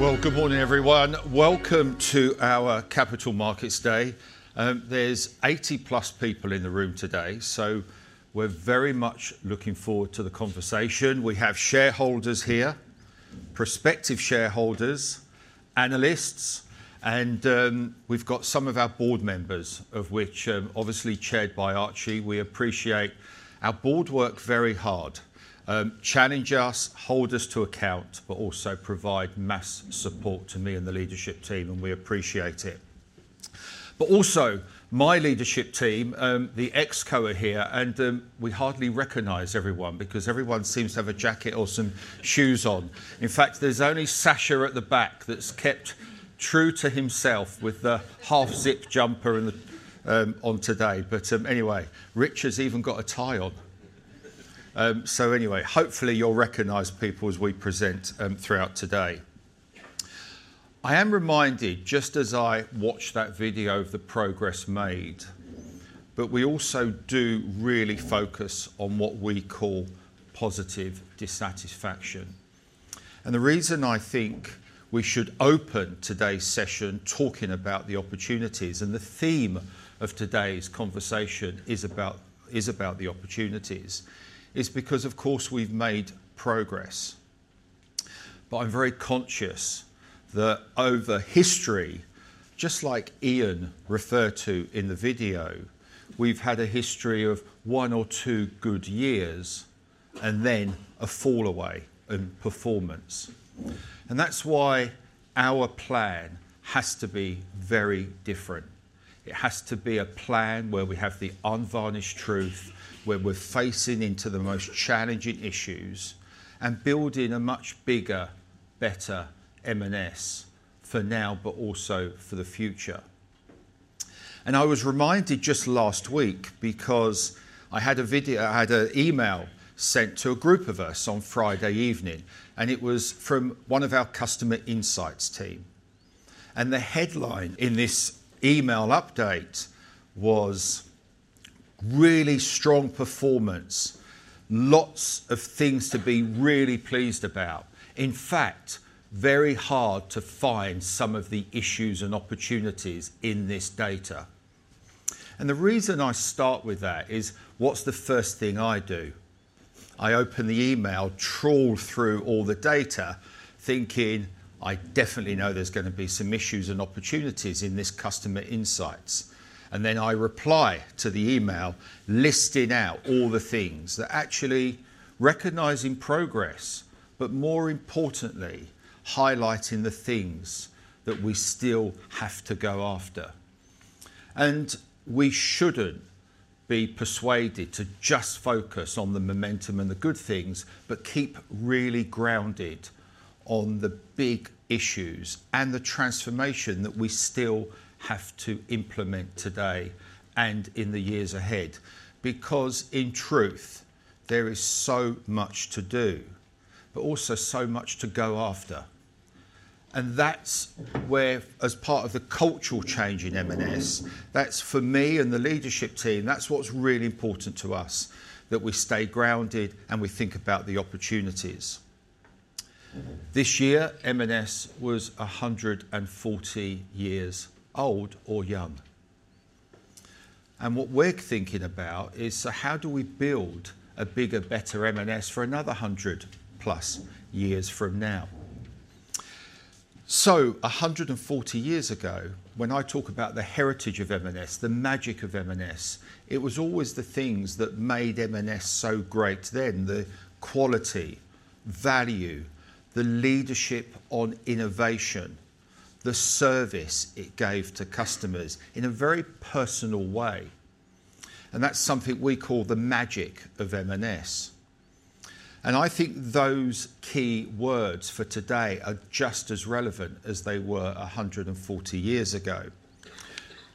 Good morning, everyone. Welcome to our Capital Markets Day. There's 80-plus people in the room today, so we're very much looking forward to the conversation. We have shareholders here, prospective shareholders, analysts, and we've got some of our board members, of which, obviously, chaired by Archie. We appreciate our board work very hard, challenge us, hold us to account, but also provide massive support to me and the leadership team, and we appreciate it. Also my leadership team, the ExCo here, and we hardly recognize everyone because everyone seems to have a jacket or some shoes on. In fact, there's only Sacha at the back that's kept true to himself with the half-zip jumper on today. Anyway, Rich has even got a tie on. Anyway, hopefully you'll recognize people as we present throughout today. I am reminded, Gist as I watched that video of the progress made, that we also do really focus on what we call positive dissatisfaction, and the reason I think we should open today's session talking about the opportunities, and the theme of today's conversation is about the opportunities, is because, of course, we've made progress, but I'm very conscious that over history, just like Ian referred to in the video, we've had a history of one or two good years and then a fall away in performance, and that's why our plan has to be very different. It has to be a plan where we have the unvarnished truth, where we're facing into the most challenging issues, and building a much bigger, better M&S for now, but also for the future. I was reminded just last week because I had an email sent to a group of us on Friday evening, and it was from one of our customer insights team. The headline in this email update was, "Really strong performance, lots of things to be really pleased about. In fact, very hard to find some of the issues and opportunities in this data." The reason I start with that is, what's the first thing I do? I open the email, trawl through all the data, thinking, "I definitely know there's going to be some issues and opportunities in this customer insights." Then I reply to the email, listing out all the things that actually recognize progress, but more importantly, highlighting the things that we still have to go after. And we shouldn't be persuaded to just focus on the momentum and the good things, but keep really grounded on the big issues and the transformation that we still have to implement today and in the years ahead. Because in truth, there is so much to do, but also so much to go after. And that's where, as part of the cultural change in M&S, that's for me and the leadership team, that's what's really important to us, that we stay grounded and we think about the opportunities. This year, M&S was 140 years old or young. And what we're thinking about is, so how do we build a bigger, better M&S for another 100-plus years from now? 140 years ago, when I talk about the heritage of M&S, the magic of M&S, it was always the things that made M&S so great then, the quality, value, the leadership on innovation, the service it gave to customers in a very personal way. And that's something we call the magic of M&S. And I think those key words for today are just as relevant as they were 140 years ago.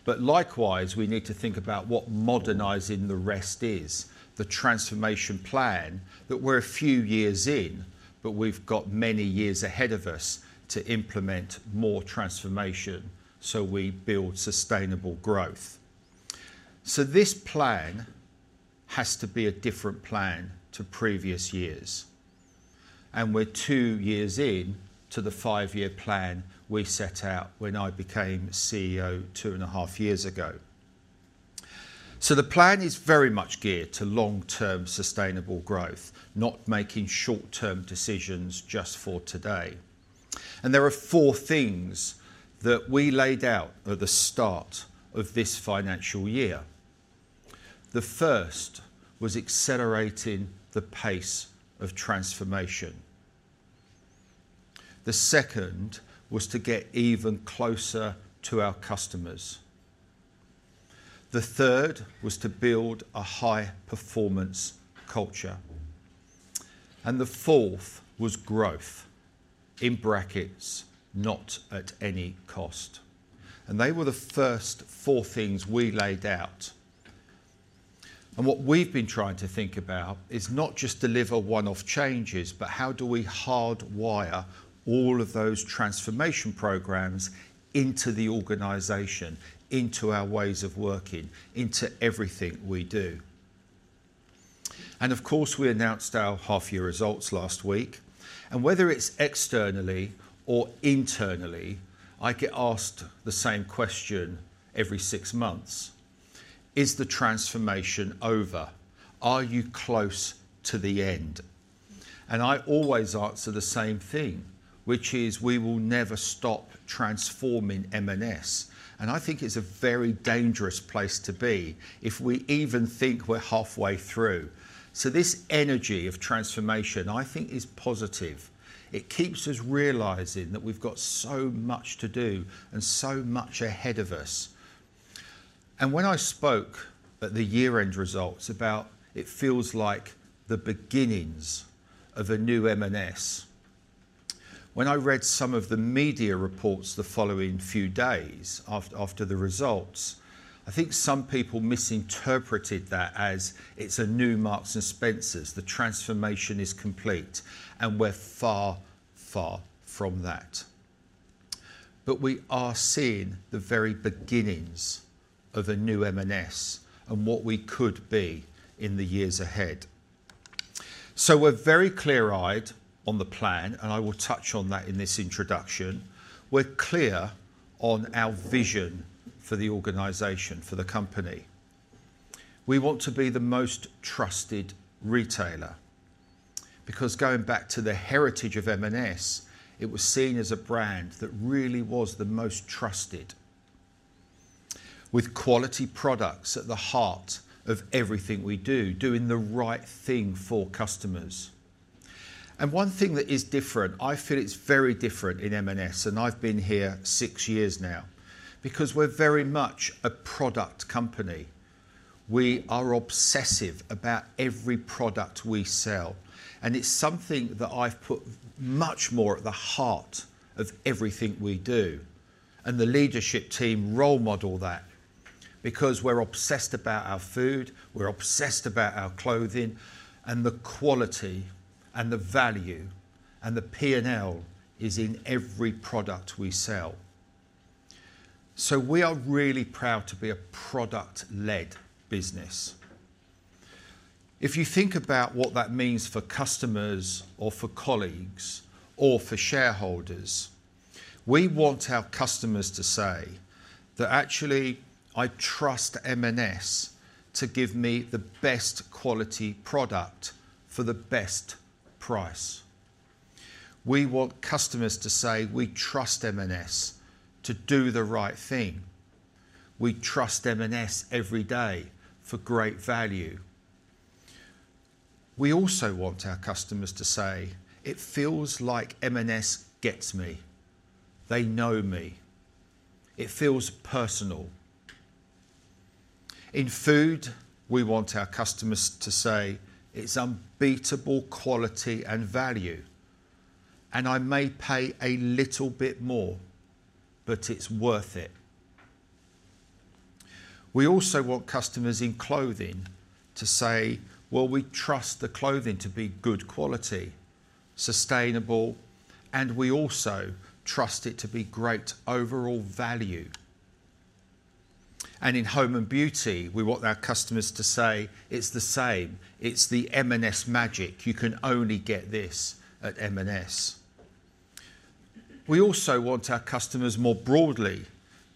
But likewise, we need to think about what modernizing the rest is, the transformation plan that we're a few years in, but we've got many years ahead of us to implement more transformation so we build sustainable growth. So this plan has to be a different plan to previous years. And we're two years in to the five-year plan we set out when I became CEO two and a half years ago. So the plan is very much geared to long-term sustainable growth, not making short-term decisions just for today, and there are four things that we laid out at the start of this financial year. The first was accelerating the pace of transformation. The second was to get even closer to our customers. The third was to build a high-performance culture, and the fourth was growth, in brackets, not at any cost. And they were the first four things we laid out, and what we've been trying to think about is not just deliver one-off changes, but how do we hardwire all of those transformation programs into the organization, into our ways of working, into everything we do. And of course, we announced our half-year results last week, and whether it's externally or internally, I get asked the same question every six months. Is the transformation over? Are you close to the end? And I always answer the same thing, which is we will never stop transforming M&S. And I think it's a very dangerous place to be if we even think we're halfway through. So this energy of transformation, I think, is positive. It keeps us realizing that we've got so much to do and so much ahead of us. And when I spoke at the year-end results about it feels like the beginnings of a new M&S, when I read some of the media reports the following few days after the results, I think some people misinterpreted that as it's a new Marks & Spencer, the transformation is complete, and we're far, far from that. But we are seeing the very beginnings of a new M&S and what we could be in the years ahead. So we're very clear-eyed on the plan, and I will touch on that in this introduction. We're clear on our vision for the organization, for the company. We want to be the most trusted retailer. Because going back to the heritage of M&S, it was seen as a brand that really was the most trusted, with quality products at the heart of everything we do, doing the right thing for customers. And one thing that is different, I feel it's very different in M&S, and I've been here six years now, because we're very much a product company. We are obsessive about every product we sell. And it's something that I've put much more at the heart of everything we do. The leadership team role models that because we're obsessed about our Food, we're obsessed about our Clothing, and the quality and the value and the P&L is in every product we sell. So we are really proud to be a product-led business. If you think about what that means for customers or for colleagues or for shareholders, we want our customers to say that, actually, I trust M&S to give me the best quality product for the best price. We want customers to say, "We trust M&S to do the right thing. We trust M&S every day for great value." We also want our customers to say, "It feels like M&S gets me. They know me. It feels personal." In Food, we want our customers to say, "It's unbeatable quality and value. And I may pay a little bit more, but it's worth it." We also want customers in clothing to say, "Well, we trust the clothing to be good quality, sustainable, and we also trust it to be great overall value." And in Home and Beauty, we want our customers to say, "It's the same. It's the M&S magic. You can only get this at M&S." We also want our customers more broadly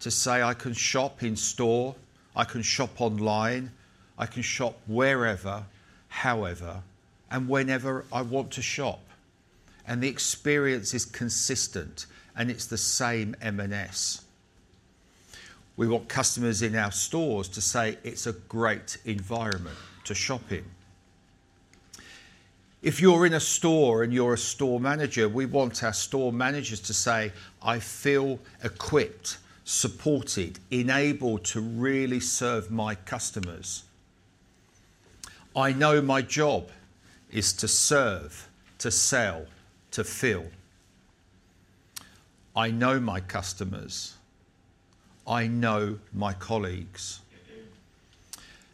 to say, "I can shop in store, I can shop online, I can shop wherever, however, and whenever I want to shop, and the experience is consistent, and it's the same M&S." We want customers in our stores to say, "It's a great environment to shop in." If you're in a store and you're a store manager, we want our store managers to say, "I feel equipped, supported, enabled to really serve my customers. I know my job is to serve, to sell, to fill. I know my customers. I know my colleagues."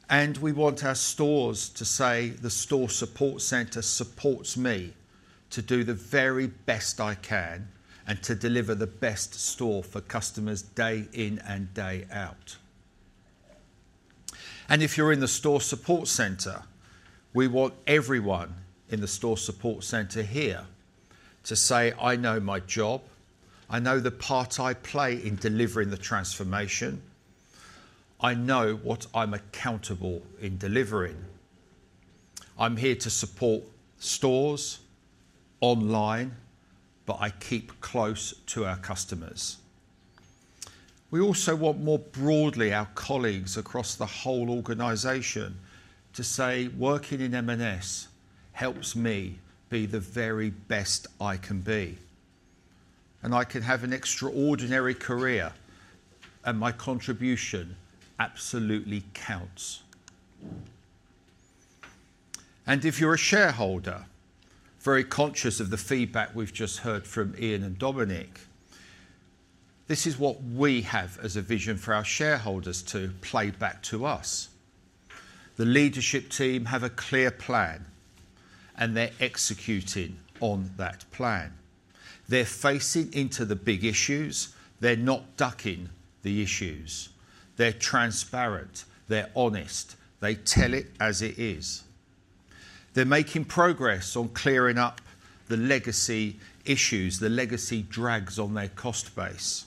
And we want our stores to say, "The Store Support Centre supports me to do the very best I can and to deliver the best store for customers day in and day out." And if you're in the Store Support Centre, we want everyone in the Store Support Centre here to say, "I know my job. I know the part I play in delivering the transformation. I know what I'm accountable in delivering. I'm here to support stores online, but I keep close to our customers." We also want more broadly our colleagues across the whole organization to say, "Working in M&S helps me be the very best I can be. And I can have an extraordinary career, and my contribution absolutely counts." And if you're a shareholder, very conscious of the feedback we've just heard from Ian and Dominic, this is what we have as a vision for our shareholders to play back to us. The leadership team have a clear plan, and they're executing on that plan. They're facing into the big issues. They're not ducking the issues. They're transparent. They're honest. They tell it as it is. They're making progress on clearing up the legacy issues, the legacy drags on their cost base,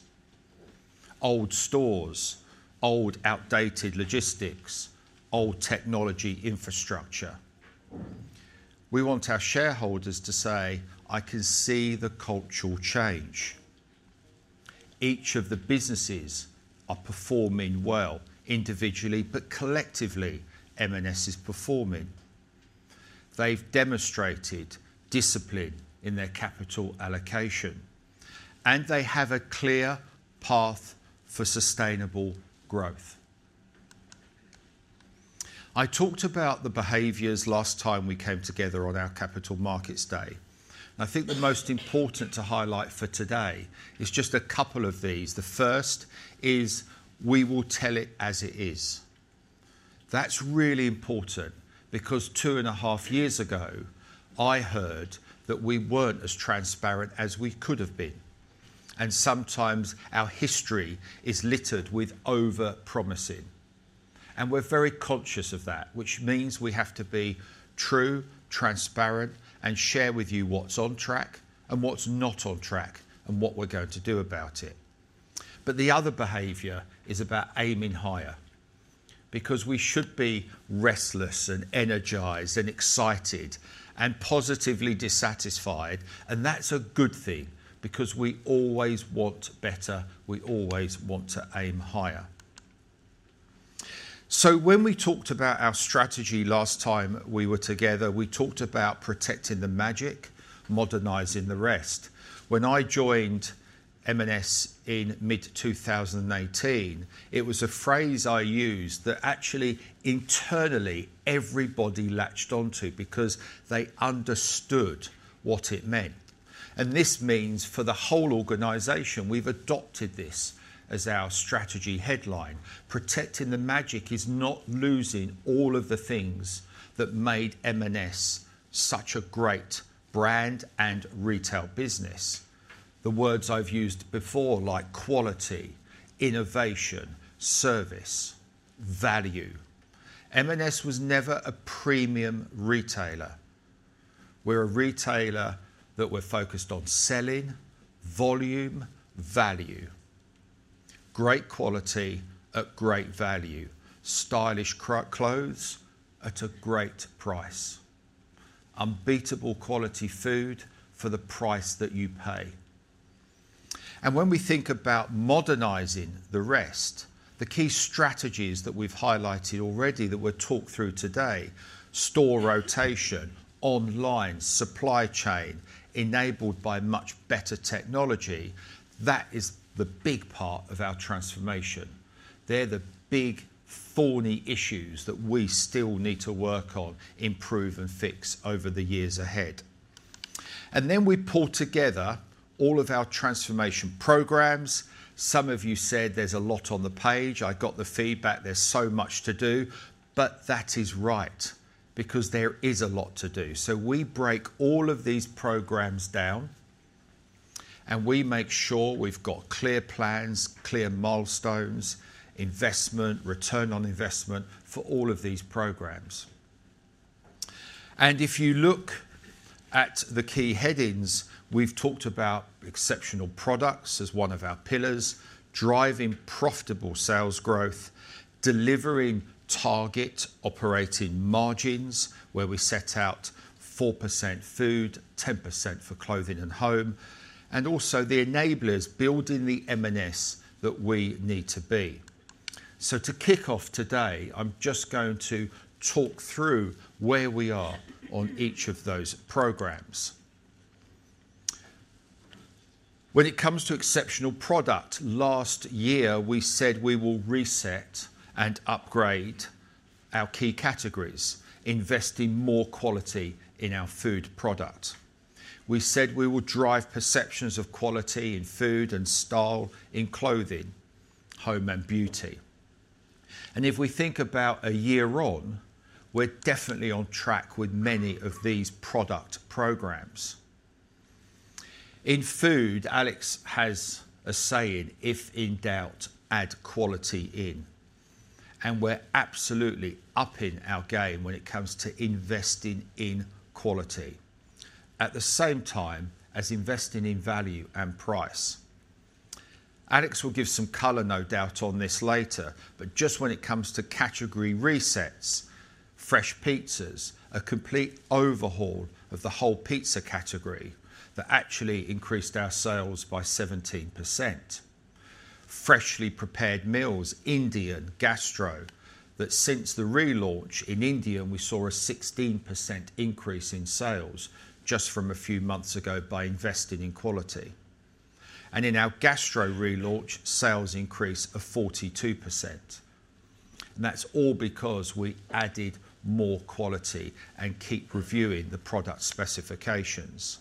old stores, old outdated logistics, old technology infrastructure. We want our shareholders to say, "I can see the cultural change. Each of the businesses are performing well individually, but collectively, M&S is performing. They've demonstrated discipline in their capital allocation, and they have a clear path for sustainable growth." I talked about the behaviors last time we came together on our Capital Markets Day, and I think the most important to highlight for today is just a couple of these. The first is we will tell it as it is. That's really important because two and a half years ago, I heard that we weren't as transparent as we could have been, and sometimes our history is littered with over-promising, and we're very conscious of that, which means we have to be true, transparent, and share with you what's on track and what's not on track and what we're going to do about it, but the other behavior is about aiming higher because we should be restless and energized and excited and positively dissatisfied. That's a good thing because we always want better. We always want to aim higher. When we talked about our strategy last time we were together, we talked about protecting the magic, modernizing the rest. When I joined M&S in mid-2018, it was a phrase I used that actually internally everybody latched onto because they understood what it meant. This means for the whole organization, we've adopted this as our strategy headline. Protecting the magic is not losing all of the things that made M&S such a great brand and retail business. The words I've used before, like quality, innovation, service, value. M&S was never a premium retailer. We're a retailer that we're focused on selling volume, value, great quality at great value, stylish clothes at a great price, unbeatable quality food for the price that you pay. And when we think about modernizing the rest, the key strategies that we've highlighted already that we'll talk through today, store rotation, online, supply chain enabled by much better technology, that is the big part of our transformation. They're the big thorny issues that we still need to work on, improve and fix over the years ahead, and then we pull together all of our transformation programs. Some of you said there's a lot on the page. I got the feedback. There's so much to do, but that is right because there is a lot to do, so we break all of these programs down, and we make sure we've got clear plans, clear milestones, investment, return on investment for all of these programs. And if you look at the key headings, we've talked about exceptional products as one of our pillars, driving profitable sales growth, delivering target operating margins where we set out 4% Food, 10% for Clothing & Home, and also the enablers building the M&S that we need to be. So to kick off today, I'm just going to talk through where we are on each of those programs. When it comes to exceptional product, last year, we said we will reset and upgrade our key categories, investing more quality in our Food product. We said we will drive perceptions of quality in food and style in clothing, Home and Beauty. And if we think about a year on, we're definitely on track with many of these product programs. In Food, Alex has a saying, "If in doubt, add quality in." And we're absolutely upping our game when it comes to investing in quality at the same time as investing in value and price. Alex will give some color, no doubt, on this later, but just when it comes to category resets, fresh pizzas, a complete overhaul of the whole pizza category that actually increased our sales by 17%, freshly prepared meals, Indian Gastro that since the relaunch in India, we saw a 16% increase in sales just from a few months ago by investing in quality. And in our Gastro relaunch, sales increased of 42%. And that's all because we added more quality and keep reviewing the product specifications.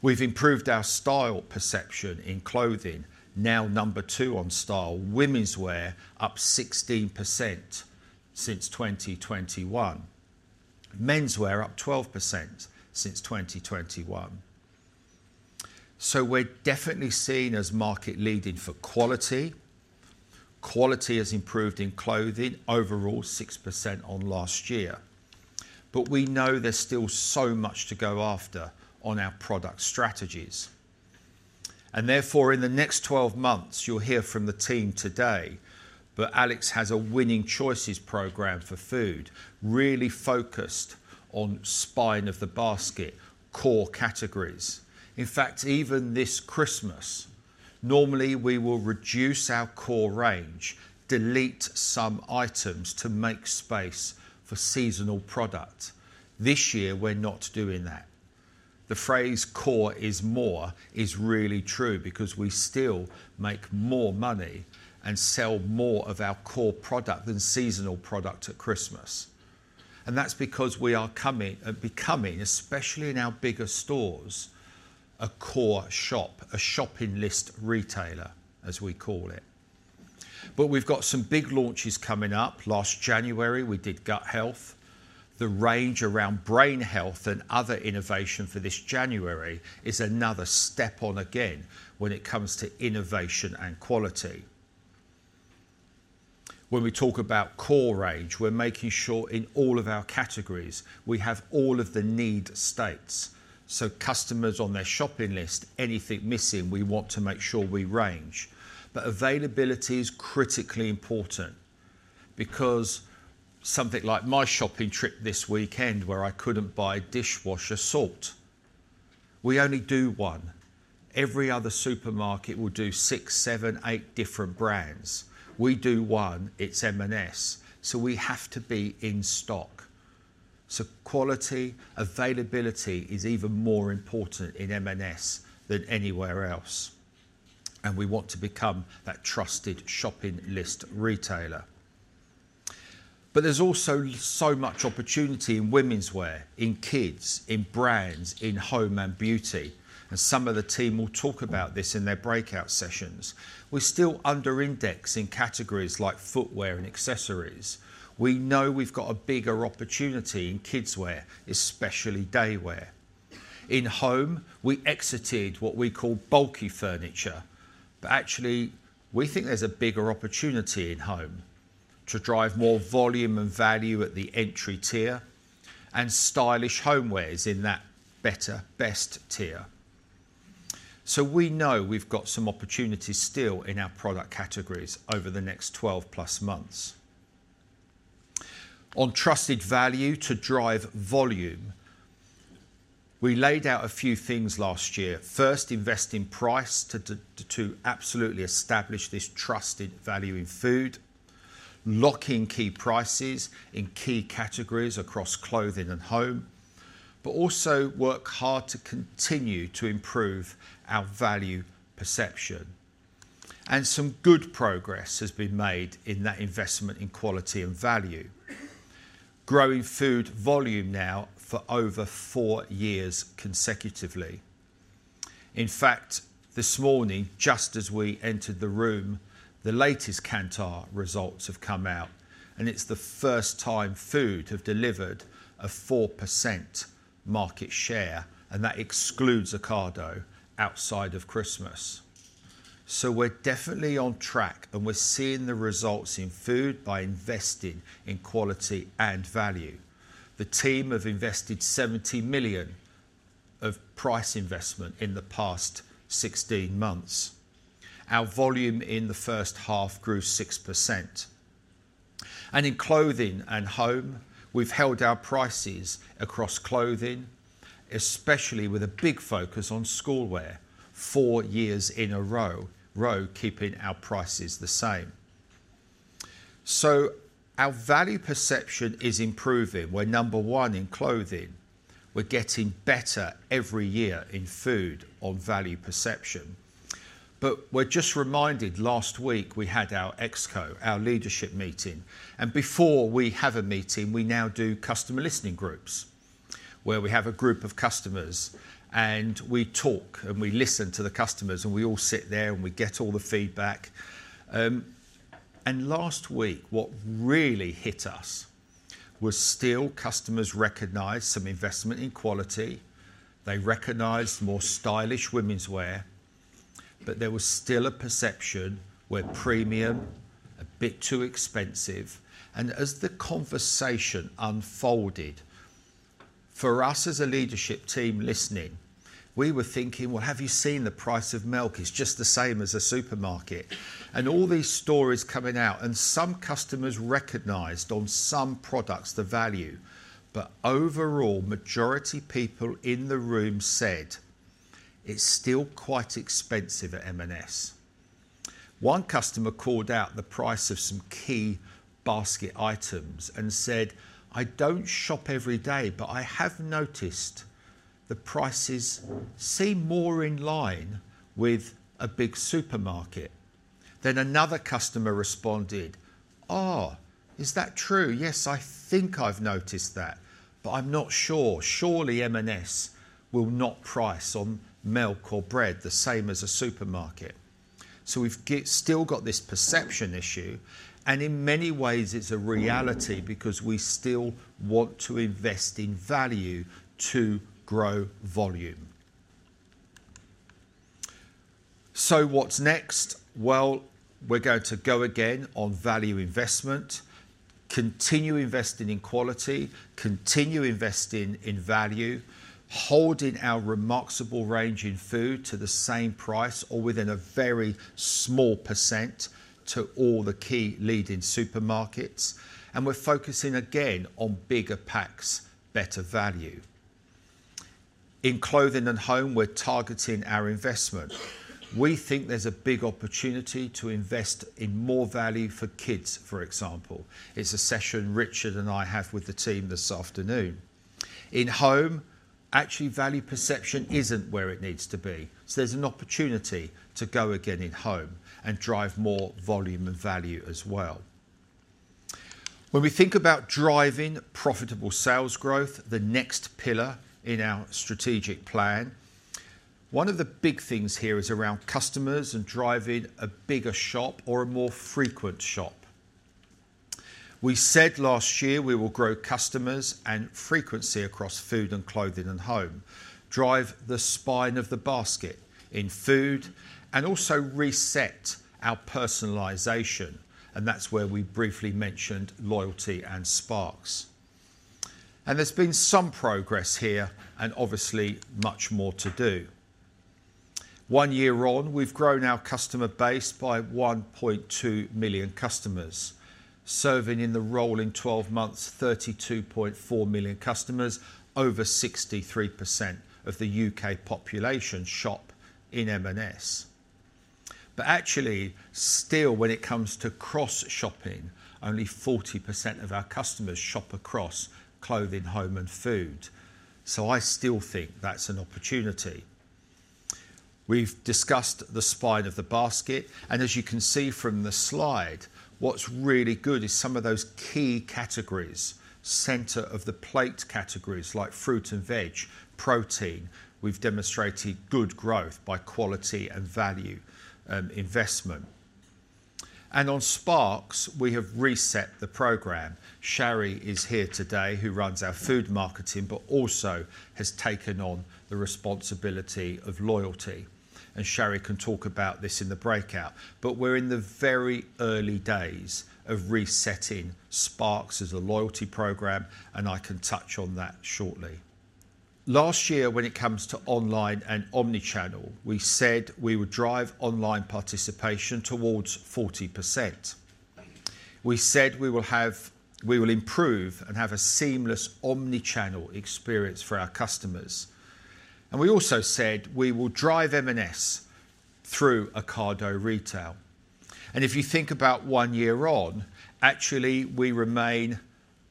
We've improved our style perception in clothing, now number two on style, Womenswear, up 16% since 2021, Menswear up 12% since 2021. We're definitely seen as market-leading for quality. Quality has improved in clothing, overall 6% on last year. But we know there's still so much to go after on our product strategies and therefore, in the next 12 months, you'll hear from the team today, but Alex has a Winning Choices program for food, really focused on spine of the basket, core categories. In fact, even this Christmas, normally we will reduce our core range, delete some items to make space for seasonal product. This year, we're not doing that. The phrase "core is more" is really true because we still make more money and sell more of our core product than seasonal product at Christmas and that's because we are becoming, especially in our bigger stores, a core shop, a shopping list retailer, as we call it but we've got some big launches coming up. Last January, we did gut health. The range around brain health and other innovation for this January is another step on again when it comes to innovation and quality. When we talk about core range, we're making sure in all of our categories we have all of the need states. So customers on their shopping list, anything missing, we want to make sure we range. But availability is critically important because something like my shopping trip this weekend where I couldn't buy dishwasher salt, we only do one. Every other supermarket will do six, seven, eight different brands. We do one. It's M&S. So we have to be in stock. So quality, availability is even more important in M&S than anywhere else. And we want to become that trusted shopping list retailer. But there's also so much opportunity in Womenswear, in kids, in brands, in Home and Beauty. And some of the team will talk about this in their breakout sessions. We're still under index in categories like footwear and accessories. We know we've got a bigger opportunity in Kidswear, especially day wear. In home, we exited what we call bulky furniture. But actually, we think there's a bigger opportunity in home to drive more volume and value at the entry tier and stylish homewares in that better, best tier. So we know we've got some opportunities still in our product categories over the next 12 plus months. On trusted value to drive volume, we laid out a few things last year. First, invest in price to absolutely establish this trusted value in food, lock in key prices in key categories across Clothing & Home, but also work hard to continue to improve our value perception. And some good progress has been made in that investment in quality and value, growing food volume now for over four years consecutively. In fact, this morning, just as we entered the room, the latest Kantar results have come out, and it's the first time food has delivered a 4% market share, and that excludes Ocado outside of Christmas. So we're definitely on track, and we're seeing the results in food by investing in quality and value. The team have invested 70 million of price investment in the past 16 months. Our volume in the first half grew 6%. And in Clothing & Home, we've held our prices across clothing, especially with a big focus on schoolwear four years in a row, keeping our prices the same. So our value perception is improving. We're number one in clothing. We're getting better every year in food on value perception. But we're just reminded last week we had our ExCo, our leadership meeting. And before we have a meeting, we now do customer listening groups where we have a group of customers, and we talk and we listen to the customers, and we all sit there and we get all the feedback. And last week, what really hit us was still customers recognized some investment in quality. They recognized more stylish Womenswear, but there was still a perception where premium, a bit too expensive. And as the conversation unfolded, for us as a leadership team listening, we were thinking, "Well, have you seen the price of milk? It's just the same as a supermarket." And all these stories coming out, and some customers recognized on some products the value, but overall, majority people in the room said, "It's still quite expensive at M&S." One customer called out the price of some key basket items and said, "I don't shop every day, but I have noticed the prices seem more in line with a big supermarket." Then another customer responded, "Oh, is that true? Yes, I think I've noticed that, but I'm not sure. Surely M&S will not price on milk or bread the same as a supermarket." So we've still got this perception issue, and in many ways, it's a reality because we still want to invest in value to grow volume. So what's next? We're going to go again on value investment, continue investing in quality, continue investing in value, holding our Remarksable range in food to the same price or within a very small percent to all the key leading supermarkets. We're focusing again on bigger packs, better value. In Clothing & Home, we're targeting our investment. We think there's a big opportunity to invest in more value for kids, for example. It's a session Richard and I have with the team this afternoon. In home, actually, value perception isn't where it needs to be. There's an opportunity to go again in home and drive more volume and value as well. When we think about driving profitable sales growth, the next pillar in our strategic plan, one of the big things here is around customers and driving a bigger shop or a more frequent shop. We said last year we will grow customers and frequency across Food and Clothing & Home, drive the spine of the basket in food, and also reset our personalization, and that's where we briefly mentioned Loyalty and Sparks, and there's been some progress here and obviously much more to do. One year on, we've grown our customer base by 1.2 million customers, serving in the role in 12 months 32.4 million customers, over 63% of the U.K. population shop in M&S, but actually still when it comes to cross-shopping only 40% of our customers shop across clothing, home, and food, so I still think that's an opportunity. We've discussed the spine of the basket, and as you can see from the slide what's really good is some of those key categories, center of the plate categories like fruit and veg, protein. We've demonstrated good growth by quality and value investment. And on Sparks, we have reset the program. Sharry is here today, who runs our Food marketing, but also has taken on the responsibility of loyalty. And Sharry can talk about this in the breakout. But we're in the very early days of resetting Sparks as a loyalty program, and I can touch on that shortly. Last year, when it comes to online and omnichannel, we said we would drive online participation towards 40%. We said we will improve and have a seamless omnichannel experience for our customers. And we also said we will drive M&S through Ocado Retail. And if you think about one year on, actually, we remain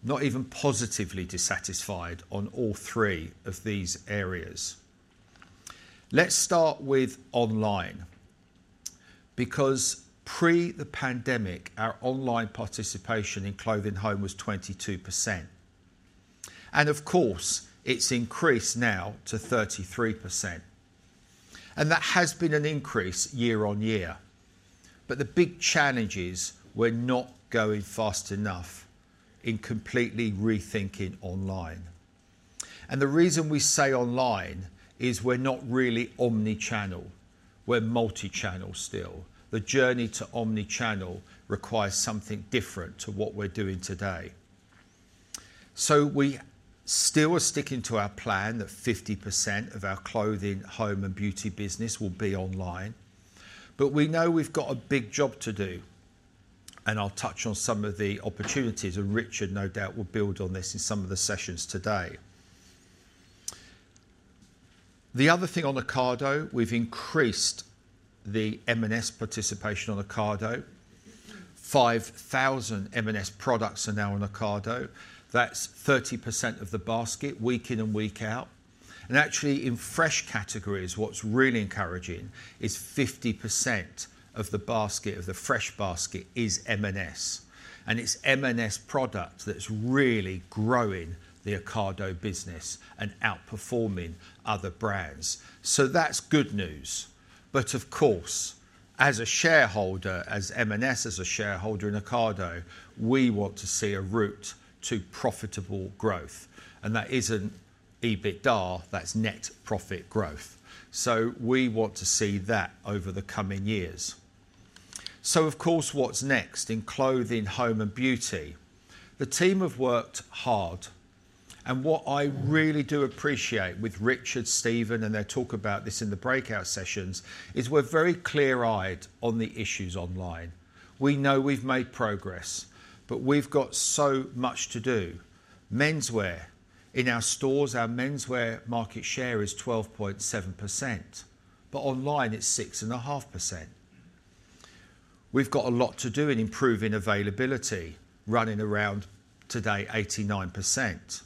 not even positively dissatisfied on all three of these areas. Let's start with online because pre the pandemic, our online participation in Clothing & Home was 22%. And of course, it's increased now to 33%. And that has been an increase year on year. But the big challenge is we're not going fast enough in completely rethinking online. And the reason we say online is we're not really omnichannel. We're multichannel still. The journey to omnichannel requires something different to what we're doing today. So we still are sticking to our plan that 50% of our clothing, home, and beauty business will be online. But we know we've got a big job to do. And I'll touch on some of the opportunities, and Richard, no doubt, will build on this in some of the sessions today. The other thing on Ocado, we've increased the M&S participation on Ocado. 5,000 M&S products are now on Ocado. That's 30% of the basket week in and week out. And actually, in fresh categories, what's really encouraging is 50% of the fresh basket is M&S. It's M&S products that's really growing the Ocado business and outperforming other brands. So that's good news. But of course, as a shareholder, as M&S, as a shareholder in Ocado, we want to see a route to profitable growth. And that isn't EBITDA. That's net profit growth. So we want to see that over the coming years. So of course, what's next in clothing, home, and beauty? The team have worked hard. And what I really do appreciate with Richard, Stephen, and they'll talk about this in the breakout sessions is we're very clear-eyed on the issues online. We know we've made progress, but we've got so much to do. Menswear in our stores, our Menswear market share is 12.7%. But online, it's 6.5%. We've got a lot to do in improving availability, running around today 89%.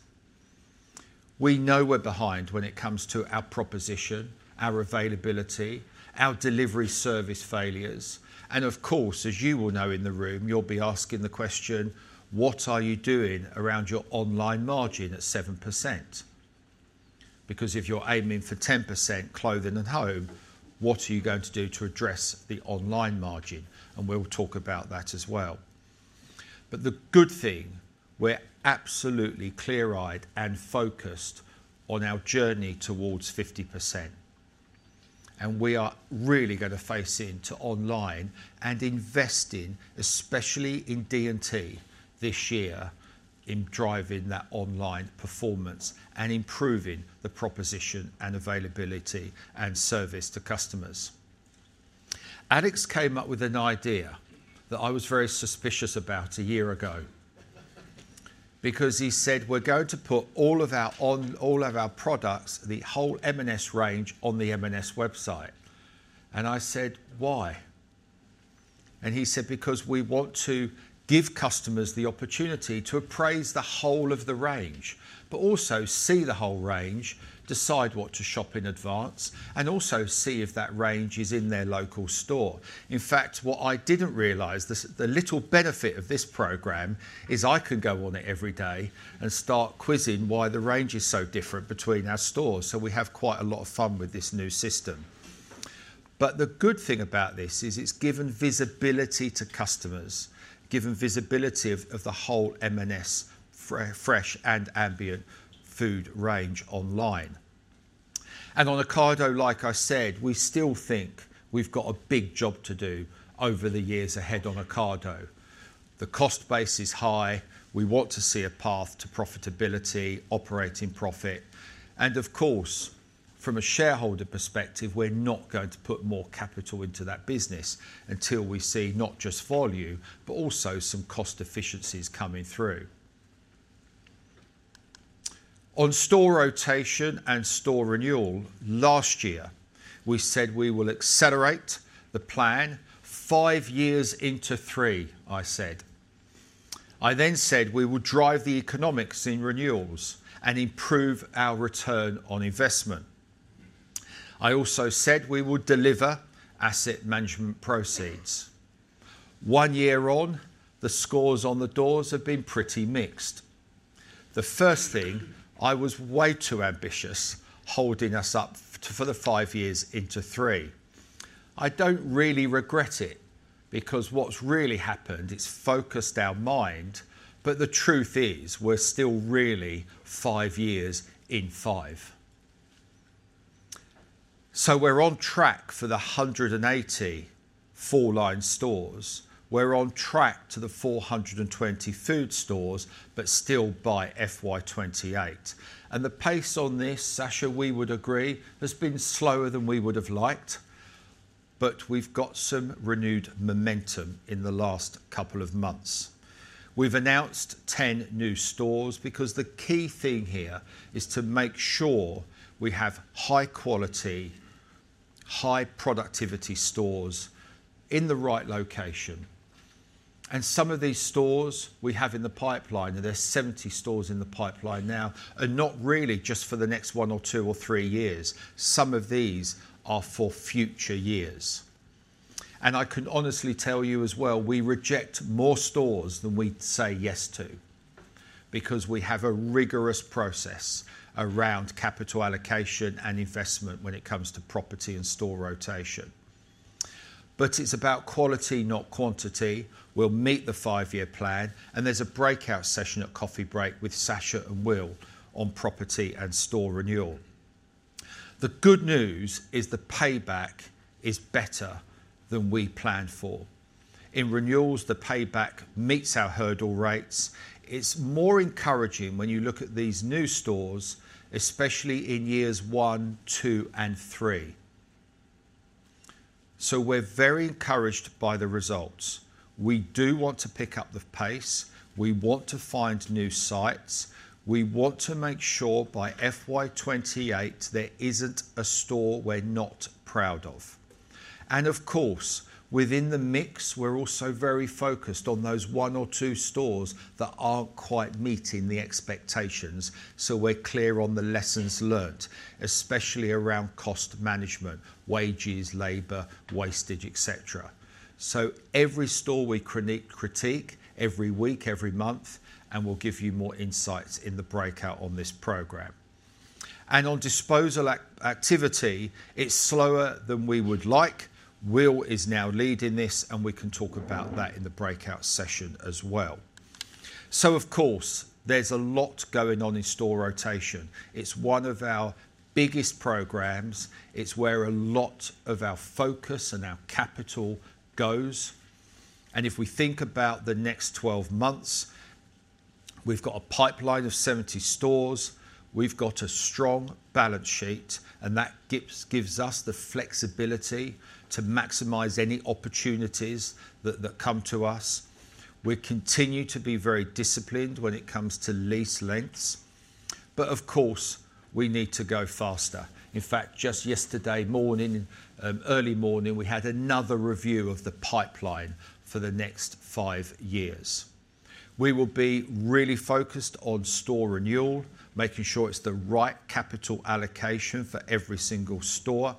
We know we're behind when it comes to our proposition, our availability, our delivery service failures. And of course, as you will know in the room, you'll be asking the question, "What are you doing around your online margin at 7%?" Because if you're aiming for 10% Clothing & Home, what are you going to do to address the online margin? And we'll talk about that as well. But the good thing, we're absolutely clear-eyed and focused on our journey towards 50%. And we are really going to face into online and investing, especially in D&T this year, in driving that online performance and improving the proposition and availability and service to customers. Alex came up with an idea that I was very suspicious about a year ago because he said, "We're going to put all of our products, the whole M&S range, on the M&S website." And I said, "Why?" And he said, "Because we want to give customers the opportunity to appraise the whole of the range, but also see the whole range, decide what to shop in advance, and also see if that range is in their local store." In fact, what I didn't realize, the little benefit of this program is I could go on it every day and start quizzing why the range is so different between our stores. So we have quite a lot of fun with this new system. But the good thing about this is it's given visibility to customers, given visibility of the whole M&S, fresh and ambient food range online. On Ocado, like I said, we still think we've got a big job to do over the years ahead on Ocado. The cost base is high. We want to see a path to profitability, operating profit. And of course, from a shareholder perspective, we're not going to put more capital into that business until we see not just volume, but also some cost efficiencies coming through. On store rotation and store renewal, last year, we said we will accelerate the plan five years into three, I said. I then said we would drive the economics in renewals and improve our return on investment. I also said we would deliver asset management proceeds. One year on, the scores on the doors have been pretty mixed. The first thing, I was way too ambitious holding us up for the five years into three. I don't really regret it because what's really happened is focused our mind, but the truth is we're still really five years in five. So we're on track for the 180 full-line stores. We're on track to the 420 food stores, but still by FY 2028. And the pace on this, Sacha, we would agree, has been slower than we would have liked, but we've got some renewed momentum in the last couple of months. We've announced 10 new stores because the key thing here is to make sure we have high-quality, high-productivity stores in the right location. And some of these stores we have in the pipeline, and there's 70 stores in the pipeline now, are not really just for the next one or two or three years. Some of these are for future years. I can honestly tell you as well, we reject more stores than we say yes to because we have a rigorous process around capital allocation and investment when it comes to property and store rotation. It's about quality, not quantity. We'll meet the five-year plan, and there's a breakout session at coffee break with Sacha and Will on property and store renewal. The good news is the payback is better than we planned for. In renewals, the payback meets our hurdle rates. It's more encouraging when you look at these new stores, especially in years one, two, and three. We're very encouraged by the results. We do want to pick up the pace. We want to find new sites. We want to make sure by FY 2028 there isn't a store we're not proud of. Of course, within the mix, we're also very focused on those one or two stores that aren't quite meeting the expectations. We're clear on the lessons learned, especially around cost management, wages, labor, wastage, etc. Every store we critique every week, every month, and we'll give you more insights in the breakout on this program. On disposal activity, it's slower than we would like. Will is now leading this, and we can talk about that in the breakout session as well. Of course, there's a lot going on in store rotation. It's one of our biggest programs. It's where a lot of our focus and our capital goes. If we think about the next 12 months, we've got a pipeline of 70 stores. We've got a strong balance sheet, and that gives us the flexibility to maximize any opportunities that come to us. We continue to be very disciplined when it comes to lease lengths. But of course, we need to go faster. In fact, just yesterday morning, early morning, we had another review of the pipeline for the next five years. We will be really focused on store renewal, making sure it's the right capital allocation for every single store.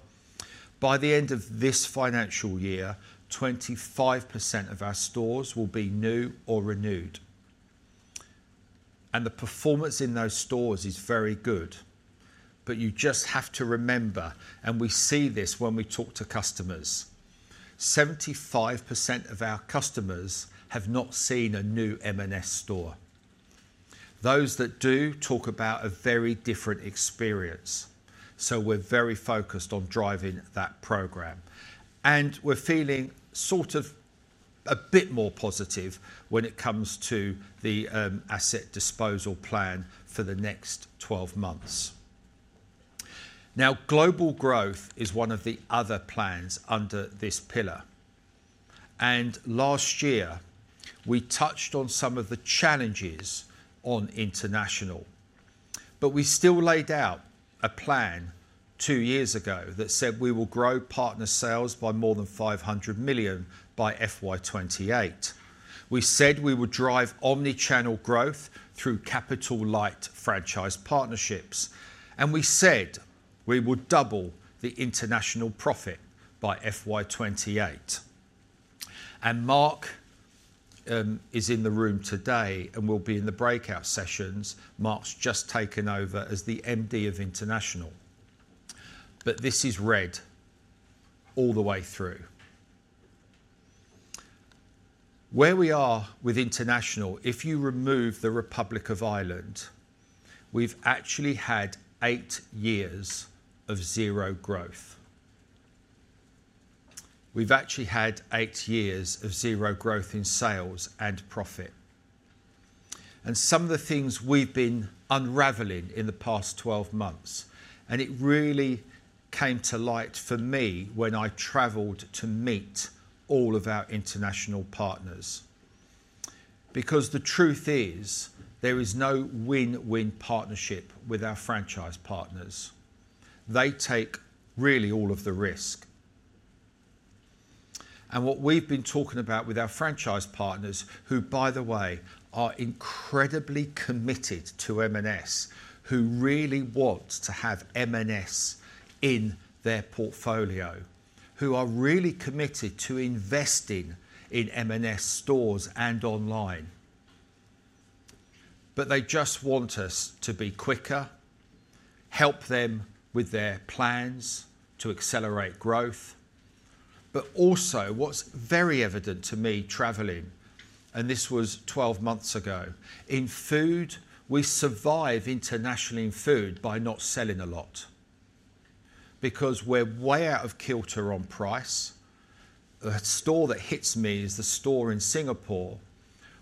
By the end of this financial year, 25% of our stores will be new or renewed. And the performance in those stores is very good. But you just have to remember, and we see this when we talk to customers, 75% of our customers have not seen a new M&S store. Those that do talk about a very different experience. So we're very focused on driving that program. And we're feeling sort of a bit more positive when it comes to the asset disposal plan for the next 12 months. Now, global growth is one of the other plans under this pillar. And last year, we touched on some of the challenges on International. But we still laid out a plan two years ago that said we will grow partner sales by more than 500 million by FY 2028. We said we would drive omnichannel growth through capital-light franchise partnerships. And we said we would double the International profit by FY 2028. And Mark is in the room today and will be in the breakout sessions. Mark's just taken over as the MD of International. But this is red all the way through. Where we are with International, if you remove the Republic of Ireland, we've actually had eight years of zero growth. We've actually had eight years of zero growth in sales and profit. And some of the things we've been unraveling in the past 12 months, and it really came to light for me when I traveled to meet all of our International partners, because the truth is there is no win-win partnership with our franchise partners. They take really all of the risk, and what we've been talking about with our franchise partners, who, by the way, are incredibly committed to M&S, who really want to have M&S in their portfolio, who are really committed to investing in M&S stores and online, but they just want us to be quicker, help them with their plans to accelerate growth, but also, what's very evident to me traveling, and this was 12 months ago, in food, we survive internationally in food by not selling a lot. Because we're way out of kilter on price. The store that hits me is the store in Singapore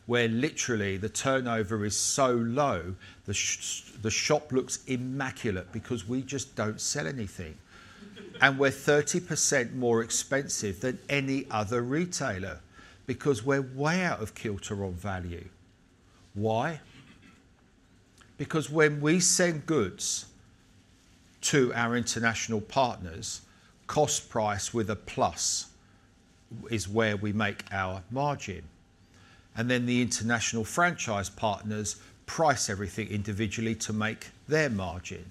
where literally the turnover is so low, the shop looks immaculate because we just don't sell anything. And we're 30% more expensive than any other retailer because we're way out of kilter on value. Why? Because when we send goods to our International partners, cost price with a plus is where we make our margin. And then the International franchise partners price everything individually to make their margin.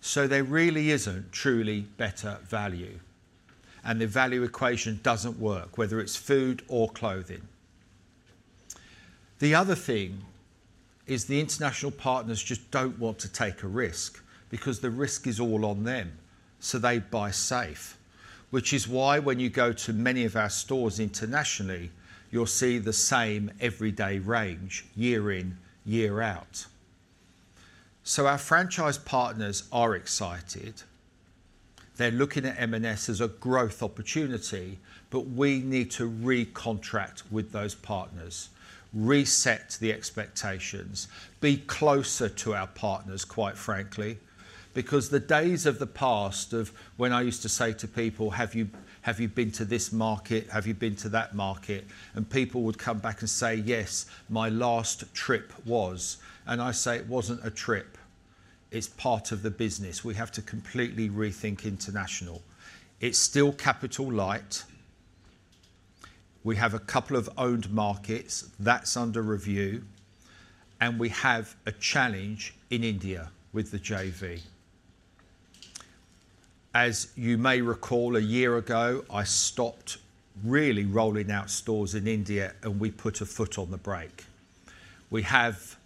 So there really isn't truly better value. And the value equation doesn't work, whether it's food or clothing. The other thing is the International partners just don't want to take a risk because the risk is all on them. So they buy safe, which is why when you go to many of our stores internationally, you'll see the same everyday range, year in, year out. So our franchise partners are excited. They're looking at M&S as a growth opportunity, but we need to recontract with those partners, reset the expectations, be closer to our partners, quite frankly, because the days of the past of when I used to say to people, "Have you been to this market? Have you been to that market?" and people would come back and say, "Yes, my last trip was," and I say, "It wasn't a trip. It's part of the business. We have to completely rethink international." It's still capital-light. We have a couple of owned markets. That's under review, and we have a challenge in India with the JV. As you may recall, a year ago, I stopped really rolling out stores in India, and we put a foot on the brake. We have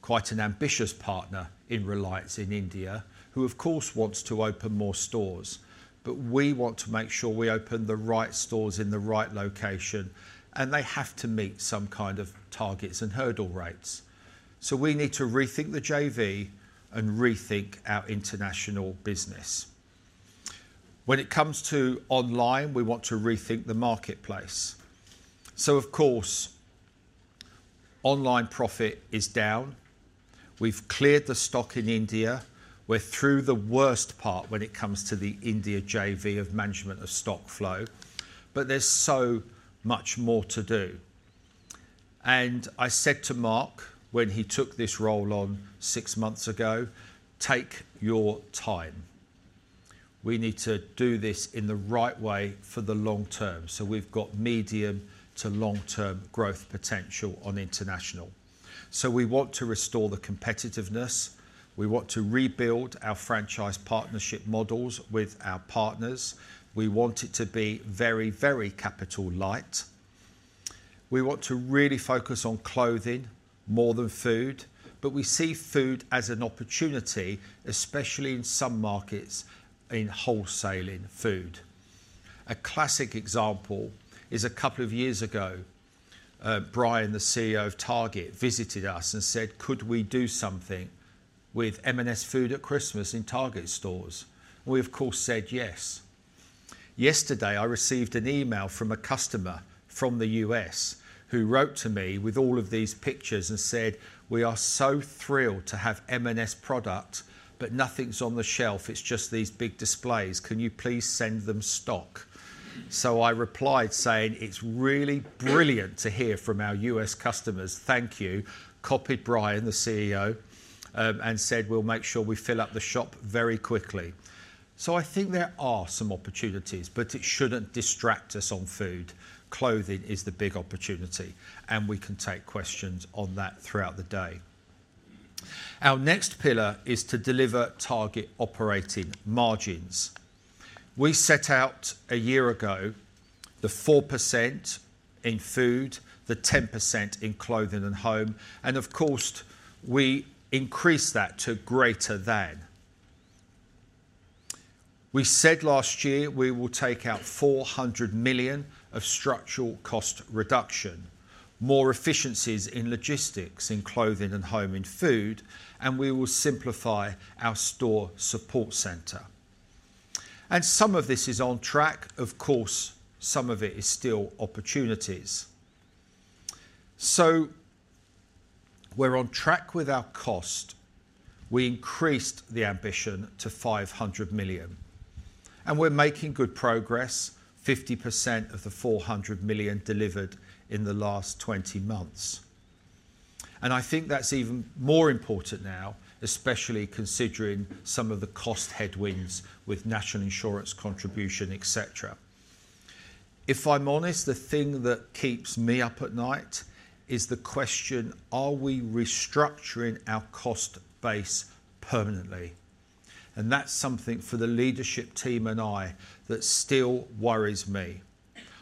quite an ambitious partner in Reliance in India who, of course, wants to open more stores, but we want to make sure we open the right stores in the right location, and they have to meet some kind of targets and hurdle rates. So we need to rethink the JV and rethink our International business. When it comes to online, we want to rethink the marketplace. So, of course, online profit is down. We've cleared the stock in India. We're through the worst part when it comes to the India JV of management of stock flow, but there's so much more to do. And I said to Mark when he took this role on six months ago, "Take your time. We need to do this in the right way for the long term." So we've got medium to long-term growth potential on International. So we want to restore the competitiveness. We want to rebuild our franchise partnership models with our partners. We want it to be very, very capital-light. We want to really focus on clothing more than food, but we see food as an opportunity, especially in some markets in wholesaling food. A classic example is a couple of years ago, Brian, the CEO of Target, visited us and said, "Could we do something with M&S Food at Christmas in Target stores?" And we, of course, said yes. Yesterday, I received an email from a customer from the U.S. who wrote to me with all of these pictures and said, "We are so thrilled to have M&S product, but nothing's on the shelf. It's just these big displays. Can you please send them stock?" So I replied saying, "It's really brilliant to hear from our U.S. customers. Thank you," copied Brian, the CEO, and said, "We'll make sure we fill up the shop very quickly." So I think there are some opportunities, but it shouldn't distract us on Food. Clothing is the big opportunity, and we can take questions on that throughout the day. Our next pillar is to deliver target operating margins. We set out a year ago the 4% in Food, the 10% in Clothing & Home, and of course, we increased that to greater than. We said last year we will take out 400 million of structural cost reduction, more efficiencies in logistics in Clothing & Home in food, and we will simplify our Store Support Centre, and some of this is on track. Of course, some of it is still opportunities, so we're on track with our cost. We increased the ambition to 500 million. We're making good progress, 50% of the 400 million delivered in the last 20 months. I think that's even more important now, especially considering some of the cost headwinds with National Insurance contribution, etc. If I'm honest, the thing that keeps me up at night is the question, are we restructuring our cost base permanently? That's something for the leadership team and I that still worries me.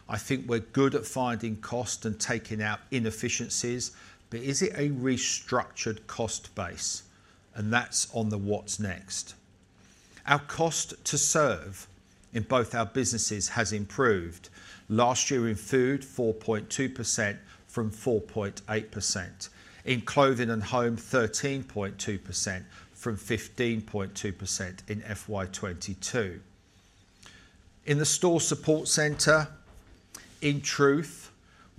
I think we're good at finding cost and taking out inefficiencies, but is it a restructured cost base? That's on the what's next. Our cost to serve in both our businesses has improved. Last year in Food, 4.2% from 4.8%. In Clothing & Home, 13.2% from 15.2% in FY 2022. In the Store Support Centre, in truth,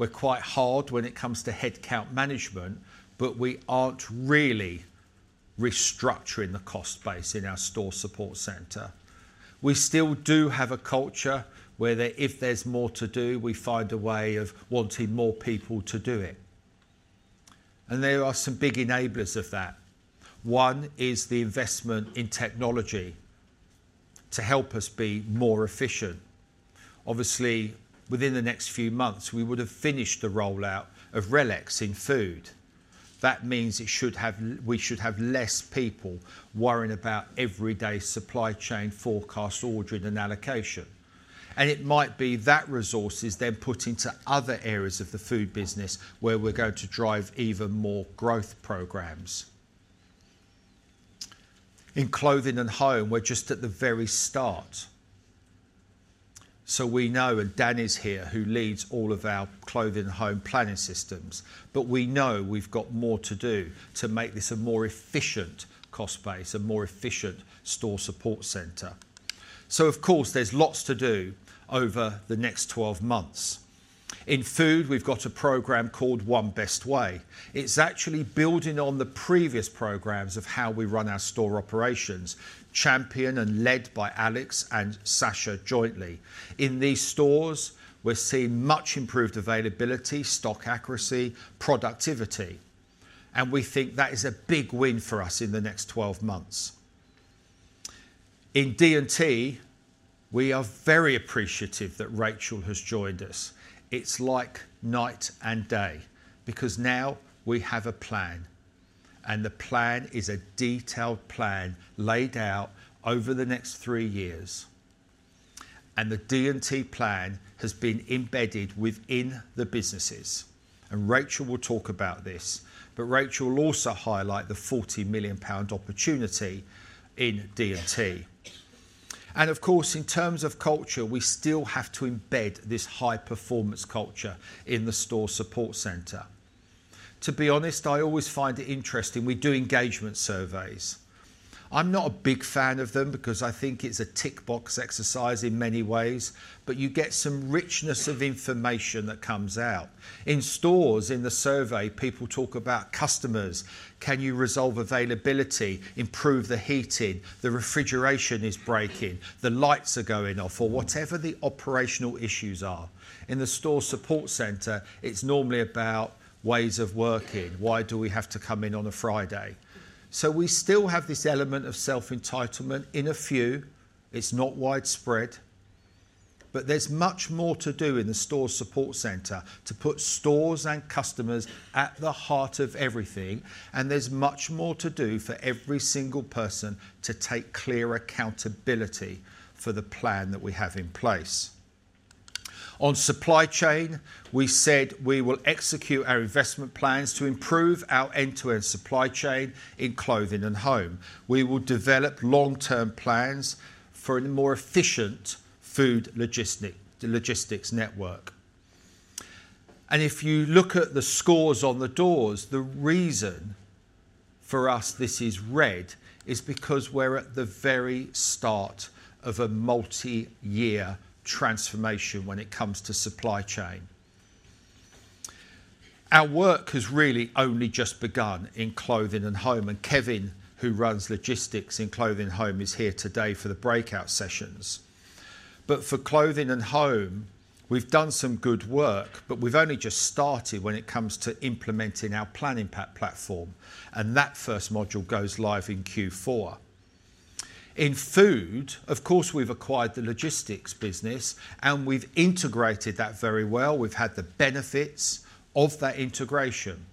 we're quite hard when it comes to headcount management, but we aren't really restructuring the cost base in our Store Support Centre. We still do have a culture where if there's more to do, we find a way of wanting more people to do it. And there are some big enablers of that. One is the investment in technology to help us be more efficient. Obviously, within the next few months, we would have finished the rollout of RELEX in food. That means we should have less people worrying about everyday supply chain forecasts, ordering, and allocation. And it might be that resource is then put into other areas of the food business where we're going to drive even more growth programs. In Clothing & Home, we're just at the very start. So we know, and Dan is here who leads all of our Clothing & Home planning systems, but we know we've got more to do to make this a more efficient cost base and more efficient Store Support Centre. Of course, there's lots to do over the next 12 months. In Food, we've got a program called One Best Way. It's actually building on the previous programs of how we run our store operations, championed and led by Alex and Sacha jointly. In these stores, we're seeing much improved availability, stock accuracy, productivity. And we think that is a big win for us in the next 12 months. In D&T, we are very appreciative that Rachel has joined us. It's like night and day because now we have a plan. And the plan is a detailed plan laid out over the next three years. And the D&T plan has been embedded within the businesses. And Rachel will talk about this, but Rachel will also highlight the 40 million pound opportunity in D&T. Of course, in terms of culture, we still have to embed this high-performance culture in the Store Support Centre. To be honest, I always find it interesting. We do engagement surveys. I'm not a big fan of them because I think it's a tick-box exercise in many ways, but you get some richness of information that comes out. In stores, in the survey, people talk about customers, can you resolve availability, improve the heating, the refrigeration is breaking, the lights are going off, or whatever the operational issues are. In the Store Support Centre, it's normally about ways of working. Why do we have to come in on a Friday? We still have this element of self-entitlement in a few. It's not widespread, but there's much more to do in the Store Support Centre to put stores and customers at the heart of everything. And there's much more to do for every single person to take clear accountability for the plan that we have in place. On supply chain, we said we will execute our investment plans to improve our end-to-end supply chain in Clothing & Home. We will develop long-term plans for a more efficient food logistics network. And if you look at the scores on the doors, the reason for us this is red is because we're at the very start of a multi-year transformation when it comes to supply chain. Our work has really only just begun in Clothing & Home, and Kevin, who runs logistics in Clothing & Home, is here today for the breakout sessions. But for Clothing & Home, we've done some good work, but we've only just started when it comes to implementing our planning platform, and that first module goes live in Q4. In food, of course, we've acquired the logistics business, and we've integrated that very well. We've had the benefits of that integration,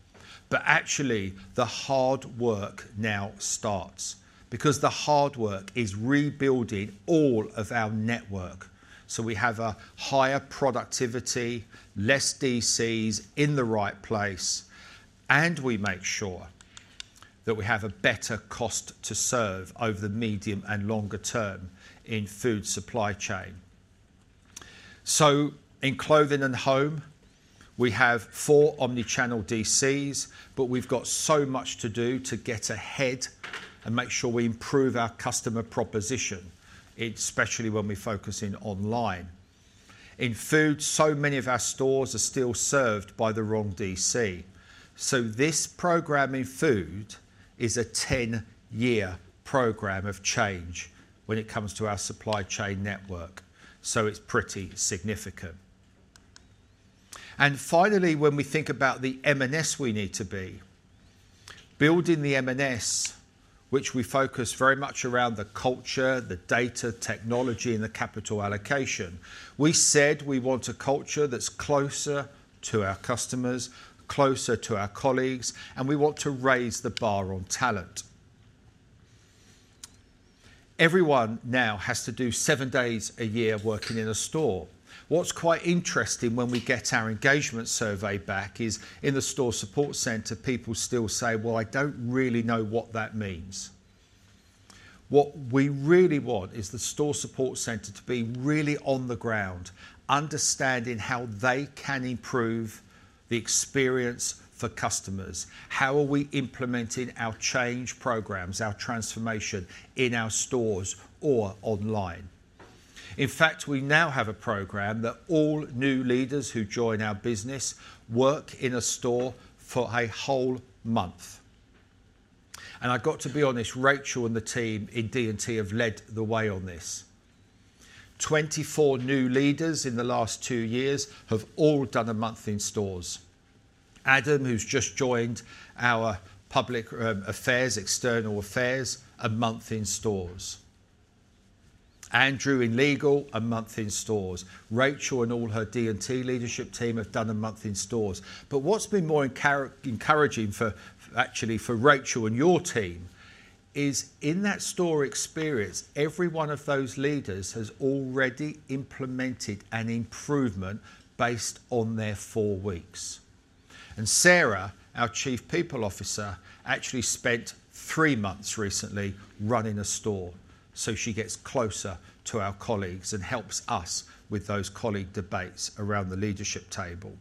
but actually, the hard work now starts because the hard work is rebuilding all of our network. So we have a higher productivity, less DCs in the right place, and we make sure that we have a better cost to serve over the medium and longer term in food supply chain. So in Clothing & Home, we have four omnichannel DCs, but we've got so much to do to get ahead and make sure we improve our customer proposition, especially when we're focusing online. In Food, so many of our stores are still served by the wrong DC. So this program in food is a 10-year program of change when it comes to our supply chain network. So it's pretty significant. Finally, when we think about the M&S we need to be, building the M&S, which we focus very much around the culture, the data, technology, and the capital allocation, we said we want a culture that's closer to our customers, closer to our colleagues, and we want to raise the bar on talent. Everyone now has to do seven days a year working in a store. What's quite interesting when we get our engagement survey back is in the Store Support Centre, people still say, "Well, I don't really know what that means." What we really want is the Store Support Centre to be really on the ground, understanding how they can improve the experience for customers. How are we implementing our change programs, our transformation in our stores or online? In fact, we now have a program that all new leaders who join our business work in a store for a whole month. And I've got to be honest, Rachel and the team in D&T have led the way on this. 24 new leaders in the last two years have all done a month in stores. Adam, who's just joined our public affairs, external affairs, a month in stores. Andrew in legal, a month in stores. Rachel and all her D&T leadership team have done a month in stores. But what's been more encouraging actually for Rachel and your team is in that store experience, every one of those leaders has already implemented an improvement based on their four weeks. And Sarah, our Chief People Officer, actually spent three months recently running a store. She gets closer to our colleagues and helps us with those colleague debates around the leadership table.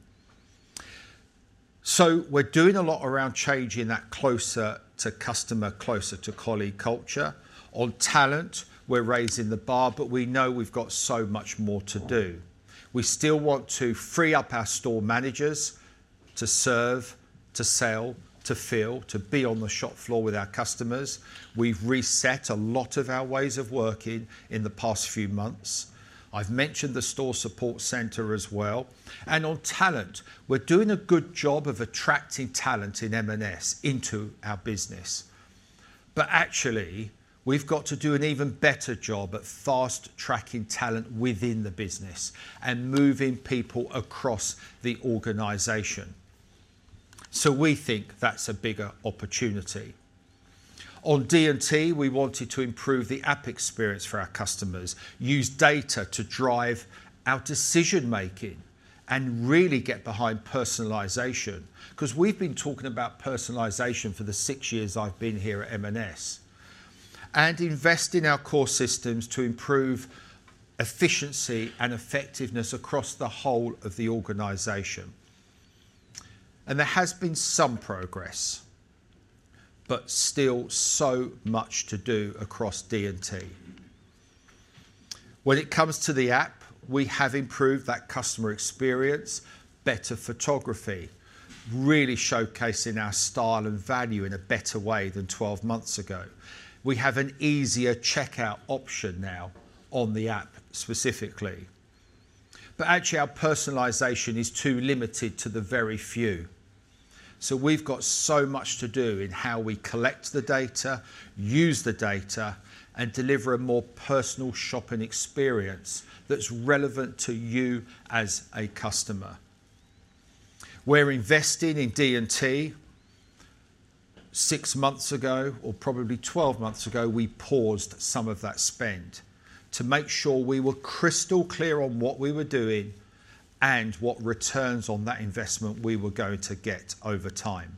We're doing a lot around changing that closer to customer, closer to colleague culture. On talent, we're raising the bar, but we know we've got so much more to do. We still want to free up our store managers to serve, to sell, to feel, to be on the shop floor with our customers. We've reset a lot of our ways of working in the past few months. I've mentioned the Store Support Centre as well. On talent, we're doing a good job of attracting talent in M&S into our business. Actually, we've got to do an even better job at fast-tracking talent within the business and moving people across the organization. We think that's a bigger opportunity. On D&T, we wanted to improve the app experience for our customers, use data to drive our decision-making, and really get behind personalization because we've been talking about personalization for the six years I've been here at M&S and invest in our core systems to improve efficiency and effectiveness across the whole of the organization. And there has been some progress, but still so much to do across D&T. When it comes to the app, we have improved that customer experience, better photography, really showcasing our style and value in a better way than 12 months ago. We have an easier checkout option now on the app specifically. But actually, our personalization is too limited to the very few. So we've got so much to do in how we collect the data, use the data, and deliver a more personal shopping experience that's relevant to you as a customer. We're investing in D&T. Six months ago, or probably 12 months ago, we paused some of that spend to make sure we were crystal clear on what we were doing and what returns on that investment we were going to get over time.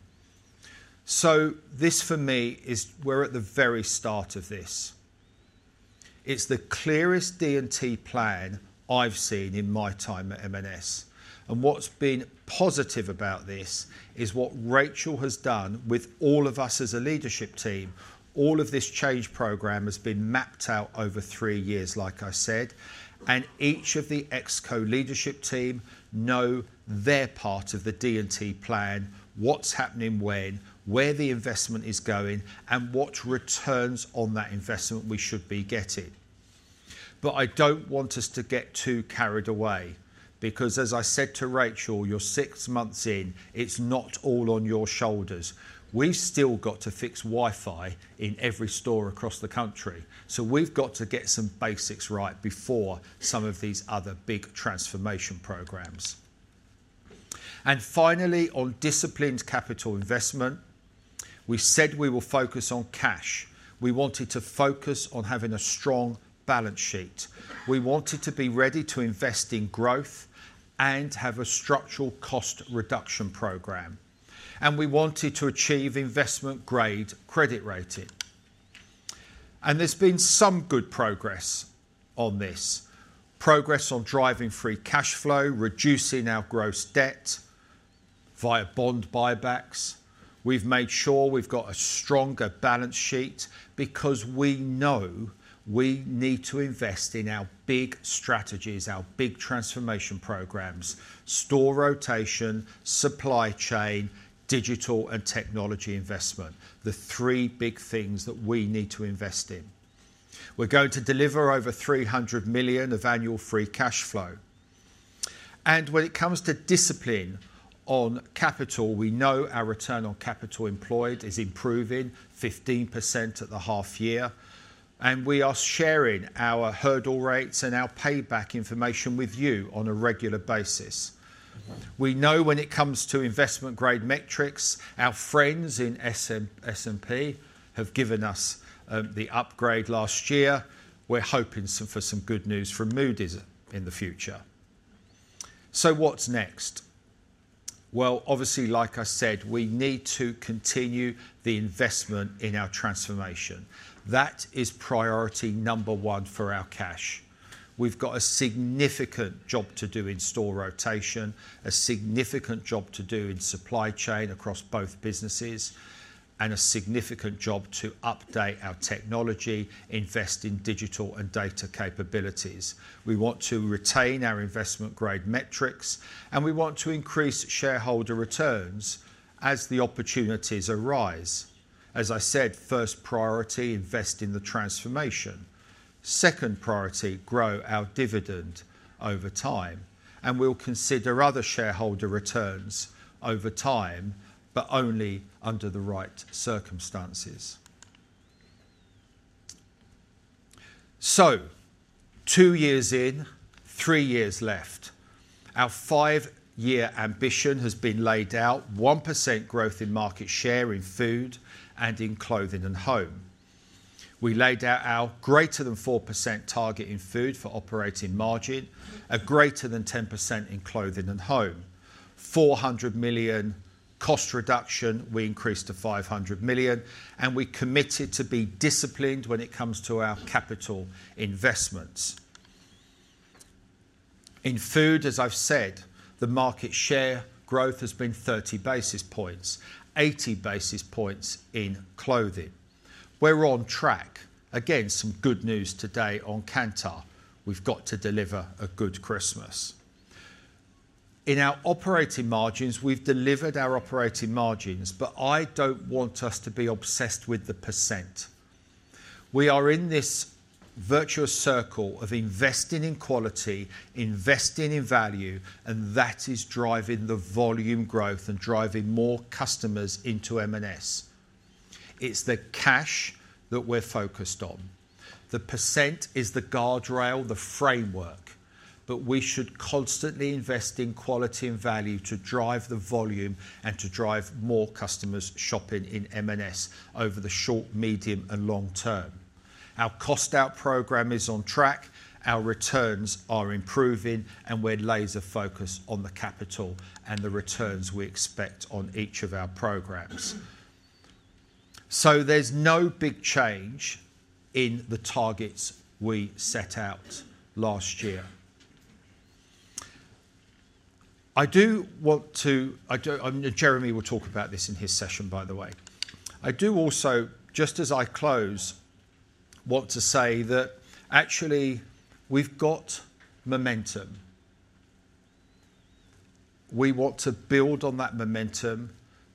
So this, for me, is we're at the very start of this. It's the clearest D&T plan I've seen in my time at M&S. And what's been positive about this is what Rachel has done with all of us as a leadership team. All of this change program has been mapped out over three years, like I said, and each of the ExCo leadership team know their part of the D&T plan, what's happening when, where the investment is going, and what returns on that investment we should be getting. But I don't want us to get too carried away because, as I said to Rachel, you're six months in. It's not all on your shoulders. We've still got to fix Wi-Fi in every store across the country. So we've got to get some basics right before some of these other big transformation programs. And finally, on disciplined capital investment, we said we will focus on cash. We wanted to focus on having a strong balance sheet. We wanted to be ready to invest in growth and have a structural cost reduction program. And we wanted to achieve investment-grade credit rating. And there's been some good progress on this, progress on driving free cash flow, reducing our gross debt via bond buybacks. We've made sure we've got a stronger balance sheet because we know we need to invest in our big strategies, our big transformation programs, store rotation, supply chain, digital, and technology investment, the three big things that we need to invest in. We're going to deliver over 300 million of annual free cash flow. And when it comes to discipline on capital, we know our return on capital employed is improving 15% at the half year. And we are sharing our hurdle rates and our payback information with you on a regular basis. We know when it comes to investment-grade metrics, our friends in S&P have given us the upgrade last year. We're hoping for some good news from Moody's in the future. So what's next? Well, obviously, like I said, we need to continue the investment in our transformation. That is priority number one for our cash. We've got a significant job to do in store rotation, a significant job to do in supply chain across both businesses, and a significant job to update our technology, invest in digital and data capabilities. We want to retain our investment-grade metrics, and we want to increase shareholder returns as the opportunities arise. As I said, first priority, invest in the transformation. Second priority, grow our dividend over time. And we'll consider other shareholder returns over time, but only under the right circumstances. So two years in, three years left. Our five-year ambition has been laid out: 1% growth in market share in food and in Clothing & Home. We laid out our greater than 4% target in food for operating margin, a greater than 10% in Clothing & Home. 400 million cost reduction, we increased to 500 million, and we committed to be disciplined when it comes to our capital investments. In Food, as I've said, the market share growth has been 30 basis points, 80 basis points in clothing. We're on track. Again, some good news today on Kantar. We've got to deliver a good Christmas. In our operating margins, we've delivered our operating margins, but I don't want us to be obsessed with the percent. We are in this virtuous circle of investing in quality, investing in value, and that is driving the volume growth and driving more customers into M&S. It's the cash that we're focused on. The percent is the guardrail, the framework, but we should constantly invest in quality and value to drive the volume and to drive more customers shopping in M&S over the short, medium, and long term. Our cost-out program is on track. Our returns are improving, and we're laser-focused on the capital and the returns we expect on each of our programs. So there's no big change in the targets we set out last year. I do want to. Jeremy will talk about this in his session, by the way. I do also, just as I close, want to say that actually we've got momentum. We want to build on that momentum,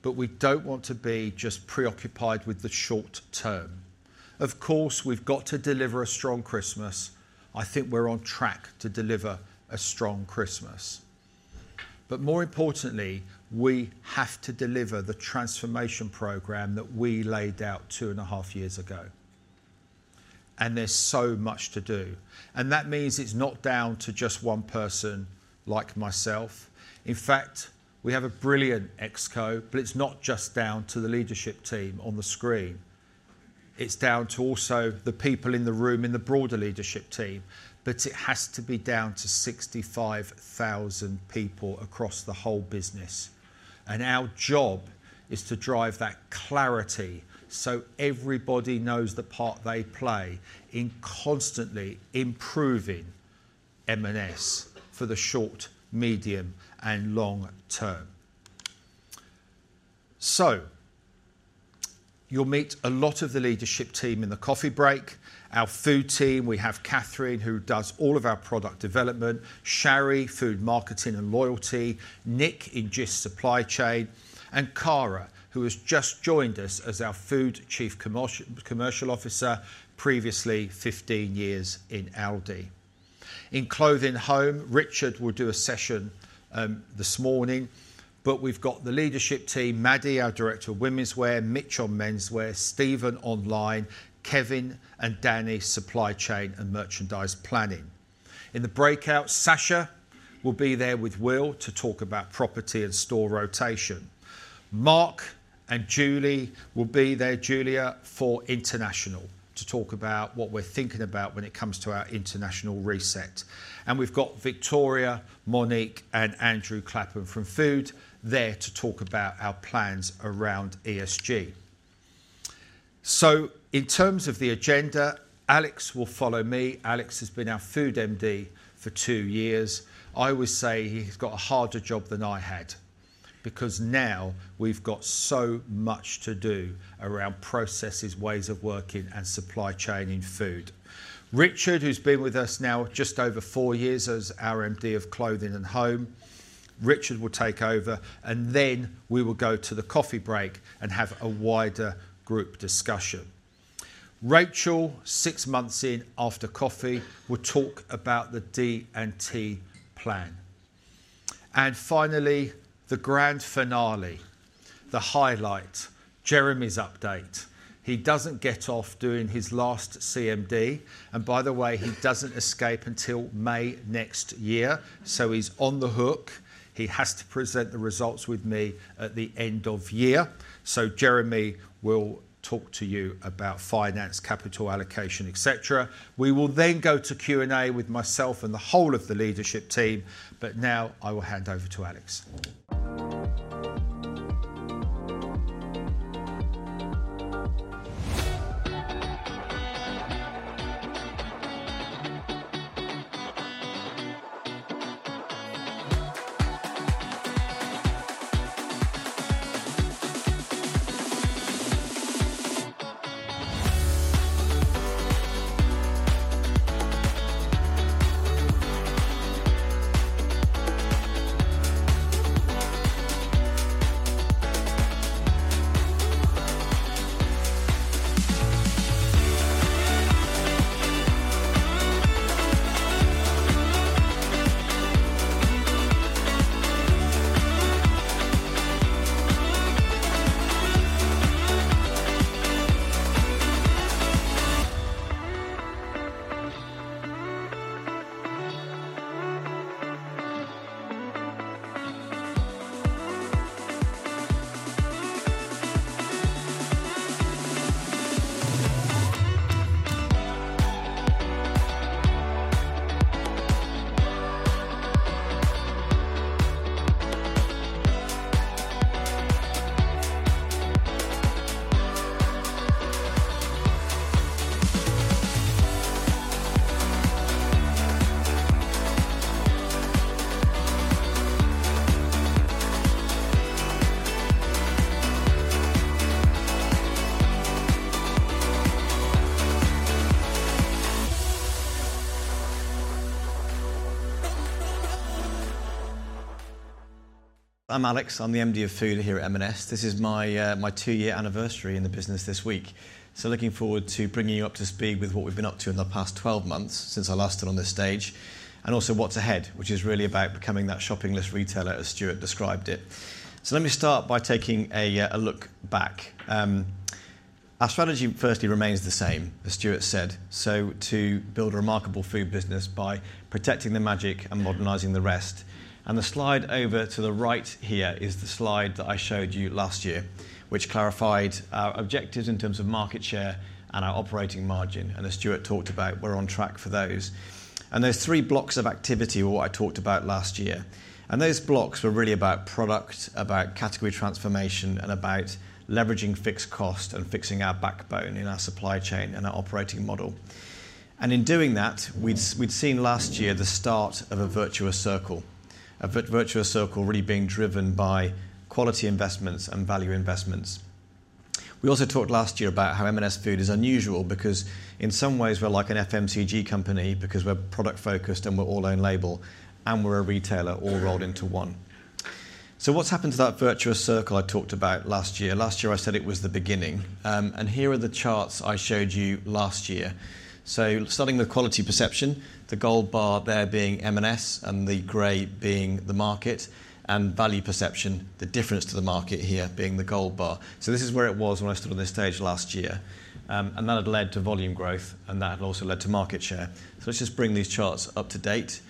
but we don't want to be just preoccupied with the short term. Of course, we've got to deliver a strong Christmas. I think we're on track to deliver a strong Christmas. But more importantly, we have to deliver the transformation program that we laid out two and a half years ago. And there's so much to do. And that means it's not down to just one person like myself. In fact, we have a brilliant ExCo, but it's not just down to the leadership team on the screen. It's down to also the people in the room in the broader leadership team, but it has to be down to 65,000 people across the whole business, and our job is to drive that clarity so everybody knows the part they play in constantly improving M&S for the short, medium, and long term, so you'll meet a lot of the leadership team in the coffee break. Our food team, we have Catherine, who does all of our product development, Sharry, food marketing and loyalty, Nick in Gist supply chain, and Kara, who has just joined us as our Food Chief Commercial Officer, previously 15 years in Aldi. In Clothing & Home, Richard will do a session this morning, but we've got the leadership team, Maddy, our director of Womenswear, Mitch on Menswear, Stephen online, Kevin and Danny, supply chain and merchandise planning. In the breakout, Sacha will be there with Will to talk about property and store rotation. Mark and Julie will be there for International to talk about what we're thinking about when it comes to our International reset, and we've got Victoria, Monique, and Andrew Clappen from food there to talk about our plans around ESG. In terms of the agenda, Alex will follow me. Alex has been our Food MD for two years. I would say he's got a harder job than I had because now we've got so much to do around processes, ways of working, and supply chain in food. Richard, who's been with us now just over four years as our MD of Clothing & Home, Richard will take over, and then we will go to the coffee break and have a wider group discussion. Rachel, six months in after coffee, will talk about the D&T plan. And finally, the grand finale, the highlight, Jeremy's update. He doesn't get off doing his last CMD, and by the way, he doesn't escape until May next year. So he's on the hook. He has to present the results with me at the end of year. So Jeremy will talk to you about finance, capital allocation, etc. We will then go to Q&A with myself and the whole of the leadership team, but now I will hand over to Alex. I'm Alex. I'm the MD of food here at M&S. This is my two-year anniversary in the business this week. So looking forward to bringing you up to speed with what we've been up to in the past 12 months since I last stood on this stage, and also what's ahead, which is really about becoming that shopping list retailer as Stuart described it. So let me start by taking a look back. Our strategy firstly remains the same, as Stuart said, so to build a remarkable food business by protecting the magic and modernizing the rest. And the slide over to the right here is the slide that I showed you last year, which clarified our objectives in terms of market share and our operating margin. And as Stuart talked about, we're on track for those. And there's three blocks of activity or what I talked about last year. And those blocks were really about product, about category transformation, and about leveraging fixed cost and fixing our backbone in our supply chain and our operating model. And in doing that, we'd seen last year the start of a virtuous circle, a virtuous circle really being driven by quality investments and value investments. We also talked last year about how M&S Food is unusual because in some ways we're like an FMCG company because we're product-focused and we're own label, and we're a retailer all rolled into one. So what's happened to that virtuous circle I talked about last year? Last year, I said it was the beginning. And here are the charts I showed you last year. So starting with quality perception, the gold bar there being M&S and the gray being the market, and value perception, the difference to the market here being the gold bar. This is where it was when I stood on this stage last year. That had led to volume growth, and that had also led to market share. Let's just bring these charts up to date.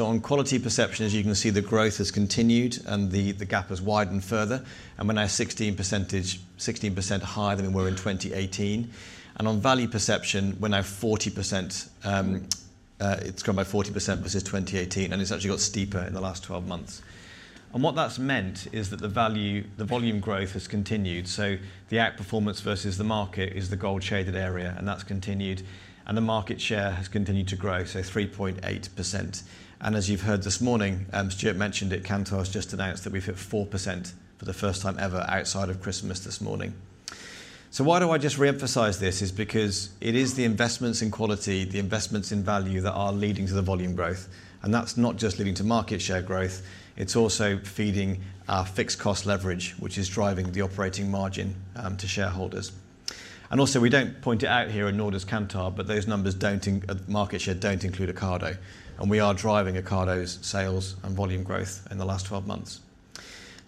On quality perception, as you can see, the growth has continued and the gap has widened further. We're now 16% higher than we were in 2018. On value perception, we're now 40%. It's grown by 40% versus 2018, and it's actually got steeper in the last 12 months. What that's meant is that the volume growth has continued. The outperformance versus the market is the gold-shaded area, and that's continued. The market share has continued to grow, so 3.8%. As you've heard this morning, Stuart mentioned it. Kantar has just announced that we've hit 4% for the first time ever outside of Christmas this morning. So why do I just reemphasize this? It's because it is the investments in quality, the investments in value that are leading to the volume growth. And that's not just leading to market share growth. It's also feeding our fixed cost leverage, which is driving the operating margin to shareholders. And also, we don't point it out here in order as Kantar, but those numbers don't include Ocado. And we are driving Ocado's sales and volume growth in the last 12 months.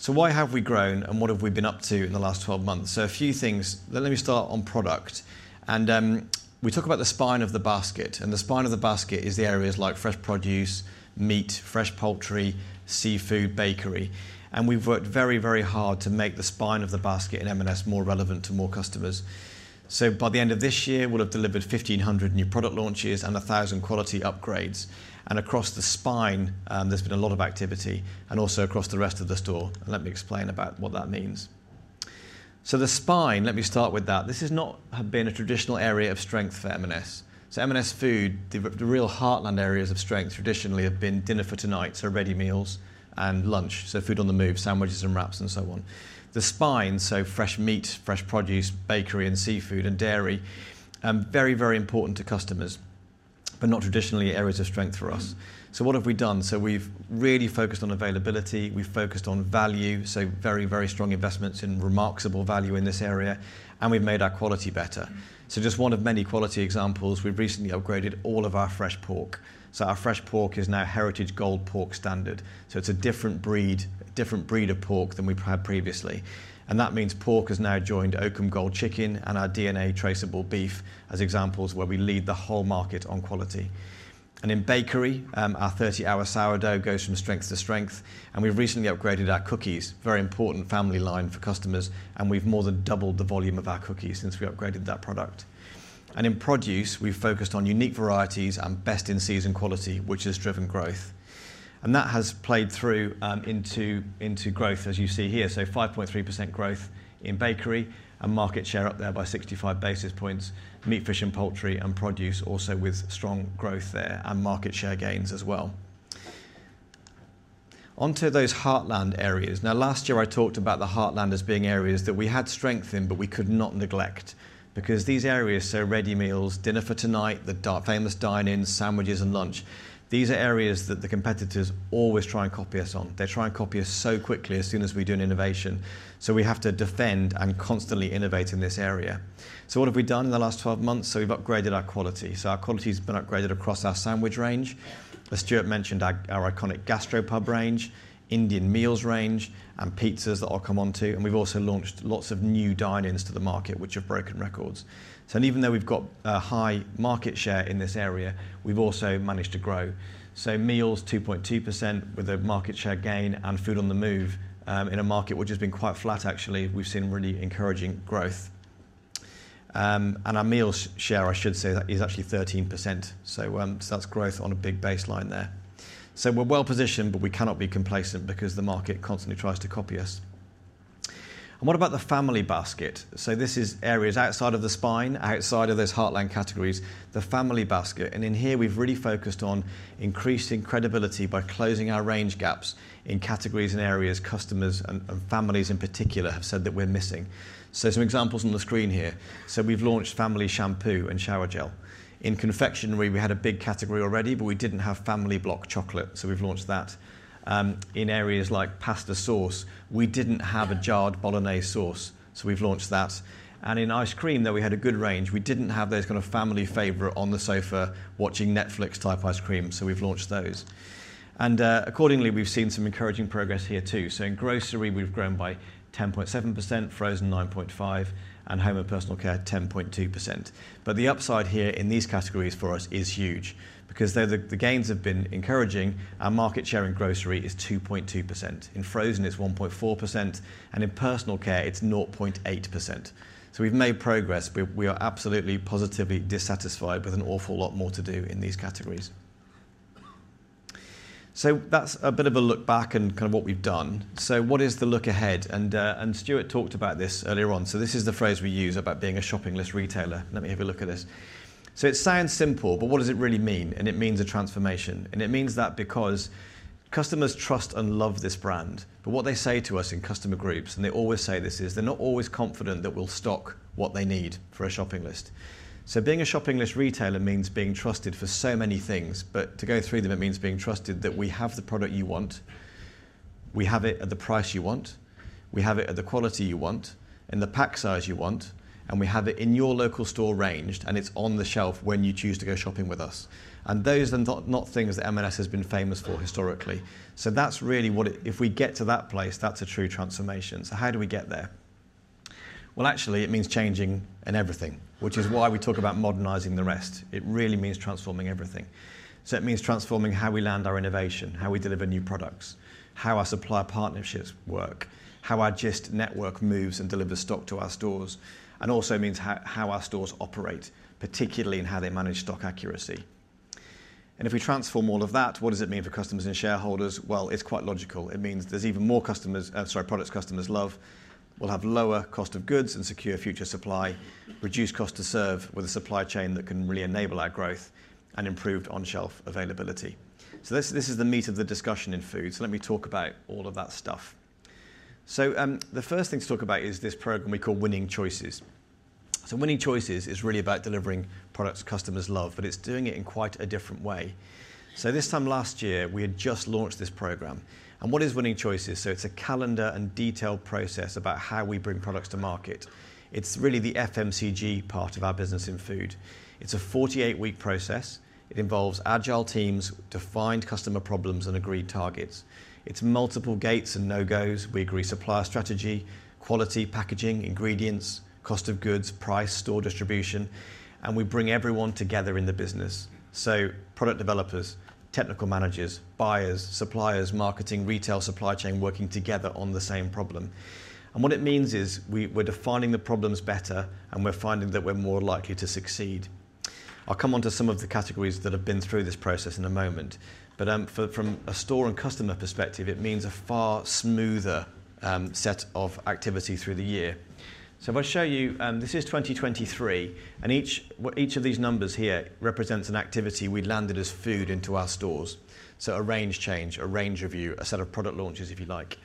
So why have we grown and what have we been up to in the last 12 months? So a few things. Let me start on product. And we talk about the spine of the basket. And the spine of the basket is the areas like fresh produce, meat, fresh poultry, seafood, bakery. We've worked very, very hard to make the spine of the basket in M&S more relevant to more customers. So by the end of this year, we'll have delivered 1,500 new product launches and 1,000 quality upgrades. And across the spine, there's been a lot of activity and also across the rest of the store. And let me explain about what that means. So the spine, let me start with that. This has not been a traditional area of strength for M&S. So M&S Food, the real heartland areas of strength traditionally have been dinner for tonight, so ready meals, and lunch, so food on the move, sandwiches and wraps, and so on. The spine, so fresh meat, fresh produce, bakery and seafood, and dairy, very, very important to customers, but not traditionally areas of strength for us. So what have we done? So we've really focused on availability. We've focused on value, so very, very strong investments in remarkable value in this area. And we've made our quality better. So just one of many quality examples, we've recently upgraded all of our fresh pork. So our fresh pork is now Heritage Gold pork standard. So it's a different breed of pork than we've had previously. And that means pork has now joined Oakham Gold Chicken and our DNA traceable beef as examples where we lead the whole market on quality. And in bakery, our 30-hour sourdough goes from strength to strength. And we've recently upgraded our cookies, very important family line for customers. And we've more than doubled the volume of our cookies since we upgraded that product. And in produce, we've focused on unique varieties and best-in-season quality, which has driven growth. And that has played through into growth, as you see here. So 5.3% growth in bakery and market share up there by 65 basis points, meat, fish, and poultry, and produce also with strong growth there and market share gains as well. Onto those heartland areas. Now, last year, I talked about the heartland as being areas that we had strength in, but we could not neglect because these areas are ready meals, dinner for tonight, the famous Dine-Ins, sandwiches, and lunch. These are areas that the competitors always try and copy us on. They try and copy us so quickly as soon as we do an innovation. So we have to defend and constantly innovate in this area. So what have we done in the last 12 months? So we've upgraded our quality. So our quality has been upgraded across our sandwich range. As Stuart mentioned, our iconic gastropub range, Indian meals range, and pizzas that I'll come on to. And we've also launched lots of new Dine-Ins to the market, which have broken records. So even though we've got a high market share in this area, we've also managed to grow. So meals, 2.2% with a market share gain and food on the move in a market which has been quite flat, actually. We've seen really encouraging growth. And our meals share, I should say, is actually 13%. So that's growth on a big baseline there. So we're well positioned, but we cannot be complacent because the market constantly tries to copy us. And what about the family basket? So this is areas outside of the spine, outside of those heartland categories, the family basket. And in here, we've really focused on increasing credibility by closing our range gaps in categories and areas customers and families in particular have said that we're missing. So some examples on the screen here. So we've launched family shampoo and shower gel. In confectionery, we had a big category already, but we didn't have family block chocolate. So we've launched that. In areas like pasta sauce, we didn't have a jarred Bolognese sauce. So we've launched that. And in ice cream, though, we had a good range. We didn't have those kind of family favorite on the sofa watching Netflix type ice cream. So we've launched those. And accordingly, we've seen some encouraging progress here too. So in grocery, we've grown by 10.7%, frozen 9.5%, and home and personal care 10.2%. But the upside here in these categories for us is huge because the gains have been encouraging. Our market share in grocery is 2.2%. In frozen, it's 1.4%. And in personal care, it's 0.8%. So we've made progress. We are absolutely positively dissatisfied with an awful lot more to do in these categories. So that's a bit of a look back and kind of what we've done. So what is the look ahead? And Stuart talked about this earlier on. So this is the phrase we use about being a shopping list retailer. Let me have a look at this. So it sounds simple, but what does it really mean? And it means a transformation. And it means that because customers trust and love this brand, but what they say to us in customer groups, and they always say this: they're not always confident that we'll stock what they need for a shopping list. Being a shopping list retailer means being trusted for so many things. But to go through them, it means being trusted that we have the product you want. We have it at the price you want. We have it at the quality you want and the pack size you want. And we have it in your local store ranged, and it's on the shelf when you choose to go shopping with us. And those are not things that M&S has been famous for historically. That's really what if we get to that place, that's a true transformation. How do we get there? Well, actually, it means changing everything, which is why we talk about modernizing the rest. It really means transforming everything. So it means transforming how we land our innovation, how we deliver new products, how our supplier partnerships work, how our Gist network moves and delivers stock to our stores, and also means how our stores operate, particularly in how they manage stock accuracy. And if we transform all of that, what does it mean for customers and shareholders? Well, it's quite logical. It means there's even more products customers love. We'll have lower cost of goods and secure future supply, reduced cost to serve with a supply chain that can really enable our growth and improved on-shelf availability. So this is the meat of the discussion in food. So let me talk about all of that stuff. So the first thing to talk about is this program we call Winning Choices. Winning Choices is really about delivering products customers love, but it's doing it in quite a different way. This time last year, we had just launched this program. What is Winning Choices? It's a calendar and detailed process about how we bring products to market. It's really the FMCG part of our business in food. It's a 48-week process. It involves agile teams to find customer problems and agreed targets. It's multiple gates and no-goes. We agree supplier strategy, quality, packaging, ingredients, cost of goods, price, store distribution. We bring everyone together in the business. Product developers, technical managers, buyers, suppliers, marketing, retail, supply chain working together on the same problem. What it means is we're defining the problems better, and we're finding that we're more likely to succeed. I'll come on to some of the categories that have been through this process in a moment. But from a store and customer perspective, it means a far smoother set of activity through the year. So if I show you, this is 2023, and each of these numbers here represents an activity we landed as food into our stores. So a range change, a range review, a set of product launches if you like.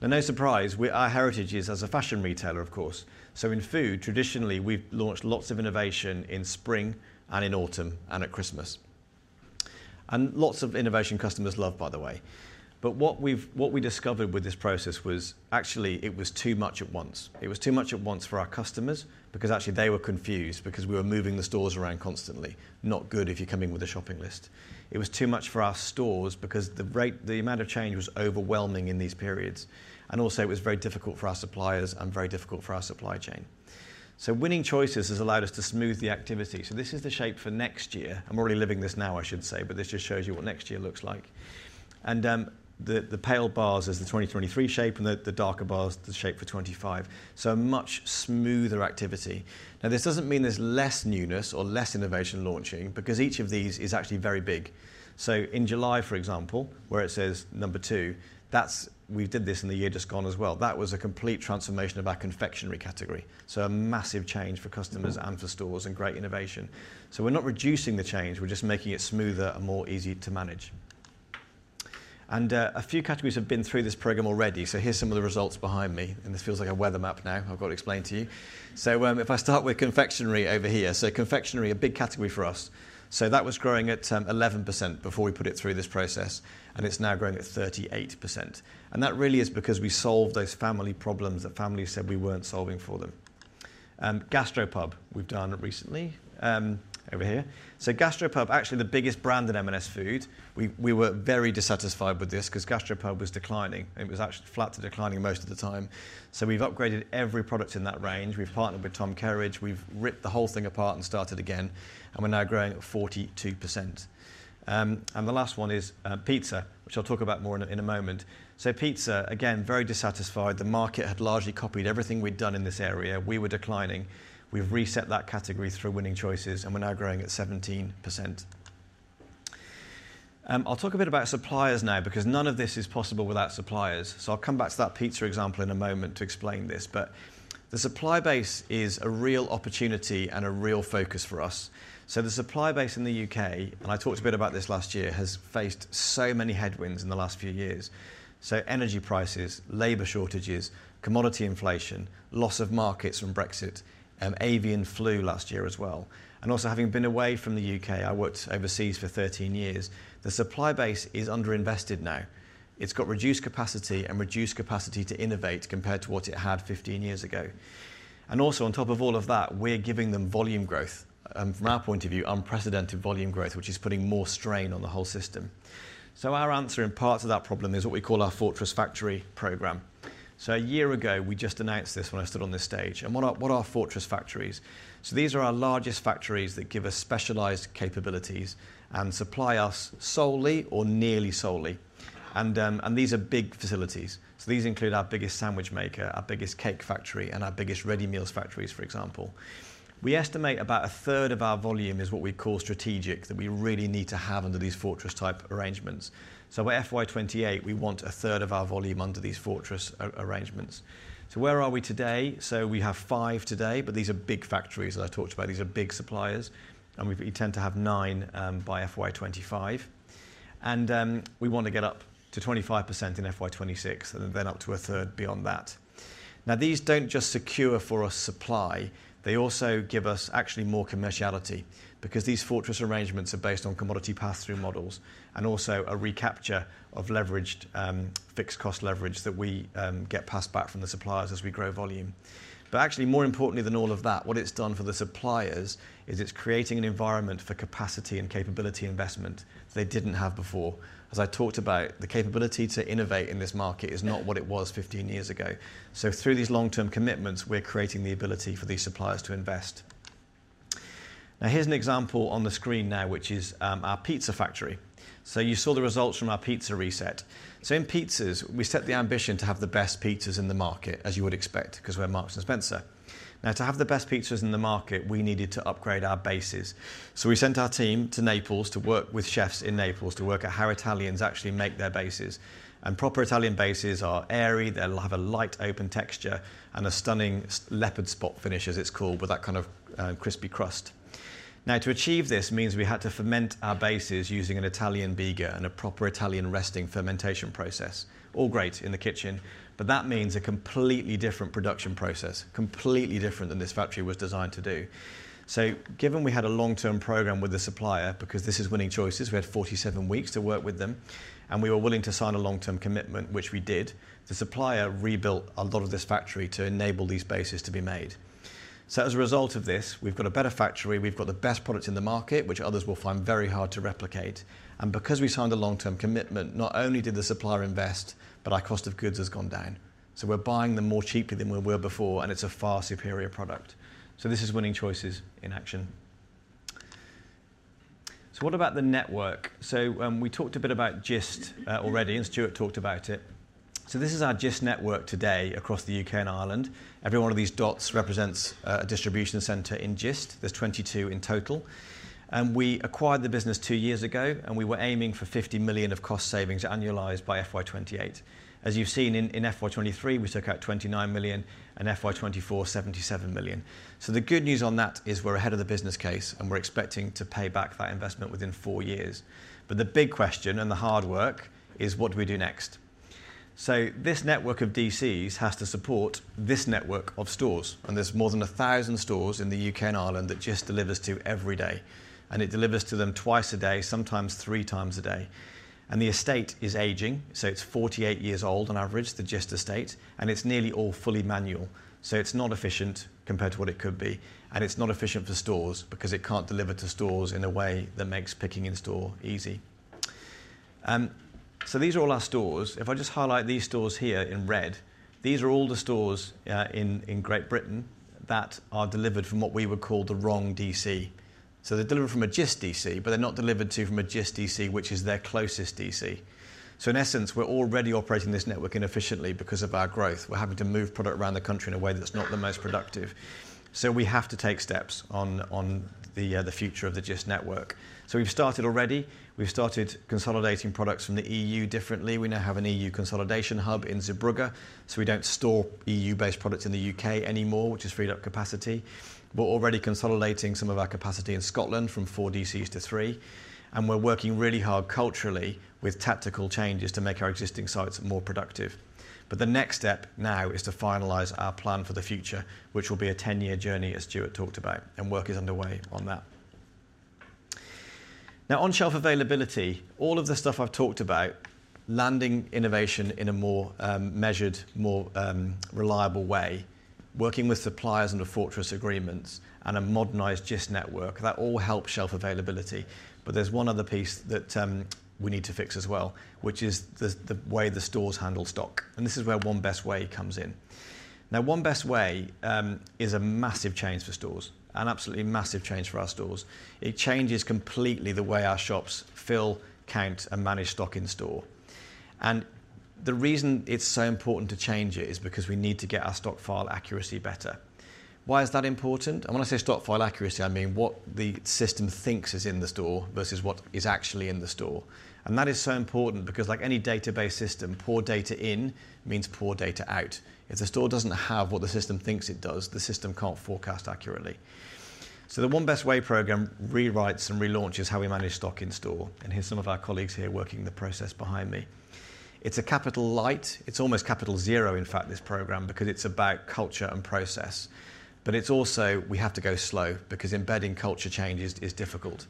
And no surprise, our heritage is as a fashion retailer, of course. So in food, traditionally, we've launched lots of innovation in spring and in autumn and at Christmas. And lots of innovation customers love, by the way. But what we discovered with this process was actually it was too much at once. It was too much at once for our customers because actually they were confused because we were moving the stores around constantly. Not good if you're coming with a shopping list. It was too much for our stores because the amount of change was overwhelming in these periods, and also it was very difficult for our suppliers and very difficult for our supply chain, so Winning Choices has allowed us to smooth the activity, so this is the shape for next year. I'm already living this now, I should say, but this just shows you what next year looks like, and the pale bars is the 2023 shape, and the darker bars the shape for 2025, so a much smoother activity. Now, this doesn't mean there's less newness or less innovation launching because each of these is actually very big, so in July, for example, where it says number two, we did this in the year just gone as well. That was a complete transformation of our confectionery category. So a massive change for customers and for stores and great innovation. So we're not reducing the change. We're just making it smoother and more easy to manage. And a few categories have been through this program already. So here's some of the results behind me. And this feels like a weather map now. I've got to explain to you. So if I start with confectionery over here, so confectionery, a big category for us. So that was growing at 11% before we put it through this process. And it's now growing at 38%. And that really is because we solved those family problems that families said we weren't solving for them. Gastropub, we've done recently over here. So Gastropub, actually the biggest brand in M&S Food. We were very dissatisfied with this because Gastropub was declining. It was actually flat to declining most of the time. So we've upgraded every product in that range. We've partnered with Tom Kerridge. We've ripped the whole thing apart and started again. And we're now growing at 42%. And the last one is pizza, which I'll talk about more in a moment. So pizza, again, very dissatisfied. The market had largely copied everything we'd done in this area. We were declining. We've reset that category through Winning Choices, and we're now growing at 17%. I'll talk a bit about suppliers now because none of this is possible without suppliers. So I'll come back to that pizza example in a moment to explain this. But the supply base is a real opportunity and a real focus for us. So the supply base in the U.K., and I talked a bit about this last year, has faced so many headwinds in the last few years. So, energy prices, labor shortages, commodity inflation, loss of markets from Brexit, avian flu last year as well. And also, having been away from the U.K., I worked overseas for 13 years. The supply base is underinvested now. It's got reduced capacity and reduced capacity to innovate compared to what it had 15 years ago. And also, on top of all of that, we're giving them volume growth, from our point of view, unprecedented volume growth, which is putting more strain on the whole system. So, our answer in part to that problem is what we call our Fortress Factory program. So, a year ago, we just announced this when I stood on this stage. And what are Fortress Factories? So, these are our largest factories that give us specialized capabilities and supply us solely or nearly solely. And these are big facilities. These include our biggest sandwich maker, our biggest cake factory, and our biggest ready meals factories, for example. We estimate about a third of our volume is what we call strategic that we really need to have under these Fortress-type arrangements. By FY 2028, we want a third of our volume under these Fortress arrangements. Where are we today? We have five today, but these are big factories that I talked about. These are big suppliers. We tend to have nine by FY 2025. We want to get up to 25% in FY 2026 and then up to a third beyond that. Now, these don't just secure for us supply. They also give us actually more commerciality because these Fortress arrangements are based on commodity pass-through models and also a recapture of fixed cost leverage that we get passed back from the suppliers as we grow volume. But actually, more importantly than all of that, what it's done for the suppliers is it's creating an environment for capacity and capability investment that they didn't have before. As I talked about, the capability to innovate in this market is not what it was 15 years ago. So through these long-term commitments, we're creating the ability for these suppliers to invest. Now, here's an example on the screen now, which is our pizza factory. So you saw the results from our pizza reset. So in pizzas, we set the ambition to have the best pizzas in the market, as you would expect, because we're Marks & Spencer. Now, to have the best pizzas in the market, we needed to upgrade our bases. So we sent our team to Naples to work with chefs in Naples to work out how Italians actually make their bases. Proper Italian bases are airy. They'll have a light open texture and a stunning leopard spot finish, as it's called, with that kind of crispy crust. Now, to achieve this means we had to ferment our bases using an Italian biga and a proper Italian resting fermentation process. All great in the kitchen, but that means a completely different production process, completely different than this factory was designed to do. So given we had a long-term program with the supplier because this is Winning Choices, we had 47 weeks to work with them, and we were willing to sign a long-term commitment, which we did. The supplier rebuilt a lot of this factory to enable these bases to be made. So as a result of this, we've got a better factory. We've got the best products in the market, which others will find very hard to replicate. And because we signed a long-term commitment, not only did the supplier invest, but our cost of goods has gone down. So we're buying them more cheaply than we were before, and it's a far superior product. So this is Winning Choices in action. So what about the network? So we talked a bit about Gist already, and Stuart talked about it. So this is our Gist network today across the U.K. and Ireland. Every one of these dots represents a distribution center in Gist. There's 22 in total. And we acquired the business two years ago, and we were aiming for 50 million of cost savings annualized by FY 2028. As you've seen in FY 2023, we took out 29 million and FY 2024, 77 million. So the good news on that is we're ahead of the business case, and we're expecting to pay back that investment within four years. But the big question and the hard work is, what do we do next? So this network of DCs has to support this network of stores. And there's more than 1,000 stores in the U.K. and Ireland that Gist delivers to every day. And it delivers to them twice a day, sometimes three times a day. And the estate is aging. So it's 48 years old on average, the Gist estate. And it's nearly all fully manual. So it's not efficient compared to what it could be. And it's not efficient for stores because it can't deliver to stores in a way that makes picking in store easy. So these are all our stores. If I just highlight these stores here in red, these are all the stores in Great Britain that are delivered from what we would call the wrong DC. So they're delivered from a Gist DC, but they're not delivered to from a Gist DC, which is their closest DC. So in essence, we're already operating this network inefficiently because of our growth. We're having to move product around the country in a way that's not the most productive. So we have to take steps on the future of the Gist network. So we've started already. We've started consolidating products from the EU differently. We now have an EU consolidation hub in Zeebrugge. So we don't store EU-based products in the U.K. anymore, which has freed up capacity. We're already consolidating some of our capacity in Scotland from four DCs to three. And we're working really hard culturally with tactical changes to make our existing sites more productive. But the next step now is to finalize our plan for the future, which will be a 10-year journey, as Stuart talked about, and work is underway on that. Now, on shelf availability, all of the stuff I've talked about, landing innovation in a more measured, more reliable way, working with suppliers under fortress agreements and a modernized Gist network, that all helps shelf availability. But there's one other piece that we need to fix as well, which is the way the stores handle stock. And this is where One Best Way comes in. Now, One Best Way is a massive change for stores, an absolutely massive change for our stores. It changes completely the way our shops fill, count, and manage stock in store. And the reason it's so important to change it is because we need to get our stock file accuracy better. Why is that important? And when I say stock file accuracy, I mean what the system thinks is in the store versus what is actually in the store. And that is so important because, like any database system, poor data in means poor data out. If the store doesn't have what the system thinks it does, the system can't forecast accurately. So the One Best Way program rewrites and relaunches how we manage stock in store. And here's some of our colleagues here working the process behind me. It's a capital light. It's almost capital zero, in fact, this program, because it's about culture and process. But it's also we have to go slow because embedding culture changes is difficult.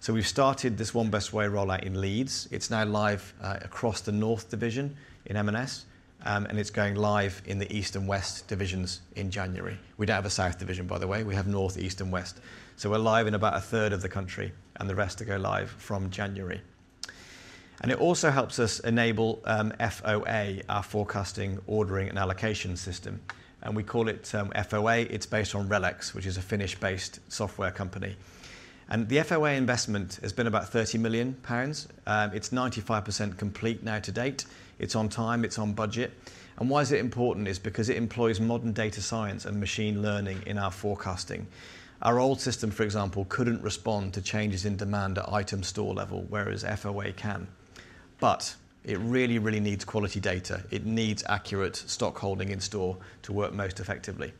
So we've started this One Best Way rollout in Leeds. It's now live across the north division in M&S, and it's going live in the east and west divisions in January. We don't have a south division, by the way. We have north, east, and west. So we're live in about a third of the country, and the rest to go live from January. And it also helps us enable FOA, our forecasting, ordering, and allocation system. And we call it FOA. It's based on RELEX, which is a Finnish-based software company. And the FOA investment has been about 30 million pounds. It's 95% complete now to date. It's on time. It's on budget. And why is it important? It's because it employs modern data science and machine learning in our forecasting. Our old system, for example, couldn't respond to changes in demand at item store level, whereas FOA can. But it really, really needs quality data. It needs accurate stock holding in store to work most effectively.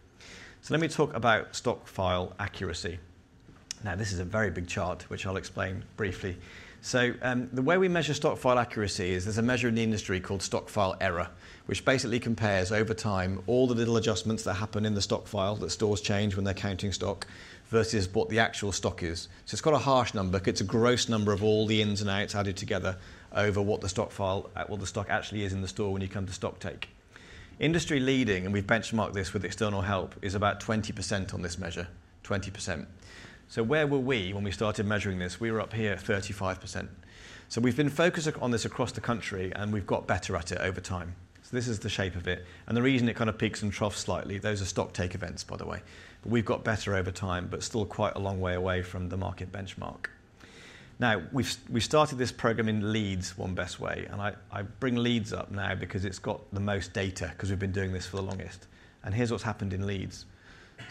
So let me talk about stock file accuracy. Now, this is a very big chart, which I'll explain briefly. So the way we measure stock file accuracy is there's a measure in the industry called stock file error, which basically compares over time all the little adjustments that happen in the stock file that stores change when they're counting stock versus what the actual stock is. So it's got a harsh number. It's a gross number of all the ins and outs added together over what the stock file, what the stock actually is in the store when you come to stock take. Industry leading, and we've benchmarked this with external help, is about 20% on this measure, 20%. So where were we when we started measuring this? We were up here at 35%. So we've been focused on this across the country, and we've got better at it over time. So this is the shape of it. The reason it kind of peaks and troughs slightly, those are stock take events, by the way. We've got better over time, but still quite a long way away from the market benchmark. Now, we started this program in Leeds, One Best Way. I bring Leeds up now because it's got the most data because we've been doing this for the longest. Here's what's happened in Leeds.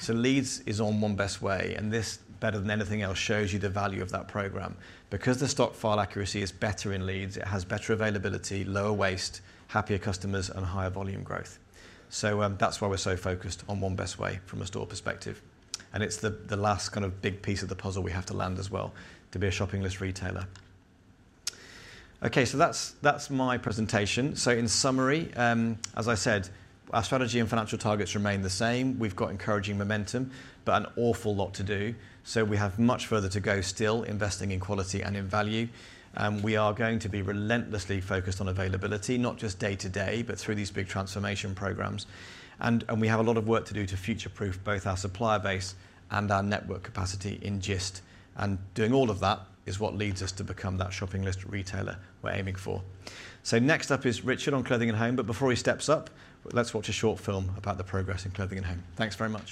Leeds is on One Best Way, and this, better than anything else, shows you the value of that program. Because the stock file accuracy is better in Leeds, it has better availability, lower waste, happier customers, and higher volume growth. That's why we're so focused on One Best Way from a store perspective. It's the last kind of big piece of the puzzle we have to land as well to be a shopping list retailer. Okay, so that's my presentation. So in summary, as I said, our strategy and financial targets remain the same. We've got encouraging momentum, but an awful lot to do. So we have much further to go still, investing in quality and in value. And we are going to be relentlessly focused on availability, not just day to day, but through these big transformation programs. And we have a lot of work to do to future-proof both our supplier base and our network capacity in Gist. And doing all of that is what leads us to become that shopping list retailer we're aiming for. So next up is Richard on Clothing and Home. But before he steps up, let's watch a short film about the progress in Clothing & Home. Thanks very much.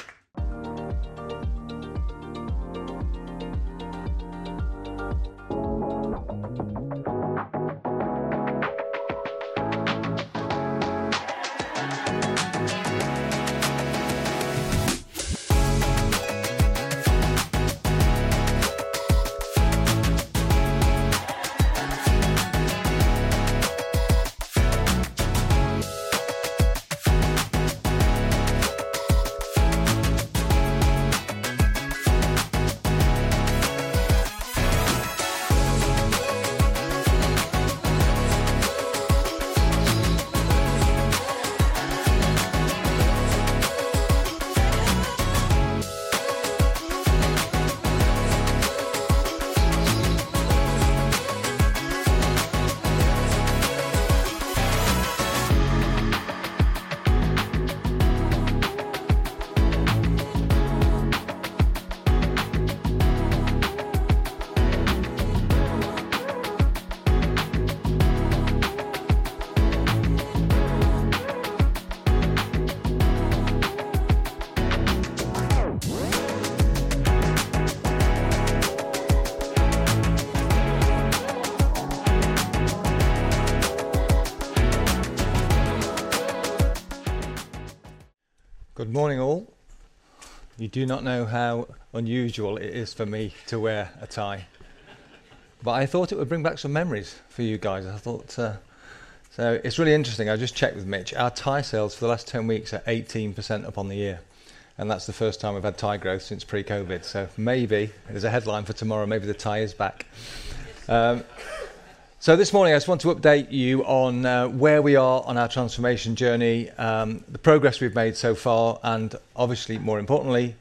Good morning, all. You do not know how unusual it is for me to wear a tie. I thought it would bring back some memories for you guys. I thought, so it's really interesting. I just checked with Mitch. Our tie sales for the last 10 weeks are 18% up on the year. That's the first time we've had tie growth since pre-COVID. Maybe there's a headline for tomorrow. Maybe the tie is back. This morning, I just want to update you on where we are on our transformation journey, the progress we've made so far, and obviously, more importantly,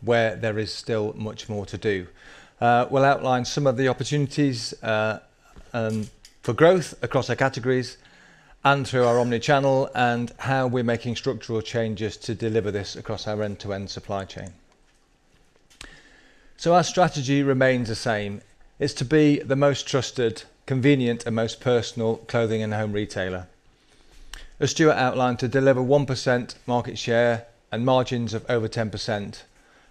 where there is still much more to do. We'll outline some of the opportunities for growth across our categories and through our omnichannel and how we're making structural changes to deliver this across our end-to-end supply chain. Our strategy remains the same. It's to be the most trusted, convenient, and most personal Clothing & Home retailer. As Stuart outlined, to deliver 1% market share and margins of over 10%.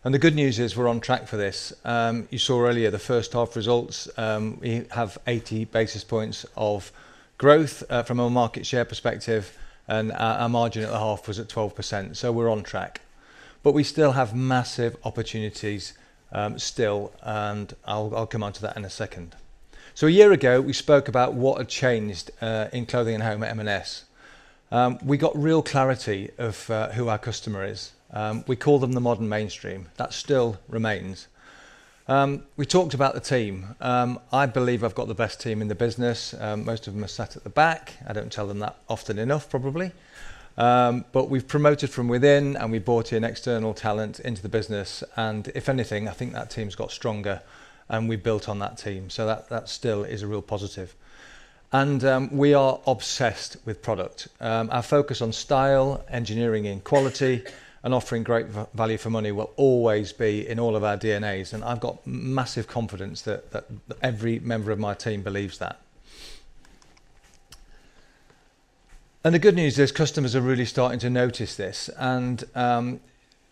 And the good news is we're on track for this. You saw earlier the first half results. We have 80 basis points of growth from a market share perspective, and our margin at the half was at 12%. So we're on track. But we still have massive opportunities still, and I'll come on to that in a second. So a year ago, we spoke about what had changed in Clothing & Home at M&S. We got real clarity of who our customer is. We call them the Modern Mainstream. That still remains. We talked about the team. I believe I've got the best team in the business. Most of them are sat at the back. I don't tell them that often enough, probably. But we've promoted from within, and we brought in external talent into the business. And if anything, I think that team's got stronger, and we've built on that team. So that still is a real positive. And we are obsessed with product. Our focus on style, engineering in quality, and offering great value for money will always be in all of our DNAs. And I've got massive confidence that every member of my team believes that. And the good news is customers are really starting to notice this. And